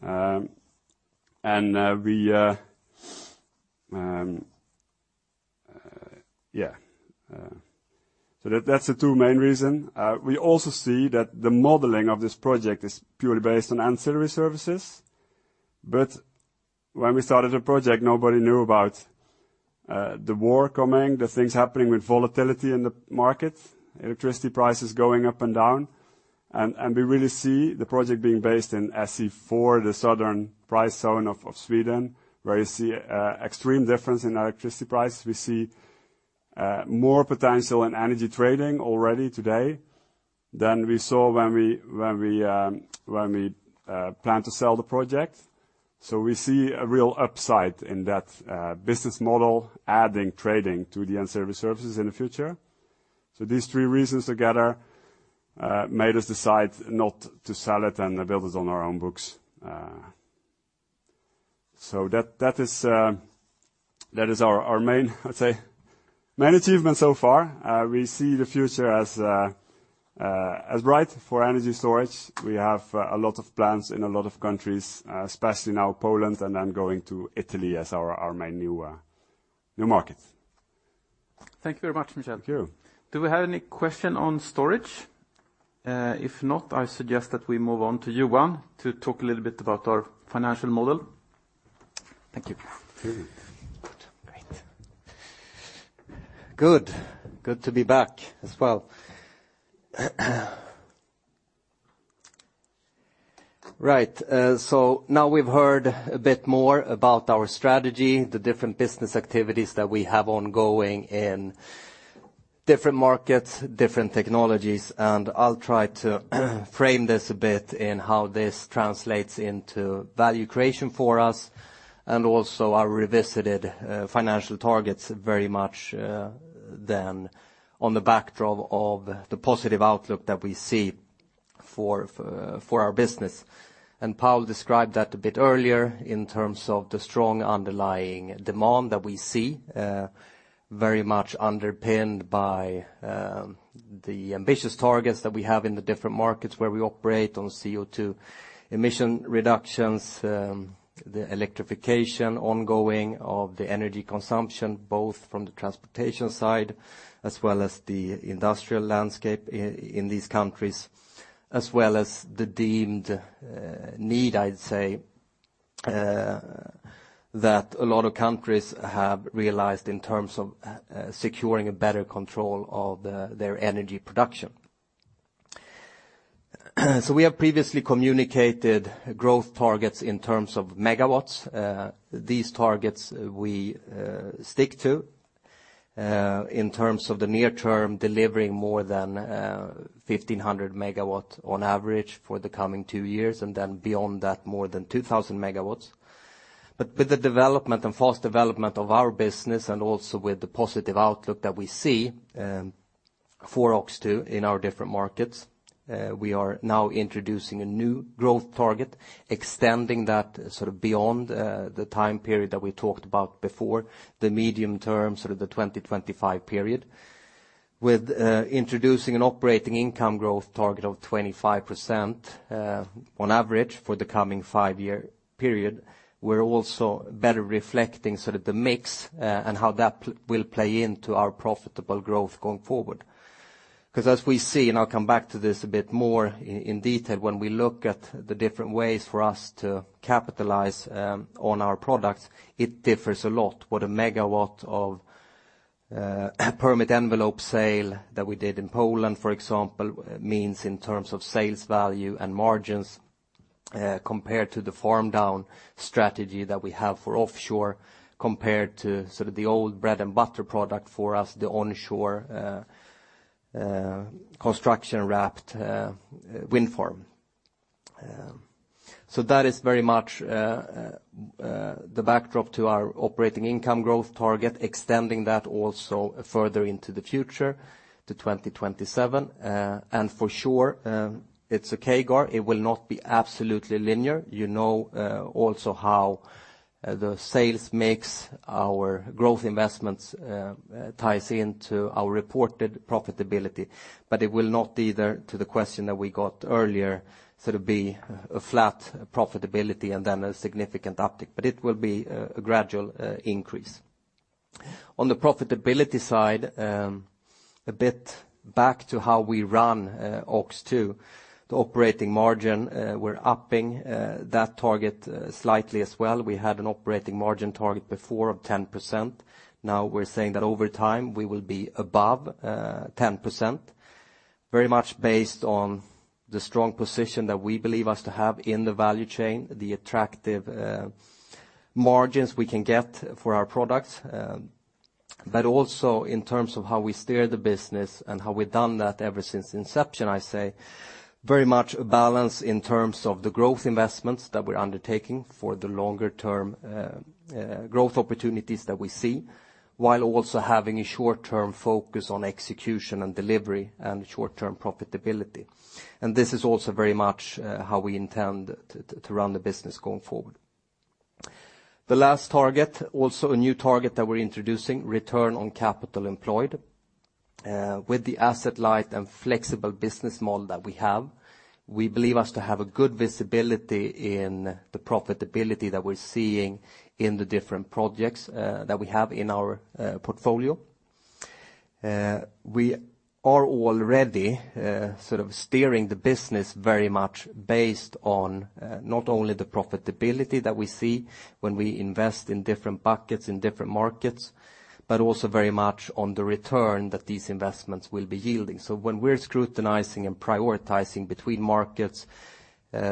That's the two main reason. We also see that the modeling of this project is purely based on ancillary services, when we started the project, nobody knew about the war coming, the things happening with volatility in the market, electricity prices going up and down. We really see the project being based in SE4, the southern price zone of Sweden, where you see extreme difference in electricity prices. We see more potential in energy trading already today than we saw when we planned to sell the project. We see a real upside in that business model, adding trading to the ancillary services in the future. These 3 reasons together made us decide not to sell it and build it on our own books. That, that is our main, I'd say, main achievement so far. We see the future as right for energy storage. We have a lot of plans in a lot of countries, especially now Poland and then going to Italy as our main new market. Thank you very much, Michiel. Thank you. Do we have any question on storage? If not, I suggest that we move on to Johan to talk a little bit about our financial model. Thank you. Mm-hmm. Good. Great. Good. Good to be back as well. Right, now we've heard a bit more about our strategy, the different business activities that we have ongoing in different markets, different technologies, and I'll try to frame this a bit in how this translates into value creation for us and also our revisited financial targets very much than on the backdrop of the positive outlook that we see for our business. Paul described that a bit earlier in terms of the strong underlying demand that we see, very much underpinned by the ambitious targets that we have in the different markets where we operate on CO2 emission reductions, the electrification ongoing of the energy consumption, both from the transportation side as well as the industrial landscape in these countries, as well as the deemed need, I'd say, that a lot of countries have realized in terms of securing a better control of their energy production. We have previously communicated growth targets in terms of megawatts. These targets we stick to in terms of the near term, delivering more than 1,500 MW on average for the coming 2 years, and then beyond that, more than 2,000 MW. With the development and fast development of our business and also with the positive outlook that we see for OX2 in our different markets, we are now introducing a new growth target, extending that sort of beyond the time period that we talked about before, the medium term, sort of the 2025 period. With introducing an operating income growth target of 25% on average for the coming 5-year period, we're also better reflecting sort of the mix and how that will play into our profitable growth going forward. 'Cause as we see, and I'll come back to this a bit more in detail, when we look at the different ways for us to capitalize, on our products, it differs a lot what a megawatt of permit envelope sale that we did in Poland, for example, means in terms of sales value and margins, compared to the farm-down strategy that we have for offshore, compared to sort of the old bread and butter product for us, the onshore, construction wrapped, wind farm. That is very much, the backdrop to our operating income growth target, extending that also further into the future to 2027. For sure, it's a CAGR. It will not be absolutely linear. You know, also how the sales makes our growth investments, ties into our reported profitability, but it will not either to the question that we got earlier, sort of be a flat profitability and then a significant uptick, but it will be a gradual increase. On the profitability side, a bit back to how we run OX2, the operating margin, we're upping that target slightly as well. We had an operating margin target before of 10%. We're saying that over time, we will be above 10%, very much based on the strong position that we believe us to have in the value chain, the attractive margins we can get for our products. Also in terms of how we steer the business and how we've done that ever since inception, I say very much a balance in terms of the growth investments that we're undertaking for the longer-term growth opportunities that we see, while also having a short-term focus on execution and delivery and short-term profitability. This is also very much how we intend to run the business going forward. The last target, also a new target that we're introducing, return on capital employed, with the asset light and flexible business model that we have, we believe us to have a good visibility in the profitability that we're seeing in the different projects that we have in our portfolio. We are already sort of steering the business very much based on not only the profitability that we see when we invest in different buckets in different markets, but also very much on the return that these investments will be yielding. When we're scrutinizing and prioritizing between markets,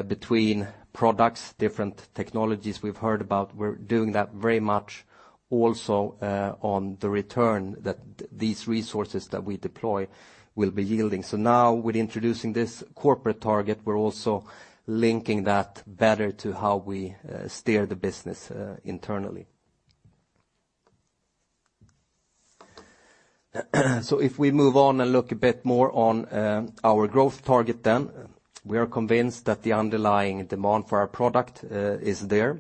between products, different technologies we've heard about, we're doing that very much also on the return that these resources that we deploy will be yielding. Now with introducing this corporate target, we're also linking that better to how we steer the business internally. If we move on and look a bit more on our growth target then, we are convinced that the underlying demand for our product is there.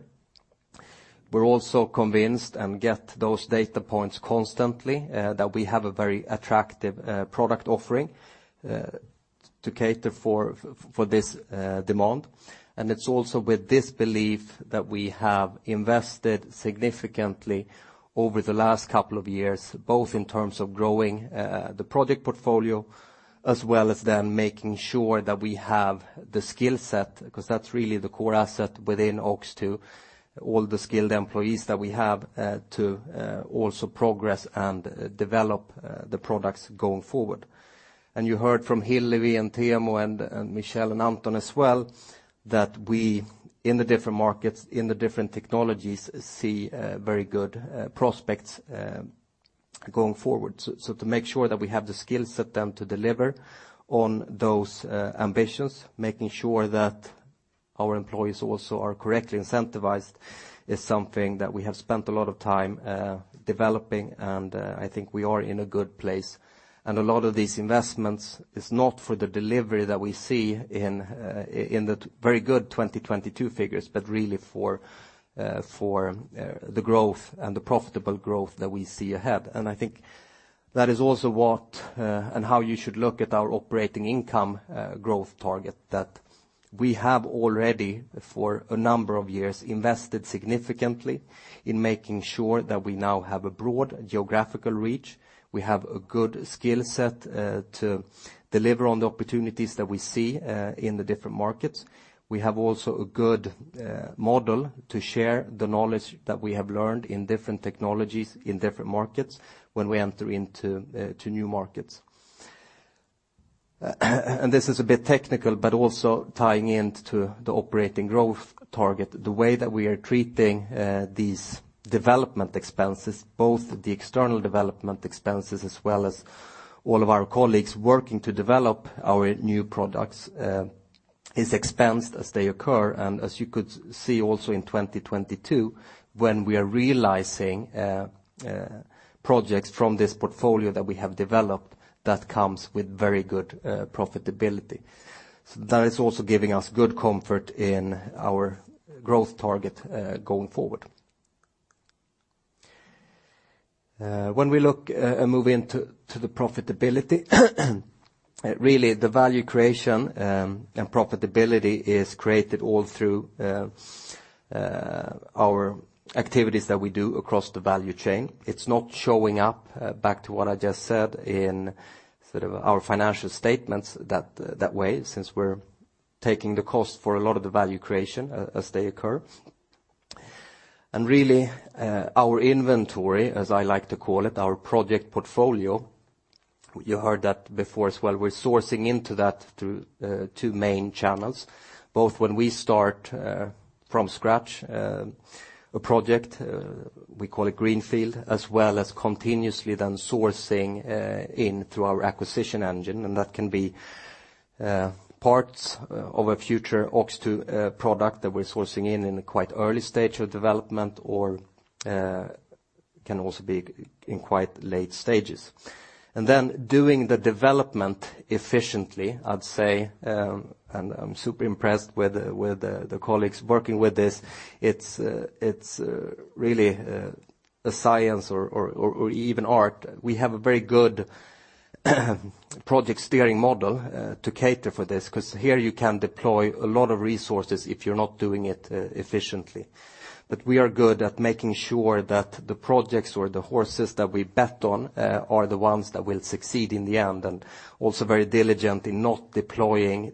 We're also convinced and get those data points constantly, that we have a very attractive product offering to cater for this demand. It's also with this belief that we have invested significantly over the last couple of years, both in terms of growing the project portfolio, as well as then making sure that we have the skill set, because that's really the core asset within OX2, all the skilled employees that we have, to also progress and develop the products going forward. You heard from Hillevi and Teemu and Michiel and Anton as well, that we in the different markets, in the different technologies, see very good prospects going forward. To make sure that we have the skill set then to deliver on those ambitions, making sure that our employees also are correctly incentivized is something that we have spent a lot of time developing, and I think we are in a good place. A lot of these investments is not for the delivery that we see in the very good 2022 figures, but really for the growth and the profitable growth that we see ahead. I think that is also what and how you should look at our operating income growth target that we have already for a number of years invested significantly in making sure that we now have a broad geographical reach. We have a good skill set to deliver on the opportunities that we see in the different markets. We have also a good model to share the knowledge that we have learned in different technologies, in different markets when we enter into to new markets. This is a bit technical, but also tying in to the operating growth target. The way that we are treating these development expenses, both the external development expenses as well as all of our colleagues working to develop our new products, is expensed as they occur. As you could see also in 2022, when we are realizing projects from this portfolio that we have developed that comes with very good profitability. That is also giving us good comfort in our growth target going forward. When we look and move into the profitability, really the value creation and profitability is created all through our activities that we do across the value chain. It's not showing up back to what I just said in sort of our financial statements that way, since we're taking the cost for a lot of the value creation as they occur. Really, our inventory, as I like to call it, our project portfolio, you heard that before as well. We're sourcing into that through two main channels, both when we start from scratch, a project, we call it greenfield, as well as continuously then sourcing in through our acquisition engine. That can be parts of a future OX2 product that we're sourcing in a quite early stage of development or can also be in quite late stages. Then doing the development efficiently, I'd say. I'm super impressed with the colleagues working with this. It's really a science or even art. We have a very good project steering model to cater for this 'cause here you can deploy a lot of resources if you're not doing it efficiently. We are good at making sure that the projects or the horses that we bet on are the ones that will succeed in the end, and also very diligent in not deploying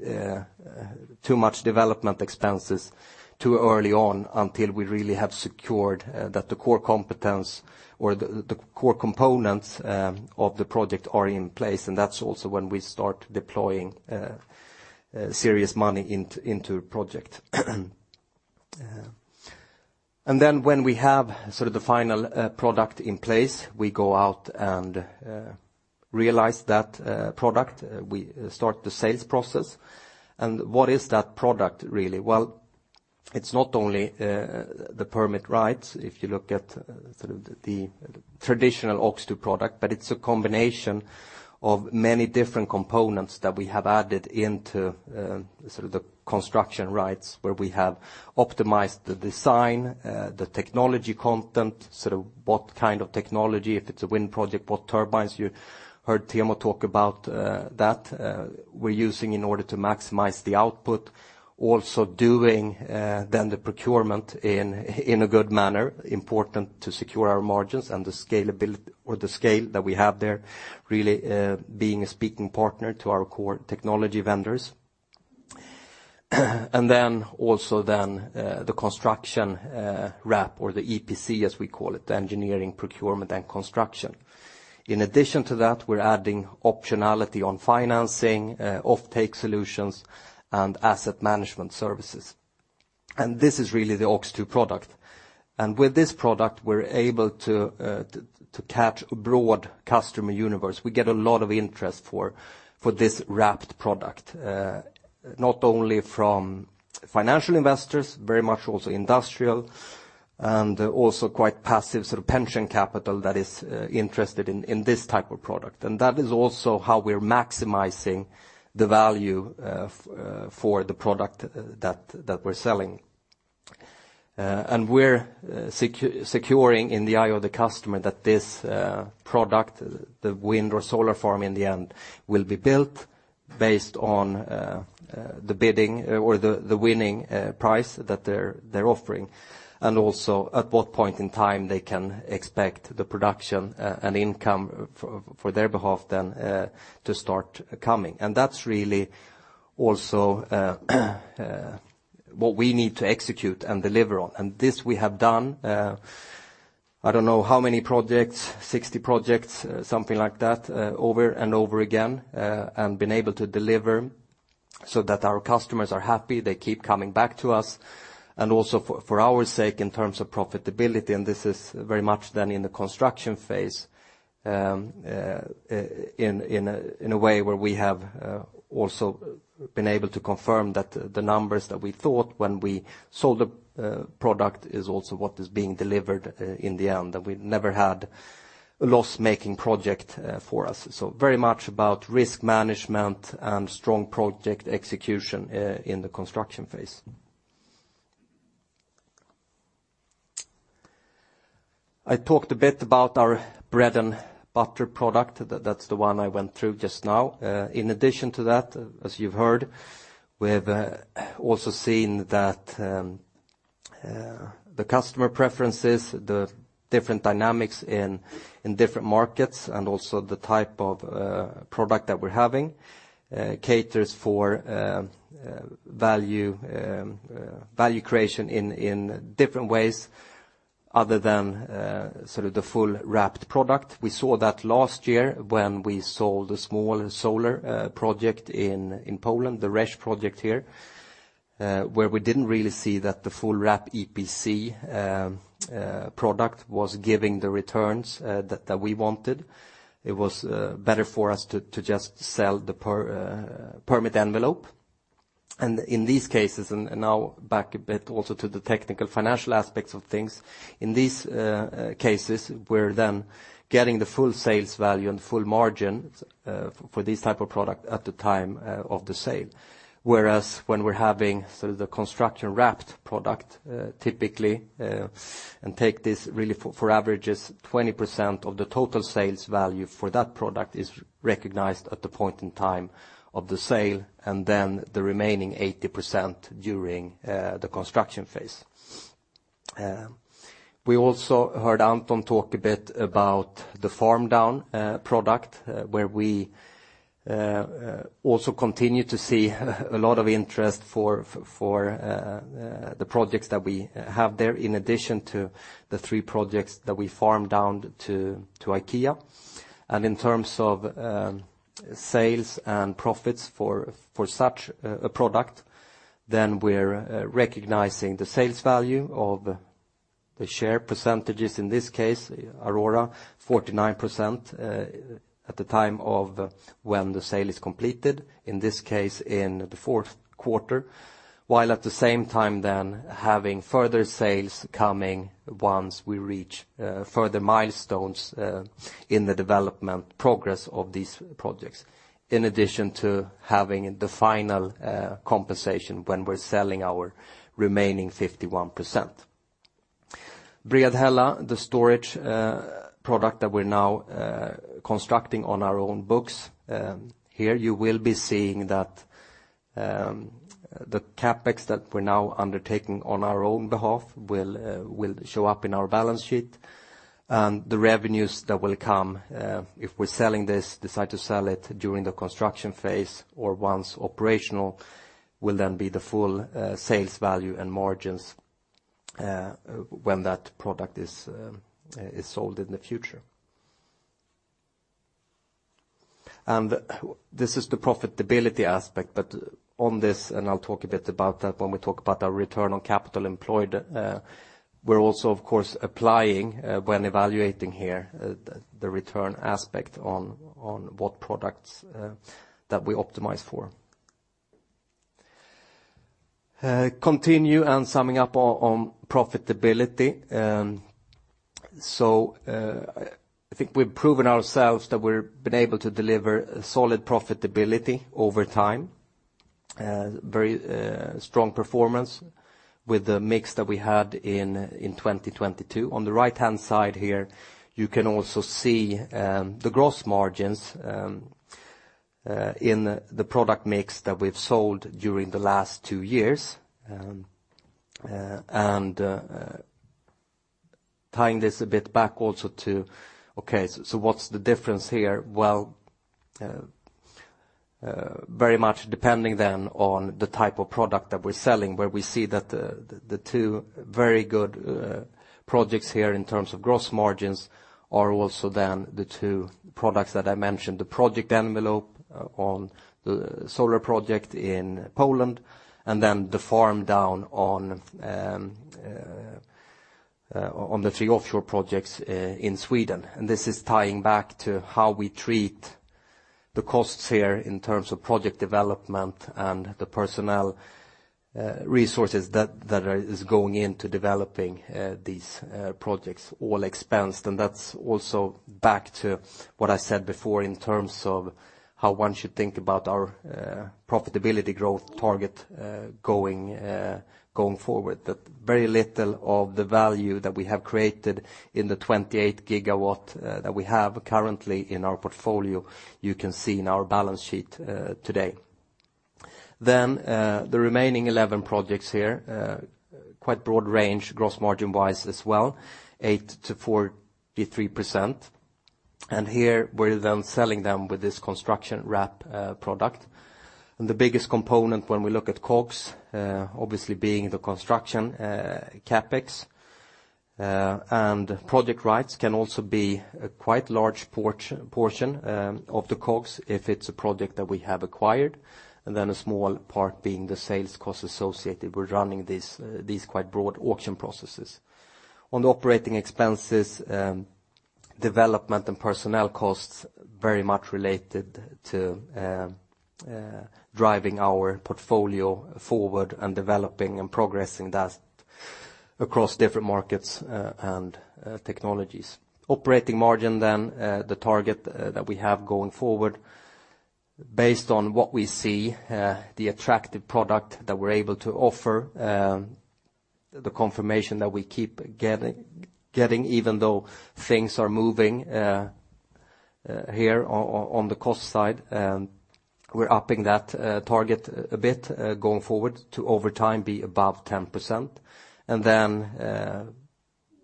too much development expenses too early on until we really have secured that the core competence or the core components of the project are in place, and that's also when we start deploying serious money into project. Then when we have sort of the final product in place, we go out and realize that product. We start the sales process. What is that product really? It's not only the permit rights, if you look at sort of the traditional OX2 product, but it's a combination of many different components that we have added into sort of the construction rights, where we have optimized the design, the technology content, sort of what kind of technology. If it's a wind project, what turbines. You heard Teemu talk about that we're using in order to maximize the output. Doing then the procurement in a good manner, important to secure our margins and the scalability or the scale that we have there, really being a speaking partner to our core technology vendors. Also then the construction wrap or the EPC, as we call it, the engineering, procurement, and construction. In addition to that, we're adding optionality on financing, offtake solutions, and asset management services. This is really the OX2 product. With this product, we're able to catch a broad customer universe. We get a lot of interest for this wrapped product, not only from financial investors, very much also industrial and also quite passive sort of pension capital that is interested in this type of product. That is also how we're maximizing the value for the product that we're selling. We're securing in the eye of the customer that this product, the wind or solar farm in the end, will be built based on the bidding or the winning price that they're offering, and also at what point in time they can expect the production and income for their behalf then to start coming. That's really also what we need to execute and deliver on. This we have done, I don't know how many projects, 60 projects, something like that, over and over again, and been able to deliver so that our customers are happy. They keep coming back to us and also for our sake in terms of profitability. This is very much then in the construction phase, in a way where we have also been able to confirm that the numbers that we thought when we sold the product is also what is being delivered in the end, and we never had a loss-making project for us. Very much about risk management and strong project execution in the construction phase. I talked a bit about our bread and butter product. That's the one I went through just now. In addition to that, as you've heard, we have also seen that the customer preferences, the different dynamics in different markets and also the type of product that we're having caters for value creation in different ways other than sort of the full wrapped product. We saw that last year when we sold a small solar project in Poland, the Rzeszów project here, where we didn't really see that the full wrap EPC product was giving the returns that we wanted. It was better for us to just sell the permit envelope. In these cases, and now back a bit also to the technical financial aspects of things, in these cases, we're then getting the full sales value and full margin for this type of product at the time of the sale. Whereas when we're having sort of the construction wrapped product, typically, and take this really for averages, 20% of the total sales value for that product is recognized at the point in time of the sale, and then the remaining 80% during the construction phase. We also heard Anton talk a bit about the farm down product, where we also continue to see a lot of interest for the projects that we have there, in addition to the 3 projects that we farmed down to IKEA. In terms of Sales and profits for such a product, then we're recognizing the sales value of the share percentages, in this case, Aurora 49%, at the time of when the sale is completed, in this case, in the 4th quarter. While at the same time then having further sales coming once we reach further milestones in the development progress of these projects, in addition to having the final compensation when we're selling our remaining 51%. Bredhälla, the storage product that we're now constructing on our own books, here you will be seeing that the CapEx that we're now undertaking on our own behalf will show up in our balance sheet. The revenues that will come, if we're selling this, decide to sell it during the construction phase or once operational, will then be the full sales value and margins, when that product is sold in the future. This is the profitability aspect, but on this, and I'll talk a bit about that when we talk about our return on capital employed, we're also of course applying, when evaluating here the return aspect on what products that we optimize for. Continue and summing up on profitability. I think we've proven ourselves that we've been able to deliver solid profitability over time. Very strong performance with the mix that we had in 2022. On the right-hand side here, you can also see the gross margins in the product mix that we've sold during the last two years. Tying this a bit back also to, okay, what's the difference here? Well, very much depending then on the type of product that we're selling, where we see that the two very good projects here in terms of gross margins are also then the two products that I mentioned, the project envelope on the solar project in Poland, and then the farm down on the three offshore projects in Sweden. This is tying back to how we treat the costs here in terms of project development and the personnel resources that is going into developing these projects all expensed. That's also back to what I said before in terms of how one should think about our profitability growth target going forward. That very little of the value that we have created in the 28 GW that we have currently in our portfolio, you can see in our balance sheet today. The remaining 11 projects here, quite broad range gross margin-wise as well, 8%-43%. Here, we're then selling them with this construction wrap product. The biggest component when we look at COGS, obviously being the construction CapEx. Project rights can also be a quite large portion of the COGS if it's a project that we have acquired, and then a small part being the sales costs associated with running these quite broad auction processes. On the operating expenses, development and personnel costs very much related to driving our portfolio forward and developing and progressing that across different markets, and technologies. Operating margin, the target that we have going forward based on what we see, the attractive product that we're able to offer, the confirmation that we keep getting even though things are moving on the cost side. We're upping that target a bit going forward to over time be above 10%.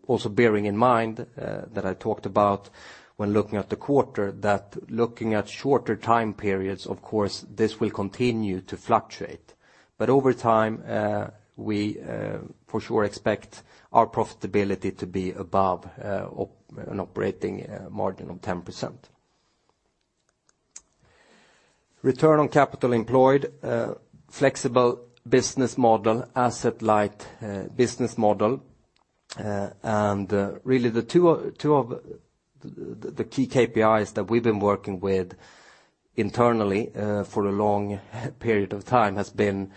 Also bearing in mind that I talked about when looking at the quarter, that looking at shorter time periods, of course, this will continue to fluctuate. Over time, we for sure expect our profitability to be above an operating margin of 10%. Return on capital employed, flexible business model, asset-light business model. Really the two key KPIs that we've been working with internally for a long period of time has been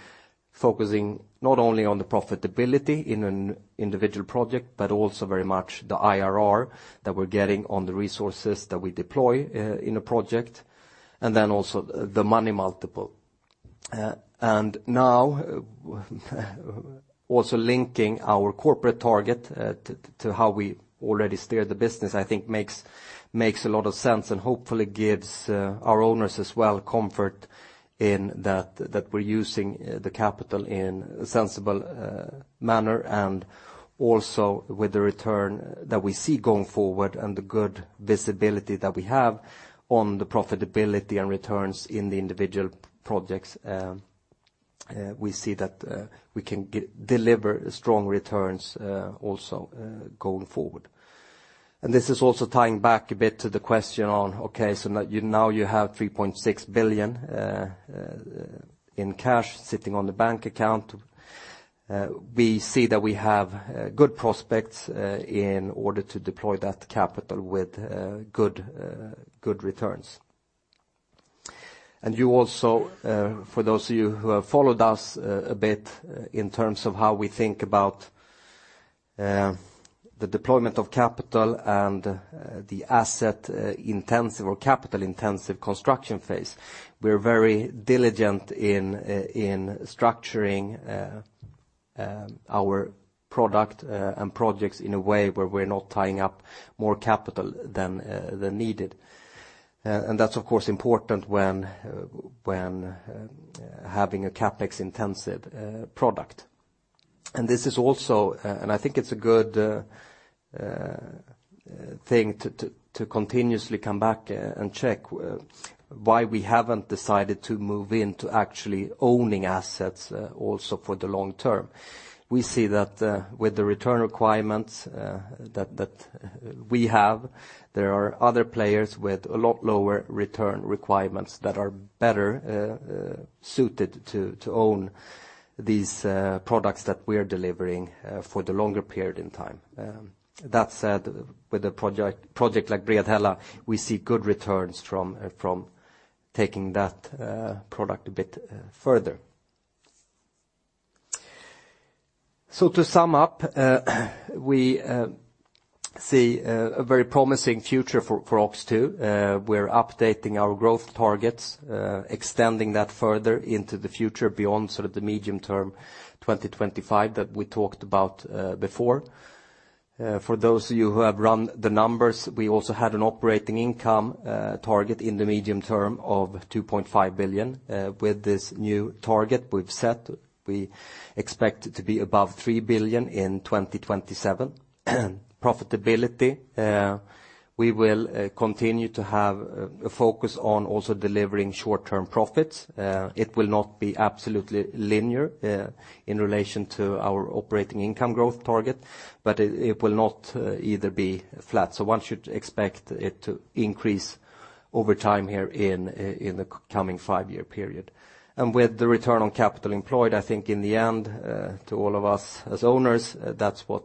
focusing not only on the profitability in an individual project, but also very much the IRR that we're getting on the resources that we deploy in a project, and then also the money multiple. Now also linking our corporate target to how we already steer the business, I think makes a lot of sense and hopefully gives our owners as well comfort in that we're using the capital in a sensible manner and also with the return that we see going forward and the good visibility that we have on the profitability and returns in the individual projects. We see that we can deliver strong returns also going forward. This is also tying back a bit to the question on, okay, now you have 3.6 billion in cash sitting on the bank account. We see that we have good prospects in order to deploy that capital with good returns. You also, for those of you who have followed us a bit in terms of how we think about the deployment of capital and the asset intensive or capital-intensive construction phase, we're very diligent in structuring our product and projects in a way where we're not tying up more capital than needed. That's of course important when having a CapEx-intensive product. This is also, and I think it's a good thing to continuously come back and check why we haven't decided to move in to actually owning assets also for the long term. We see that with the return requirements that we have, there are other players with a lot lower return requirements that are better suited to own these products that we're delivering for the longer period in time. That said, with a project like Bredhälla, we see good returns from taking that product a bit further. To sum up, we see a very promising future for OX2. We're updating our growth targets, extending that further into the future beyond sort of the medium term 2025 that we talked about before. For those of you who have run the numbers, we also had an operating income target in the medium term of 2.5 billion. With this new target we've set, we expect it to be above 3 billion in 2027. Profitability, we will continue to have a focus on also delivering short-term profits. It will not be absolutely linear in relation to our operating income growth target, but it will not either be flat. One should expect it to increase over time here in the coming five-year period. With the return on capital employed, I think in the end, to all of us as owners, that's what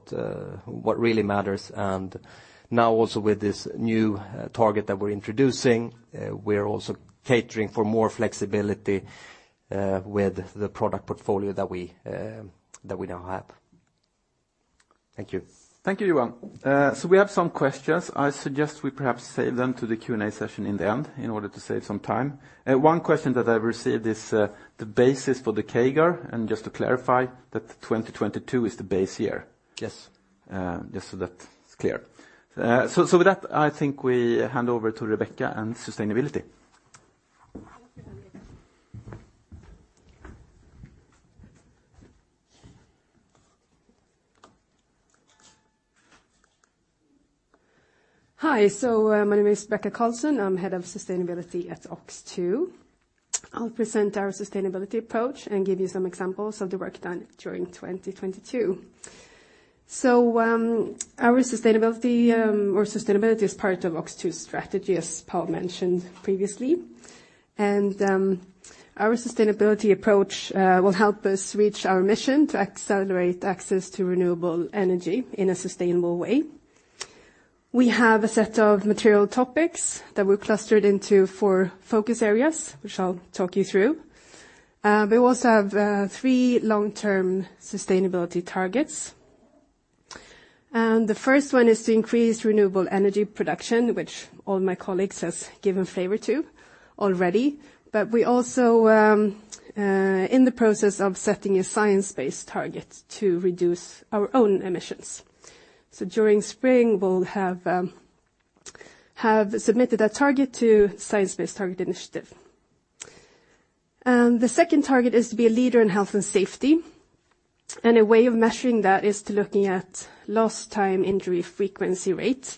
really matters. Now also with this new target that we're introducing, we're also catering for more flexibility with the product portfolio that we now have. Thank you. Thank you, Johan. We have some questions. I suggest we perhaps save them to the Q&A session in the end in order to save some time. One question that I've received is the basis for the CAGR, and just to clarify that 2022 is the base year. Yes. Just so that's clear. With that, I think we hand over to Rebecca and sustainability. Hi. My name is Rebecca Karlsson. I'm Head of Sustainability at OX2. I'll present our sustainability approach and give you some examples of the work done during 2022. Our sustainability or sustainability is part of OX2's strategy, as Paul mentioned previously. Our sustainability approach will help us reach our mission to accelerate access to renewable energy in a sustainable way. We have a set of material topics that we're clustered into four focus areas, which I'll talk you through. We also have three long-term sustainability targets. The first one is to increase renewable energy production, which all my colleagues has given flavor to already. We also in the process of setting a science-based target to reduce our own emissions. During spring, we'll have submitted a target to Science Based Targets initiative. The second target is to be a leader in health and safety. A way of measuring that is to looking at Lost Time Injury Frequency Rate,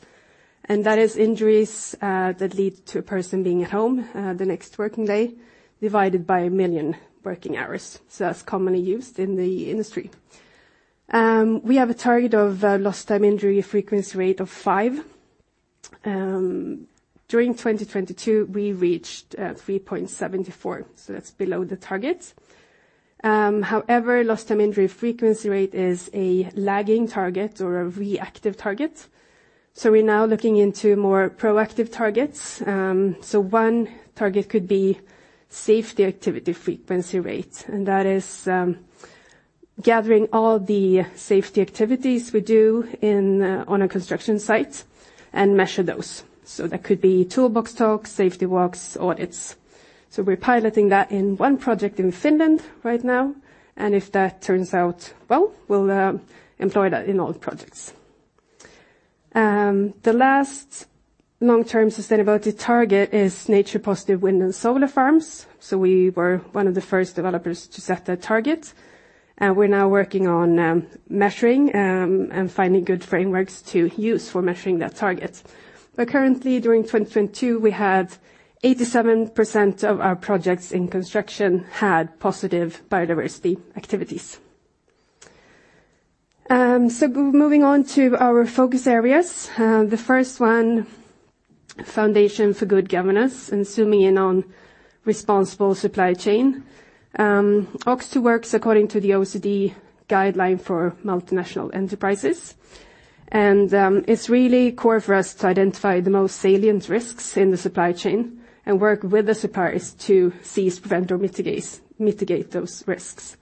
and that is injuries that lead to a person being at home the next working day divided by a million working hours. That's commonly used in the industry. We have a target of Lost Time Injury Frequency Rate of 5. During 2022, we reached 3.74, so that's below the target. However, Lost Time Injury Frequency Rate is a lagging target or a reactive target. We're now looking into more proactive targets. One target could be safety activity frequency rate, and that is gathering all the safety activities we do in on a construction site and measure those. That could be toolbox talks, safety walks, audits. We're piloting that in one project in Finland right now, and if that turns out well, we'll employ that in all projects. The last long-term sustainability target is nature positive wind and solar farms. We were one of the first developers to set a target. And we're now working on measuring and finding good frameworks to use for measuring that target. Currently, during 2022, we had 87% of our projects in construction had positive biodiversity activities. Moving on to our focus areas. The first one, Foundation for Good Governance and zooming in on responsible supply chain. OX2 works according to the OECD guideline for multinational enterprises. It's really core for us to identify the most salient risks in the supply chain and work with the suppliers to cease, prevent or mitigate those risks.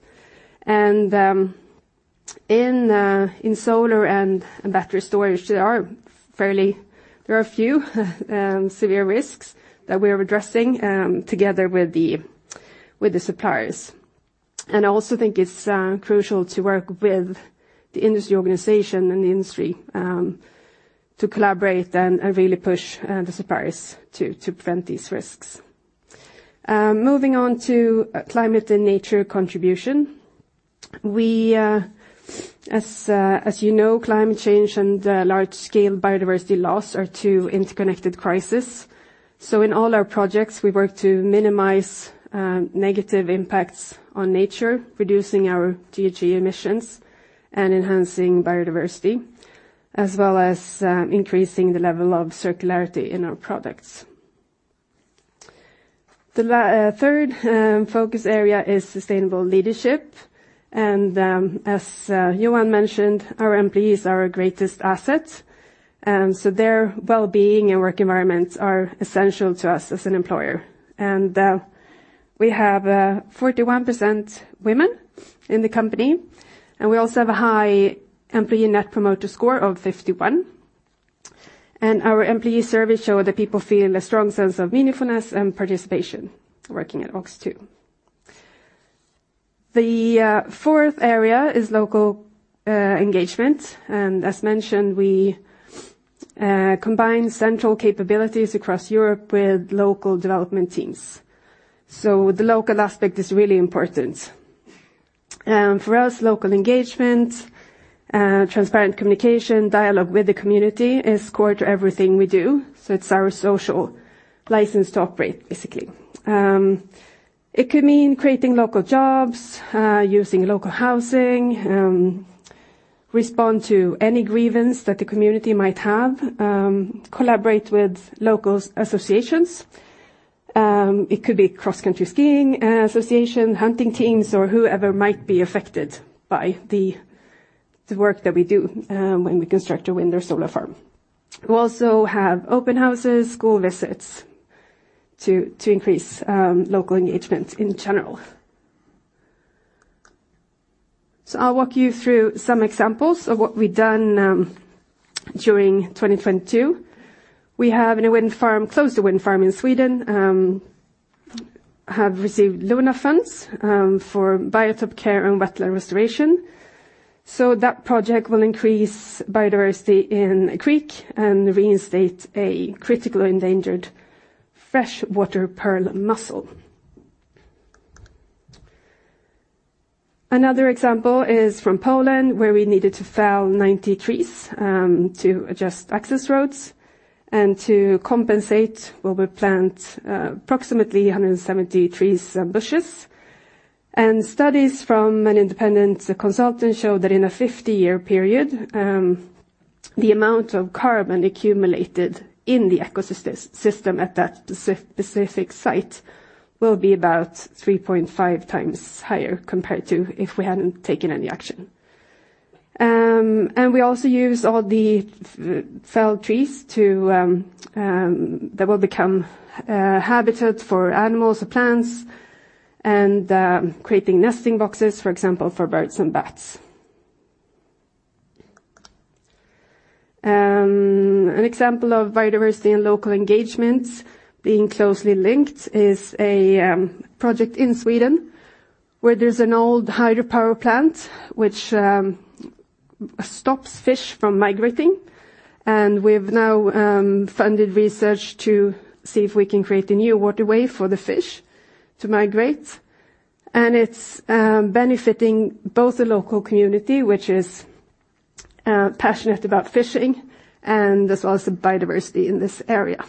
In solar and battery storage, there are a few severe risks that we are addressing together with the suppliers. I also think it's crucial to work with the industry organization and the industry to collaborate and really push the suppliers to prevent these risks. Moving on to climate and nature contribution. We, as you know, climate change and large scale biodiversity loss are two interconnected crisis. In all our projects, we work to minimize negative impacts on nature, reducing our GHG emissions and enhancing biodiversity, as well as increasing the level of circularity in our products. The third focus area is sustainable leadership. As Johan mentioned, our employees are our greatest asset, so their well-being and work environments are essential to us as an employer. We have 41% women in the company, and we also have a high Employee Net Promoter Score of 51. Our employee survey show that people feel a strong sense of meaningfulness and participation working at OX2. The fourth area is local engagement. As mentioned, we combine central capabilities across Europe with local development teams. The local aspect is really important. For us, local engagement, transparent communication, dialogue with the community is core to everything we do, so it's our social license to operate, basically. It could mean creating local jobs, using local housing, respond to any grievance that the community might have, collaborate with locals associations. It could be cross-country skiing, association, hunting teams, or whoever might be affected by the work that we do when we construct a wind or solar farm. We also have open houses, school visits to increase local engagement in general. I'll walk you through some examples of what we've done during 2022. We have Klevshult wind farm in Sweden, have received LONA funds for biotope care and wetland restoration. That project will increase biodiversity in a creek and reinstate a critical endangered freshwater pearl mussel. Another example is from Poland, where we needed to fell 90 trees to adjust access roads, and to compensate, well, we plant approximately 170 trees and bushes. Studies from an independent consultant show that in a 50-year period, the amount of carbon accumulated in the ecosystem at that specific site will be about 3.5x higher compared to if we hadn't taken any action. We also use all the fell trees to. That will become habitat for animals or plants and creating nesting boxes, for example, for birds and bats. An example of biodiversity and local engagements being closely linked is a project in Sweden, where there's an old hydropower plant which stops fish from migrating. We've now funded research to see if we can create a new waterway for the fish to migrate. It's benefiting both the local community, which is passionate about fishing, and as well as the biodiversity in this area.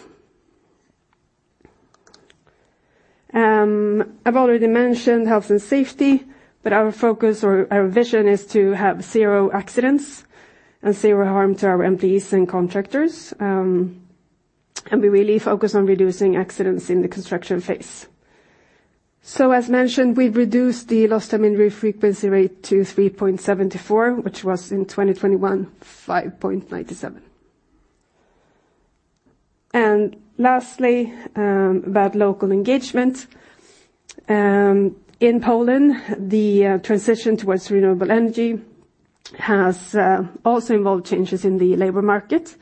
I've already mentioned health and safety, our focus or our vision is to have zero accidents and zero harm to our employees and contractors. We really focus on reducing accidents in the construction phase. As mentioned, we've reduced the Lost Time Injury Frequency Rate to 3.74, which was in 2021, 5.97. Lastly, about local engagement. In Poland, the transition towards renewable energy has also involved changes in the labor market,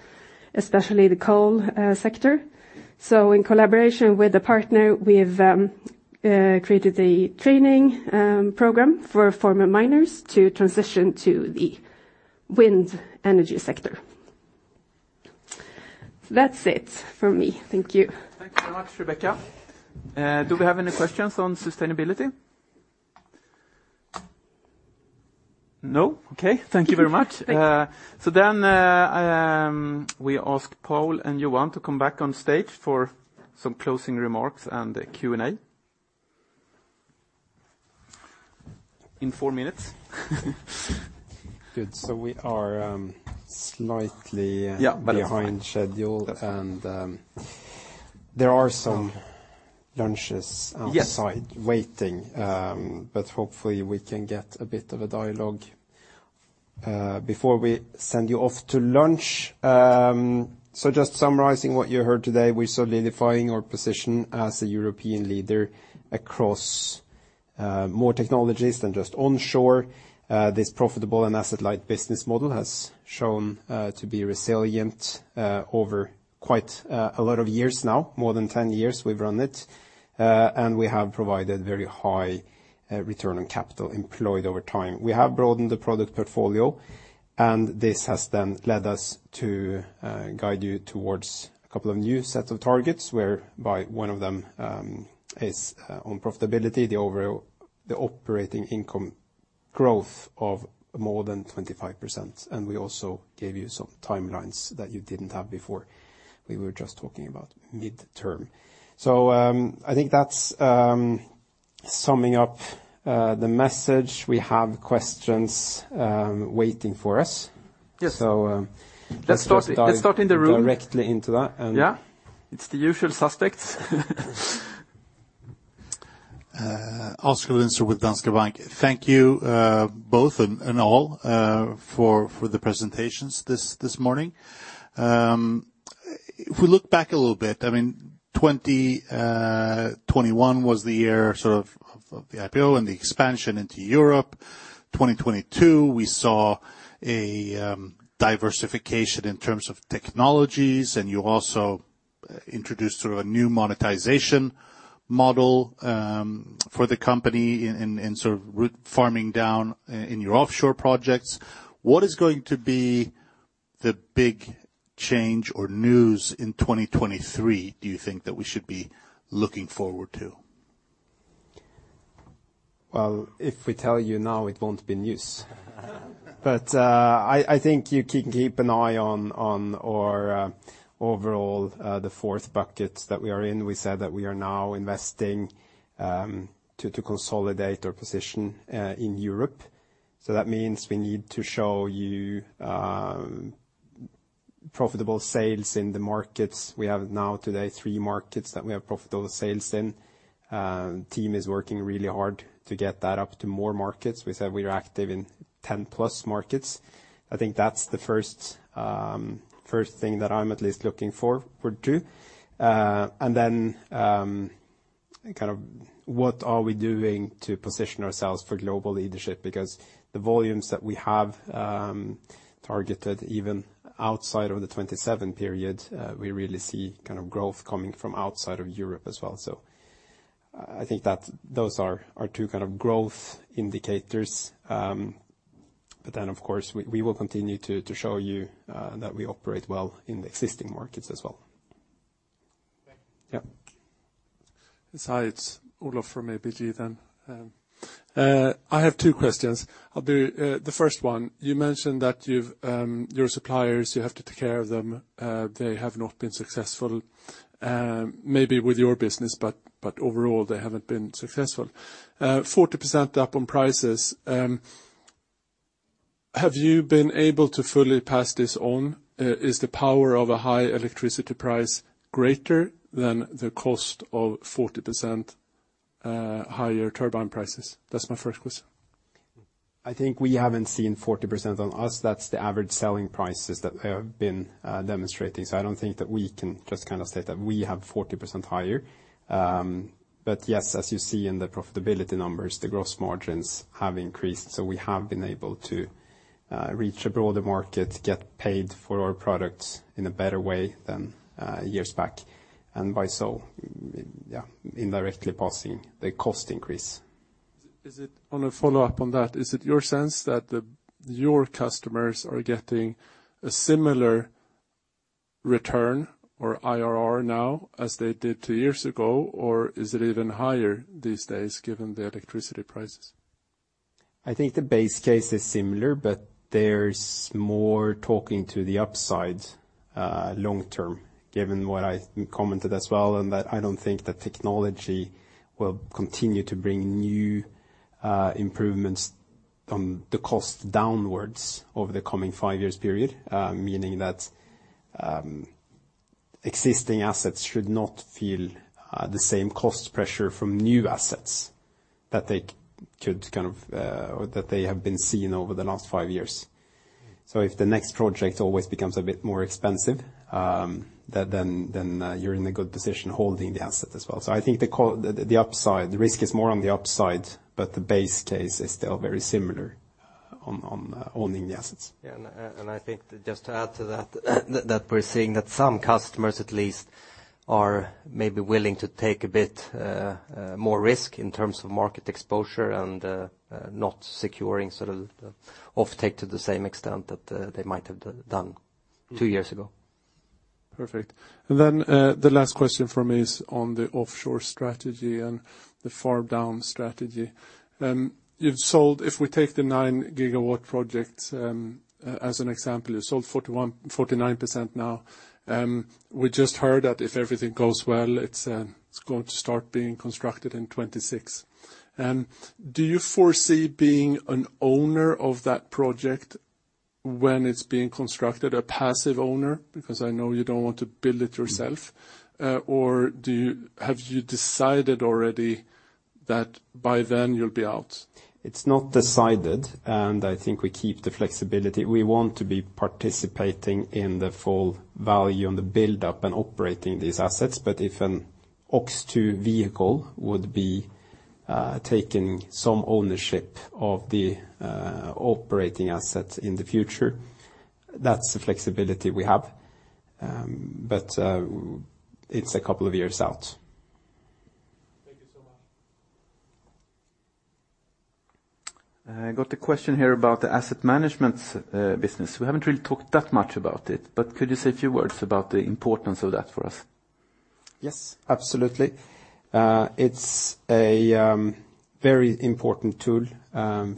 especially the coal sector. In collaboration with a partner, we've created a training program for former miners to transition to the wind energy sector. That's it from me. Thank you. Thanks so much, Rebecca. Do we have any questions on sustainability? No. Okay. Thank you very much. Thank you. We ask Paul and Johan to come back on stage for some closing remarks and Q&A. In four minutes. Good. We are. Yeah. behind schedule. That's okay. There are some lunches. Yes. outside waiting. Hopefully we can get a bit of a dialogue before we send you off to lunch. Just summarizing what you heard today, we're solidifying our position as a European leader across more technologies than just onshore. This profitable and asset-light business model has shown to be resilient over quite a lot of years now. More than 10 years we've run it. We have provided very high return on capital employed over time. We have broadened the product portfolio, and this has then led us to guide you towards a couple of new sets of targets, whereby one of them is on profitability, the operating income growth of more than 25%. We also gave you some timelines that you didn't have before. We were just talking about midterm. I think that's summing up the message. We have questions waiting for us. Yes. Let's start. Let's start in the room.... directly into that. Yeah. It's the usual suspects. Oskar Lindström with Danske Bank. Thank you, both and all, for the presentations this morning. If we look back a little bit, I mean, 2021 was the year sort of of the IPO and the expansion into Europe. 2022, we saw a diversification in terms of technologies, and you also introduced sort of a new monetization model for the company and sort of farming down in your offshore projects. What is going to be the big change or news in 2023 do you think that we should be looking forward to? If we tell you now, it won't be news. I think you can keep an eye on our overall, the fourth bucket that we are in. We said that we are now investing to consolidate our position in Europe. That means we need to show you profitable sales in the markets. We have now today three markets that we have profitable sales in. Team is working really hard to get that up to more markets. We said we are active in 10+ markets. I think that's the first thing that I'm at least looking for two. Kind of what are we doing to position ourselves for global leadership? Because the volumes that we have, targeted, even outside of the 2027 period, we really see kind of growth coming from outside of Europe as well. I think that those are our two kind of growth indicators. Of course, we will continue to show you that we operate well in the existing markets as well. Thank you. Yeah. Hi, it's Olof from ABG then. I have 2 questions. I'll do the first one, you mentioned that you've your suppliers, you have to take care of them. They have not been successful, maybe with your business, but overall, they haven't been successful. 40% up on prices. Have you been able to fully pass this on? Is the power of a high electricity price greater than the cost of 40% higher turbine prices? That's my first question. I think we haven't seen 40% on us. That's the average selling prices that we have been demonstrating. I don't think that we can just kind of say that we have 40% higher. Yes, as you see in the profitability numbers, the gross margins have increased. We have been able to reach a broader market, get paid for our products in a better way than years back. By so, yeah, indirectly passing the cost increase. On a follow-up on that, is it your sense that your customers are getting a similar return or IRR now as they did two years ago, or is it even higher these days given the electricity prices? I think the base case is similar, but there's more talking to the upside, long term, given what I commented as well, and that I don't think that technology will continue to bring new improvements on the cost downwards over the coming five years period. Meaning that existing assets should not feel the same cost pressure from new assets that they could kind of, or that they have been seeing over the last five years. If the next project always becomes a bit more expensive, then you're in a good position holding the asset as well. I think the upside, the risk is more on the upside, but the base case is still very similar on, owning the assets. Yeah. I think just to add to that we're seeing that some customers at least- Are maybe willing to take a bit more risk in terms of market exposure and not securing sort of the offtake to the same extent that they might have done two years ago. Perfect. Then, the last question from me is on the offshore strategy and the farm-down strategy. You've sold... If we take the 9 GW projects as an example, you sold 49% now. We just heard that if everything goes well, it's going to start being constructed in 2026. Do you foresee being an owner of that project when it's being constructed, a passive owner? Because I know you don't want to build it yourself. Have you decided already that by then you'll be out? It's not decided. I think we keep the flexibility. We want to be participating in the full value and the build-up and operating these assets. If an OX2 vehicle would be taking some ownership of the operating assets in the future, that's the flexibility we have. It's a couple of years out. Thank you so much. I got a question here about the asset management business. We haven't really talked that much about it. Could you say a few words about the importance of that for us? Yes, absolutely. It's a very important tool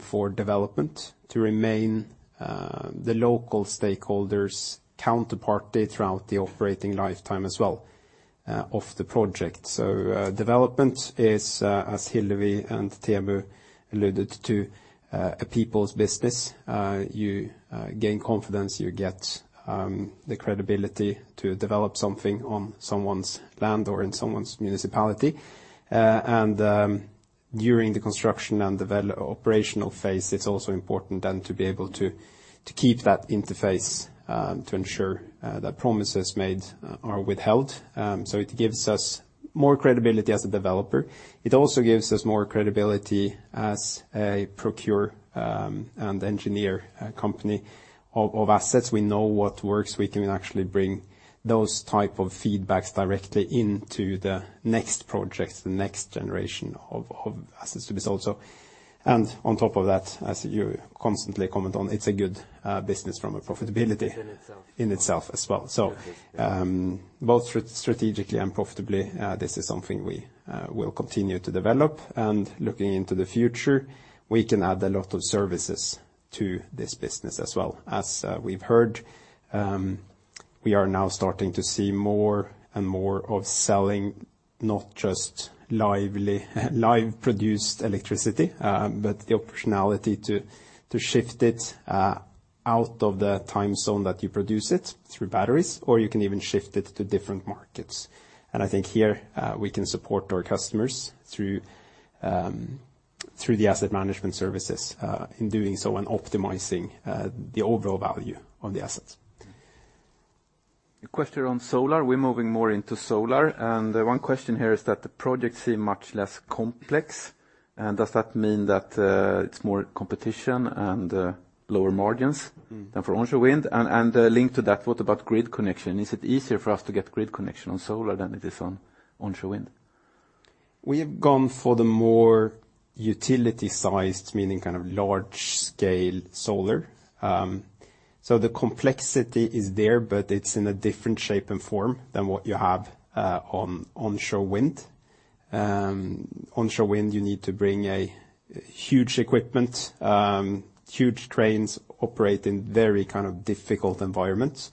for development to remain the local stakeholders' counterparty throughout the operating lifetime as well, of the project. Development is as Hillevi and Teemu alluded to, a people's business. You gain confidence, you get the credibility to develop something on someone's land or in someone's municipality. During the construction and operational phase, it's also important then to be able to keep that interface to ensure that promises made are withheld. It gives us more credibility as a developer. It also gives us more credibility as a procurer and engineer company of assets. We know what works. We can actually bring those type of feedbacks directly into the next projects, the next generation of assets to be sold. On top of that, as you constantly comment on, it's a good business from a profitability- In itself. in itself as well. Both strategically and profitably, this is something we will continue to develop. Looking into the future, we can add a lot of services to this business as well. As we've heard, we are now starting to see more and more of selling not just live produced electricity, but the optionality to shift it out of the time zone that you produce it through batteries, or you can even shift it to different markets. I think here, we can support our customers through the asset management services, in doing so and optimizing the overall value of the assets. A question on solar. We're moving more into solar, and one question here is that the projects seem much less complex. Does that mean that it's more competition and lower margins than for onshore wind? Linked to that, what about grid connection? Is it easier for us to get grid connection on solar than it is on onshore wind? We have gone for the more utility sized, meaning kind of large scale solar. The complexity is there, but it's in a different shape and form than what you have on onshore wind. Onshore wind, you need to bring a huge equipment, huge cranes operate in very kind of difficult environments,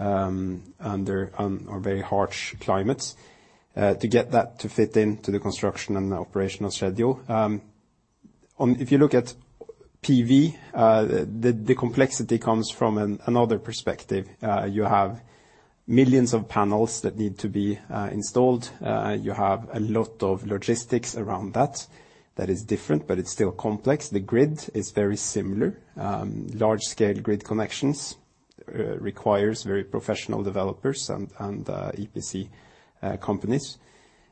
under or very harsh climates, to get that to fit into the construction and operational schedule. If you look at PV, the complexity comes from another perspective. You have millions of panels that need to be installed. You have a lot of logistics around that. That is different, but it's still complex. The grid is very similar. Large scale grid connections requires very professional developers and EPC companies,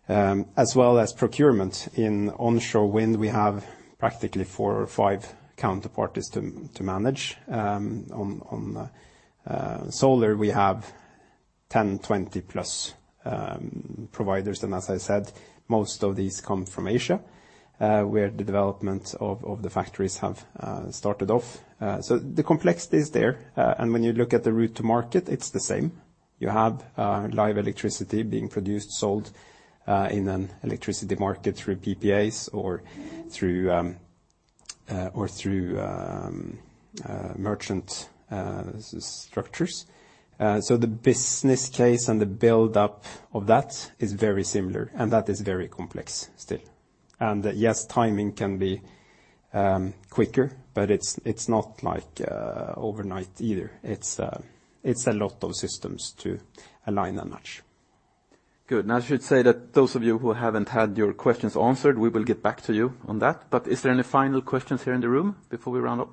as well as procurement. In onshore wind, we have practically 4 or 5 counterparties to manage. On solar, we have 10, 20+ providers. As I said, most of these come from Asia, where the development of the factories have started off. The complexity is there. When you look at the route to market, it's the same. You have live electricity being produced, sold in an electricity market through PPAs or through merchant structures. The business case and the build-up of that is very similar, that is very complex still. Yes, timing can be quicker, but it's not like overnight either. It's a lot of systems to align that much. Good. I should say that those of you who haven't had your questions answered, we will get back to you on that. Is there any final questions here in the room before we round up?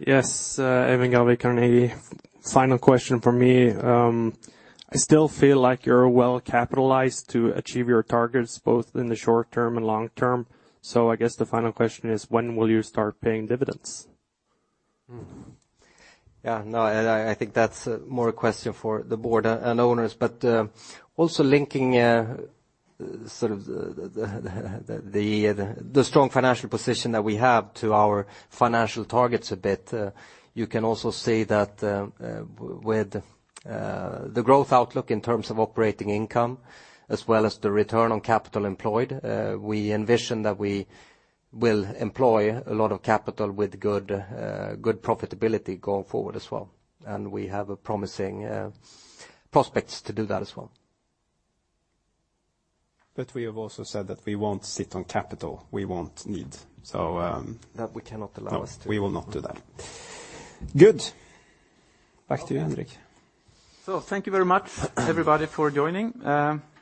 Yes. Even Gørvik, Carnegie. Final question from me. I still feel like you're well capitalized to achieve your targets both in the short term and long term. I guess the final question is, when will you start paying dividends? Yeah. I think that's more a question for the board and owners. Also linking sort of the strong financial position that we have to our financial targets a bit, you can also see that with the growth outlook in terms of operating income as well as the return on capital employed, we envision that we will employ a lot of capital with good profitability going forward as well. We have promising prospects to do that as well. We have also said that we won't sit on capital we won't need. So. That we cannot allow us to. We will not do that. Good. Back to you, Henrik. Thank you very much, everybody, for joining. Now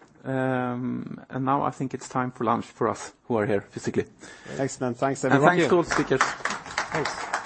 I think it's time for lunch for us who are here physically. Excellent. Thanks, everyone. Thanks to all the speakers. Thanks.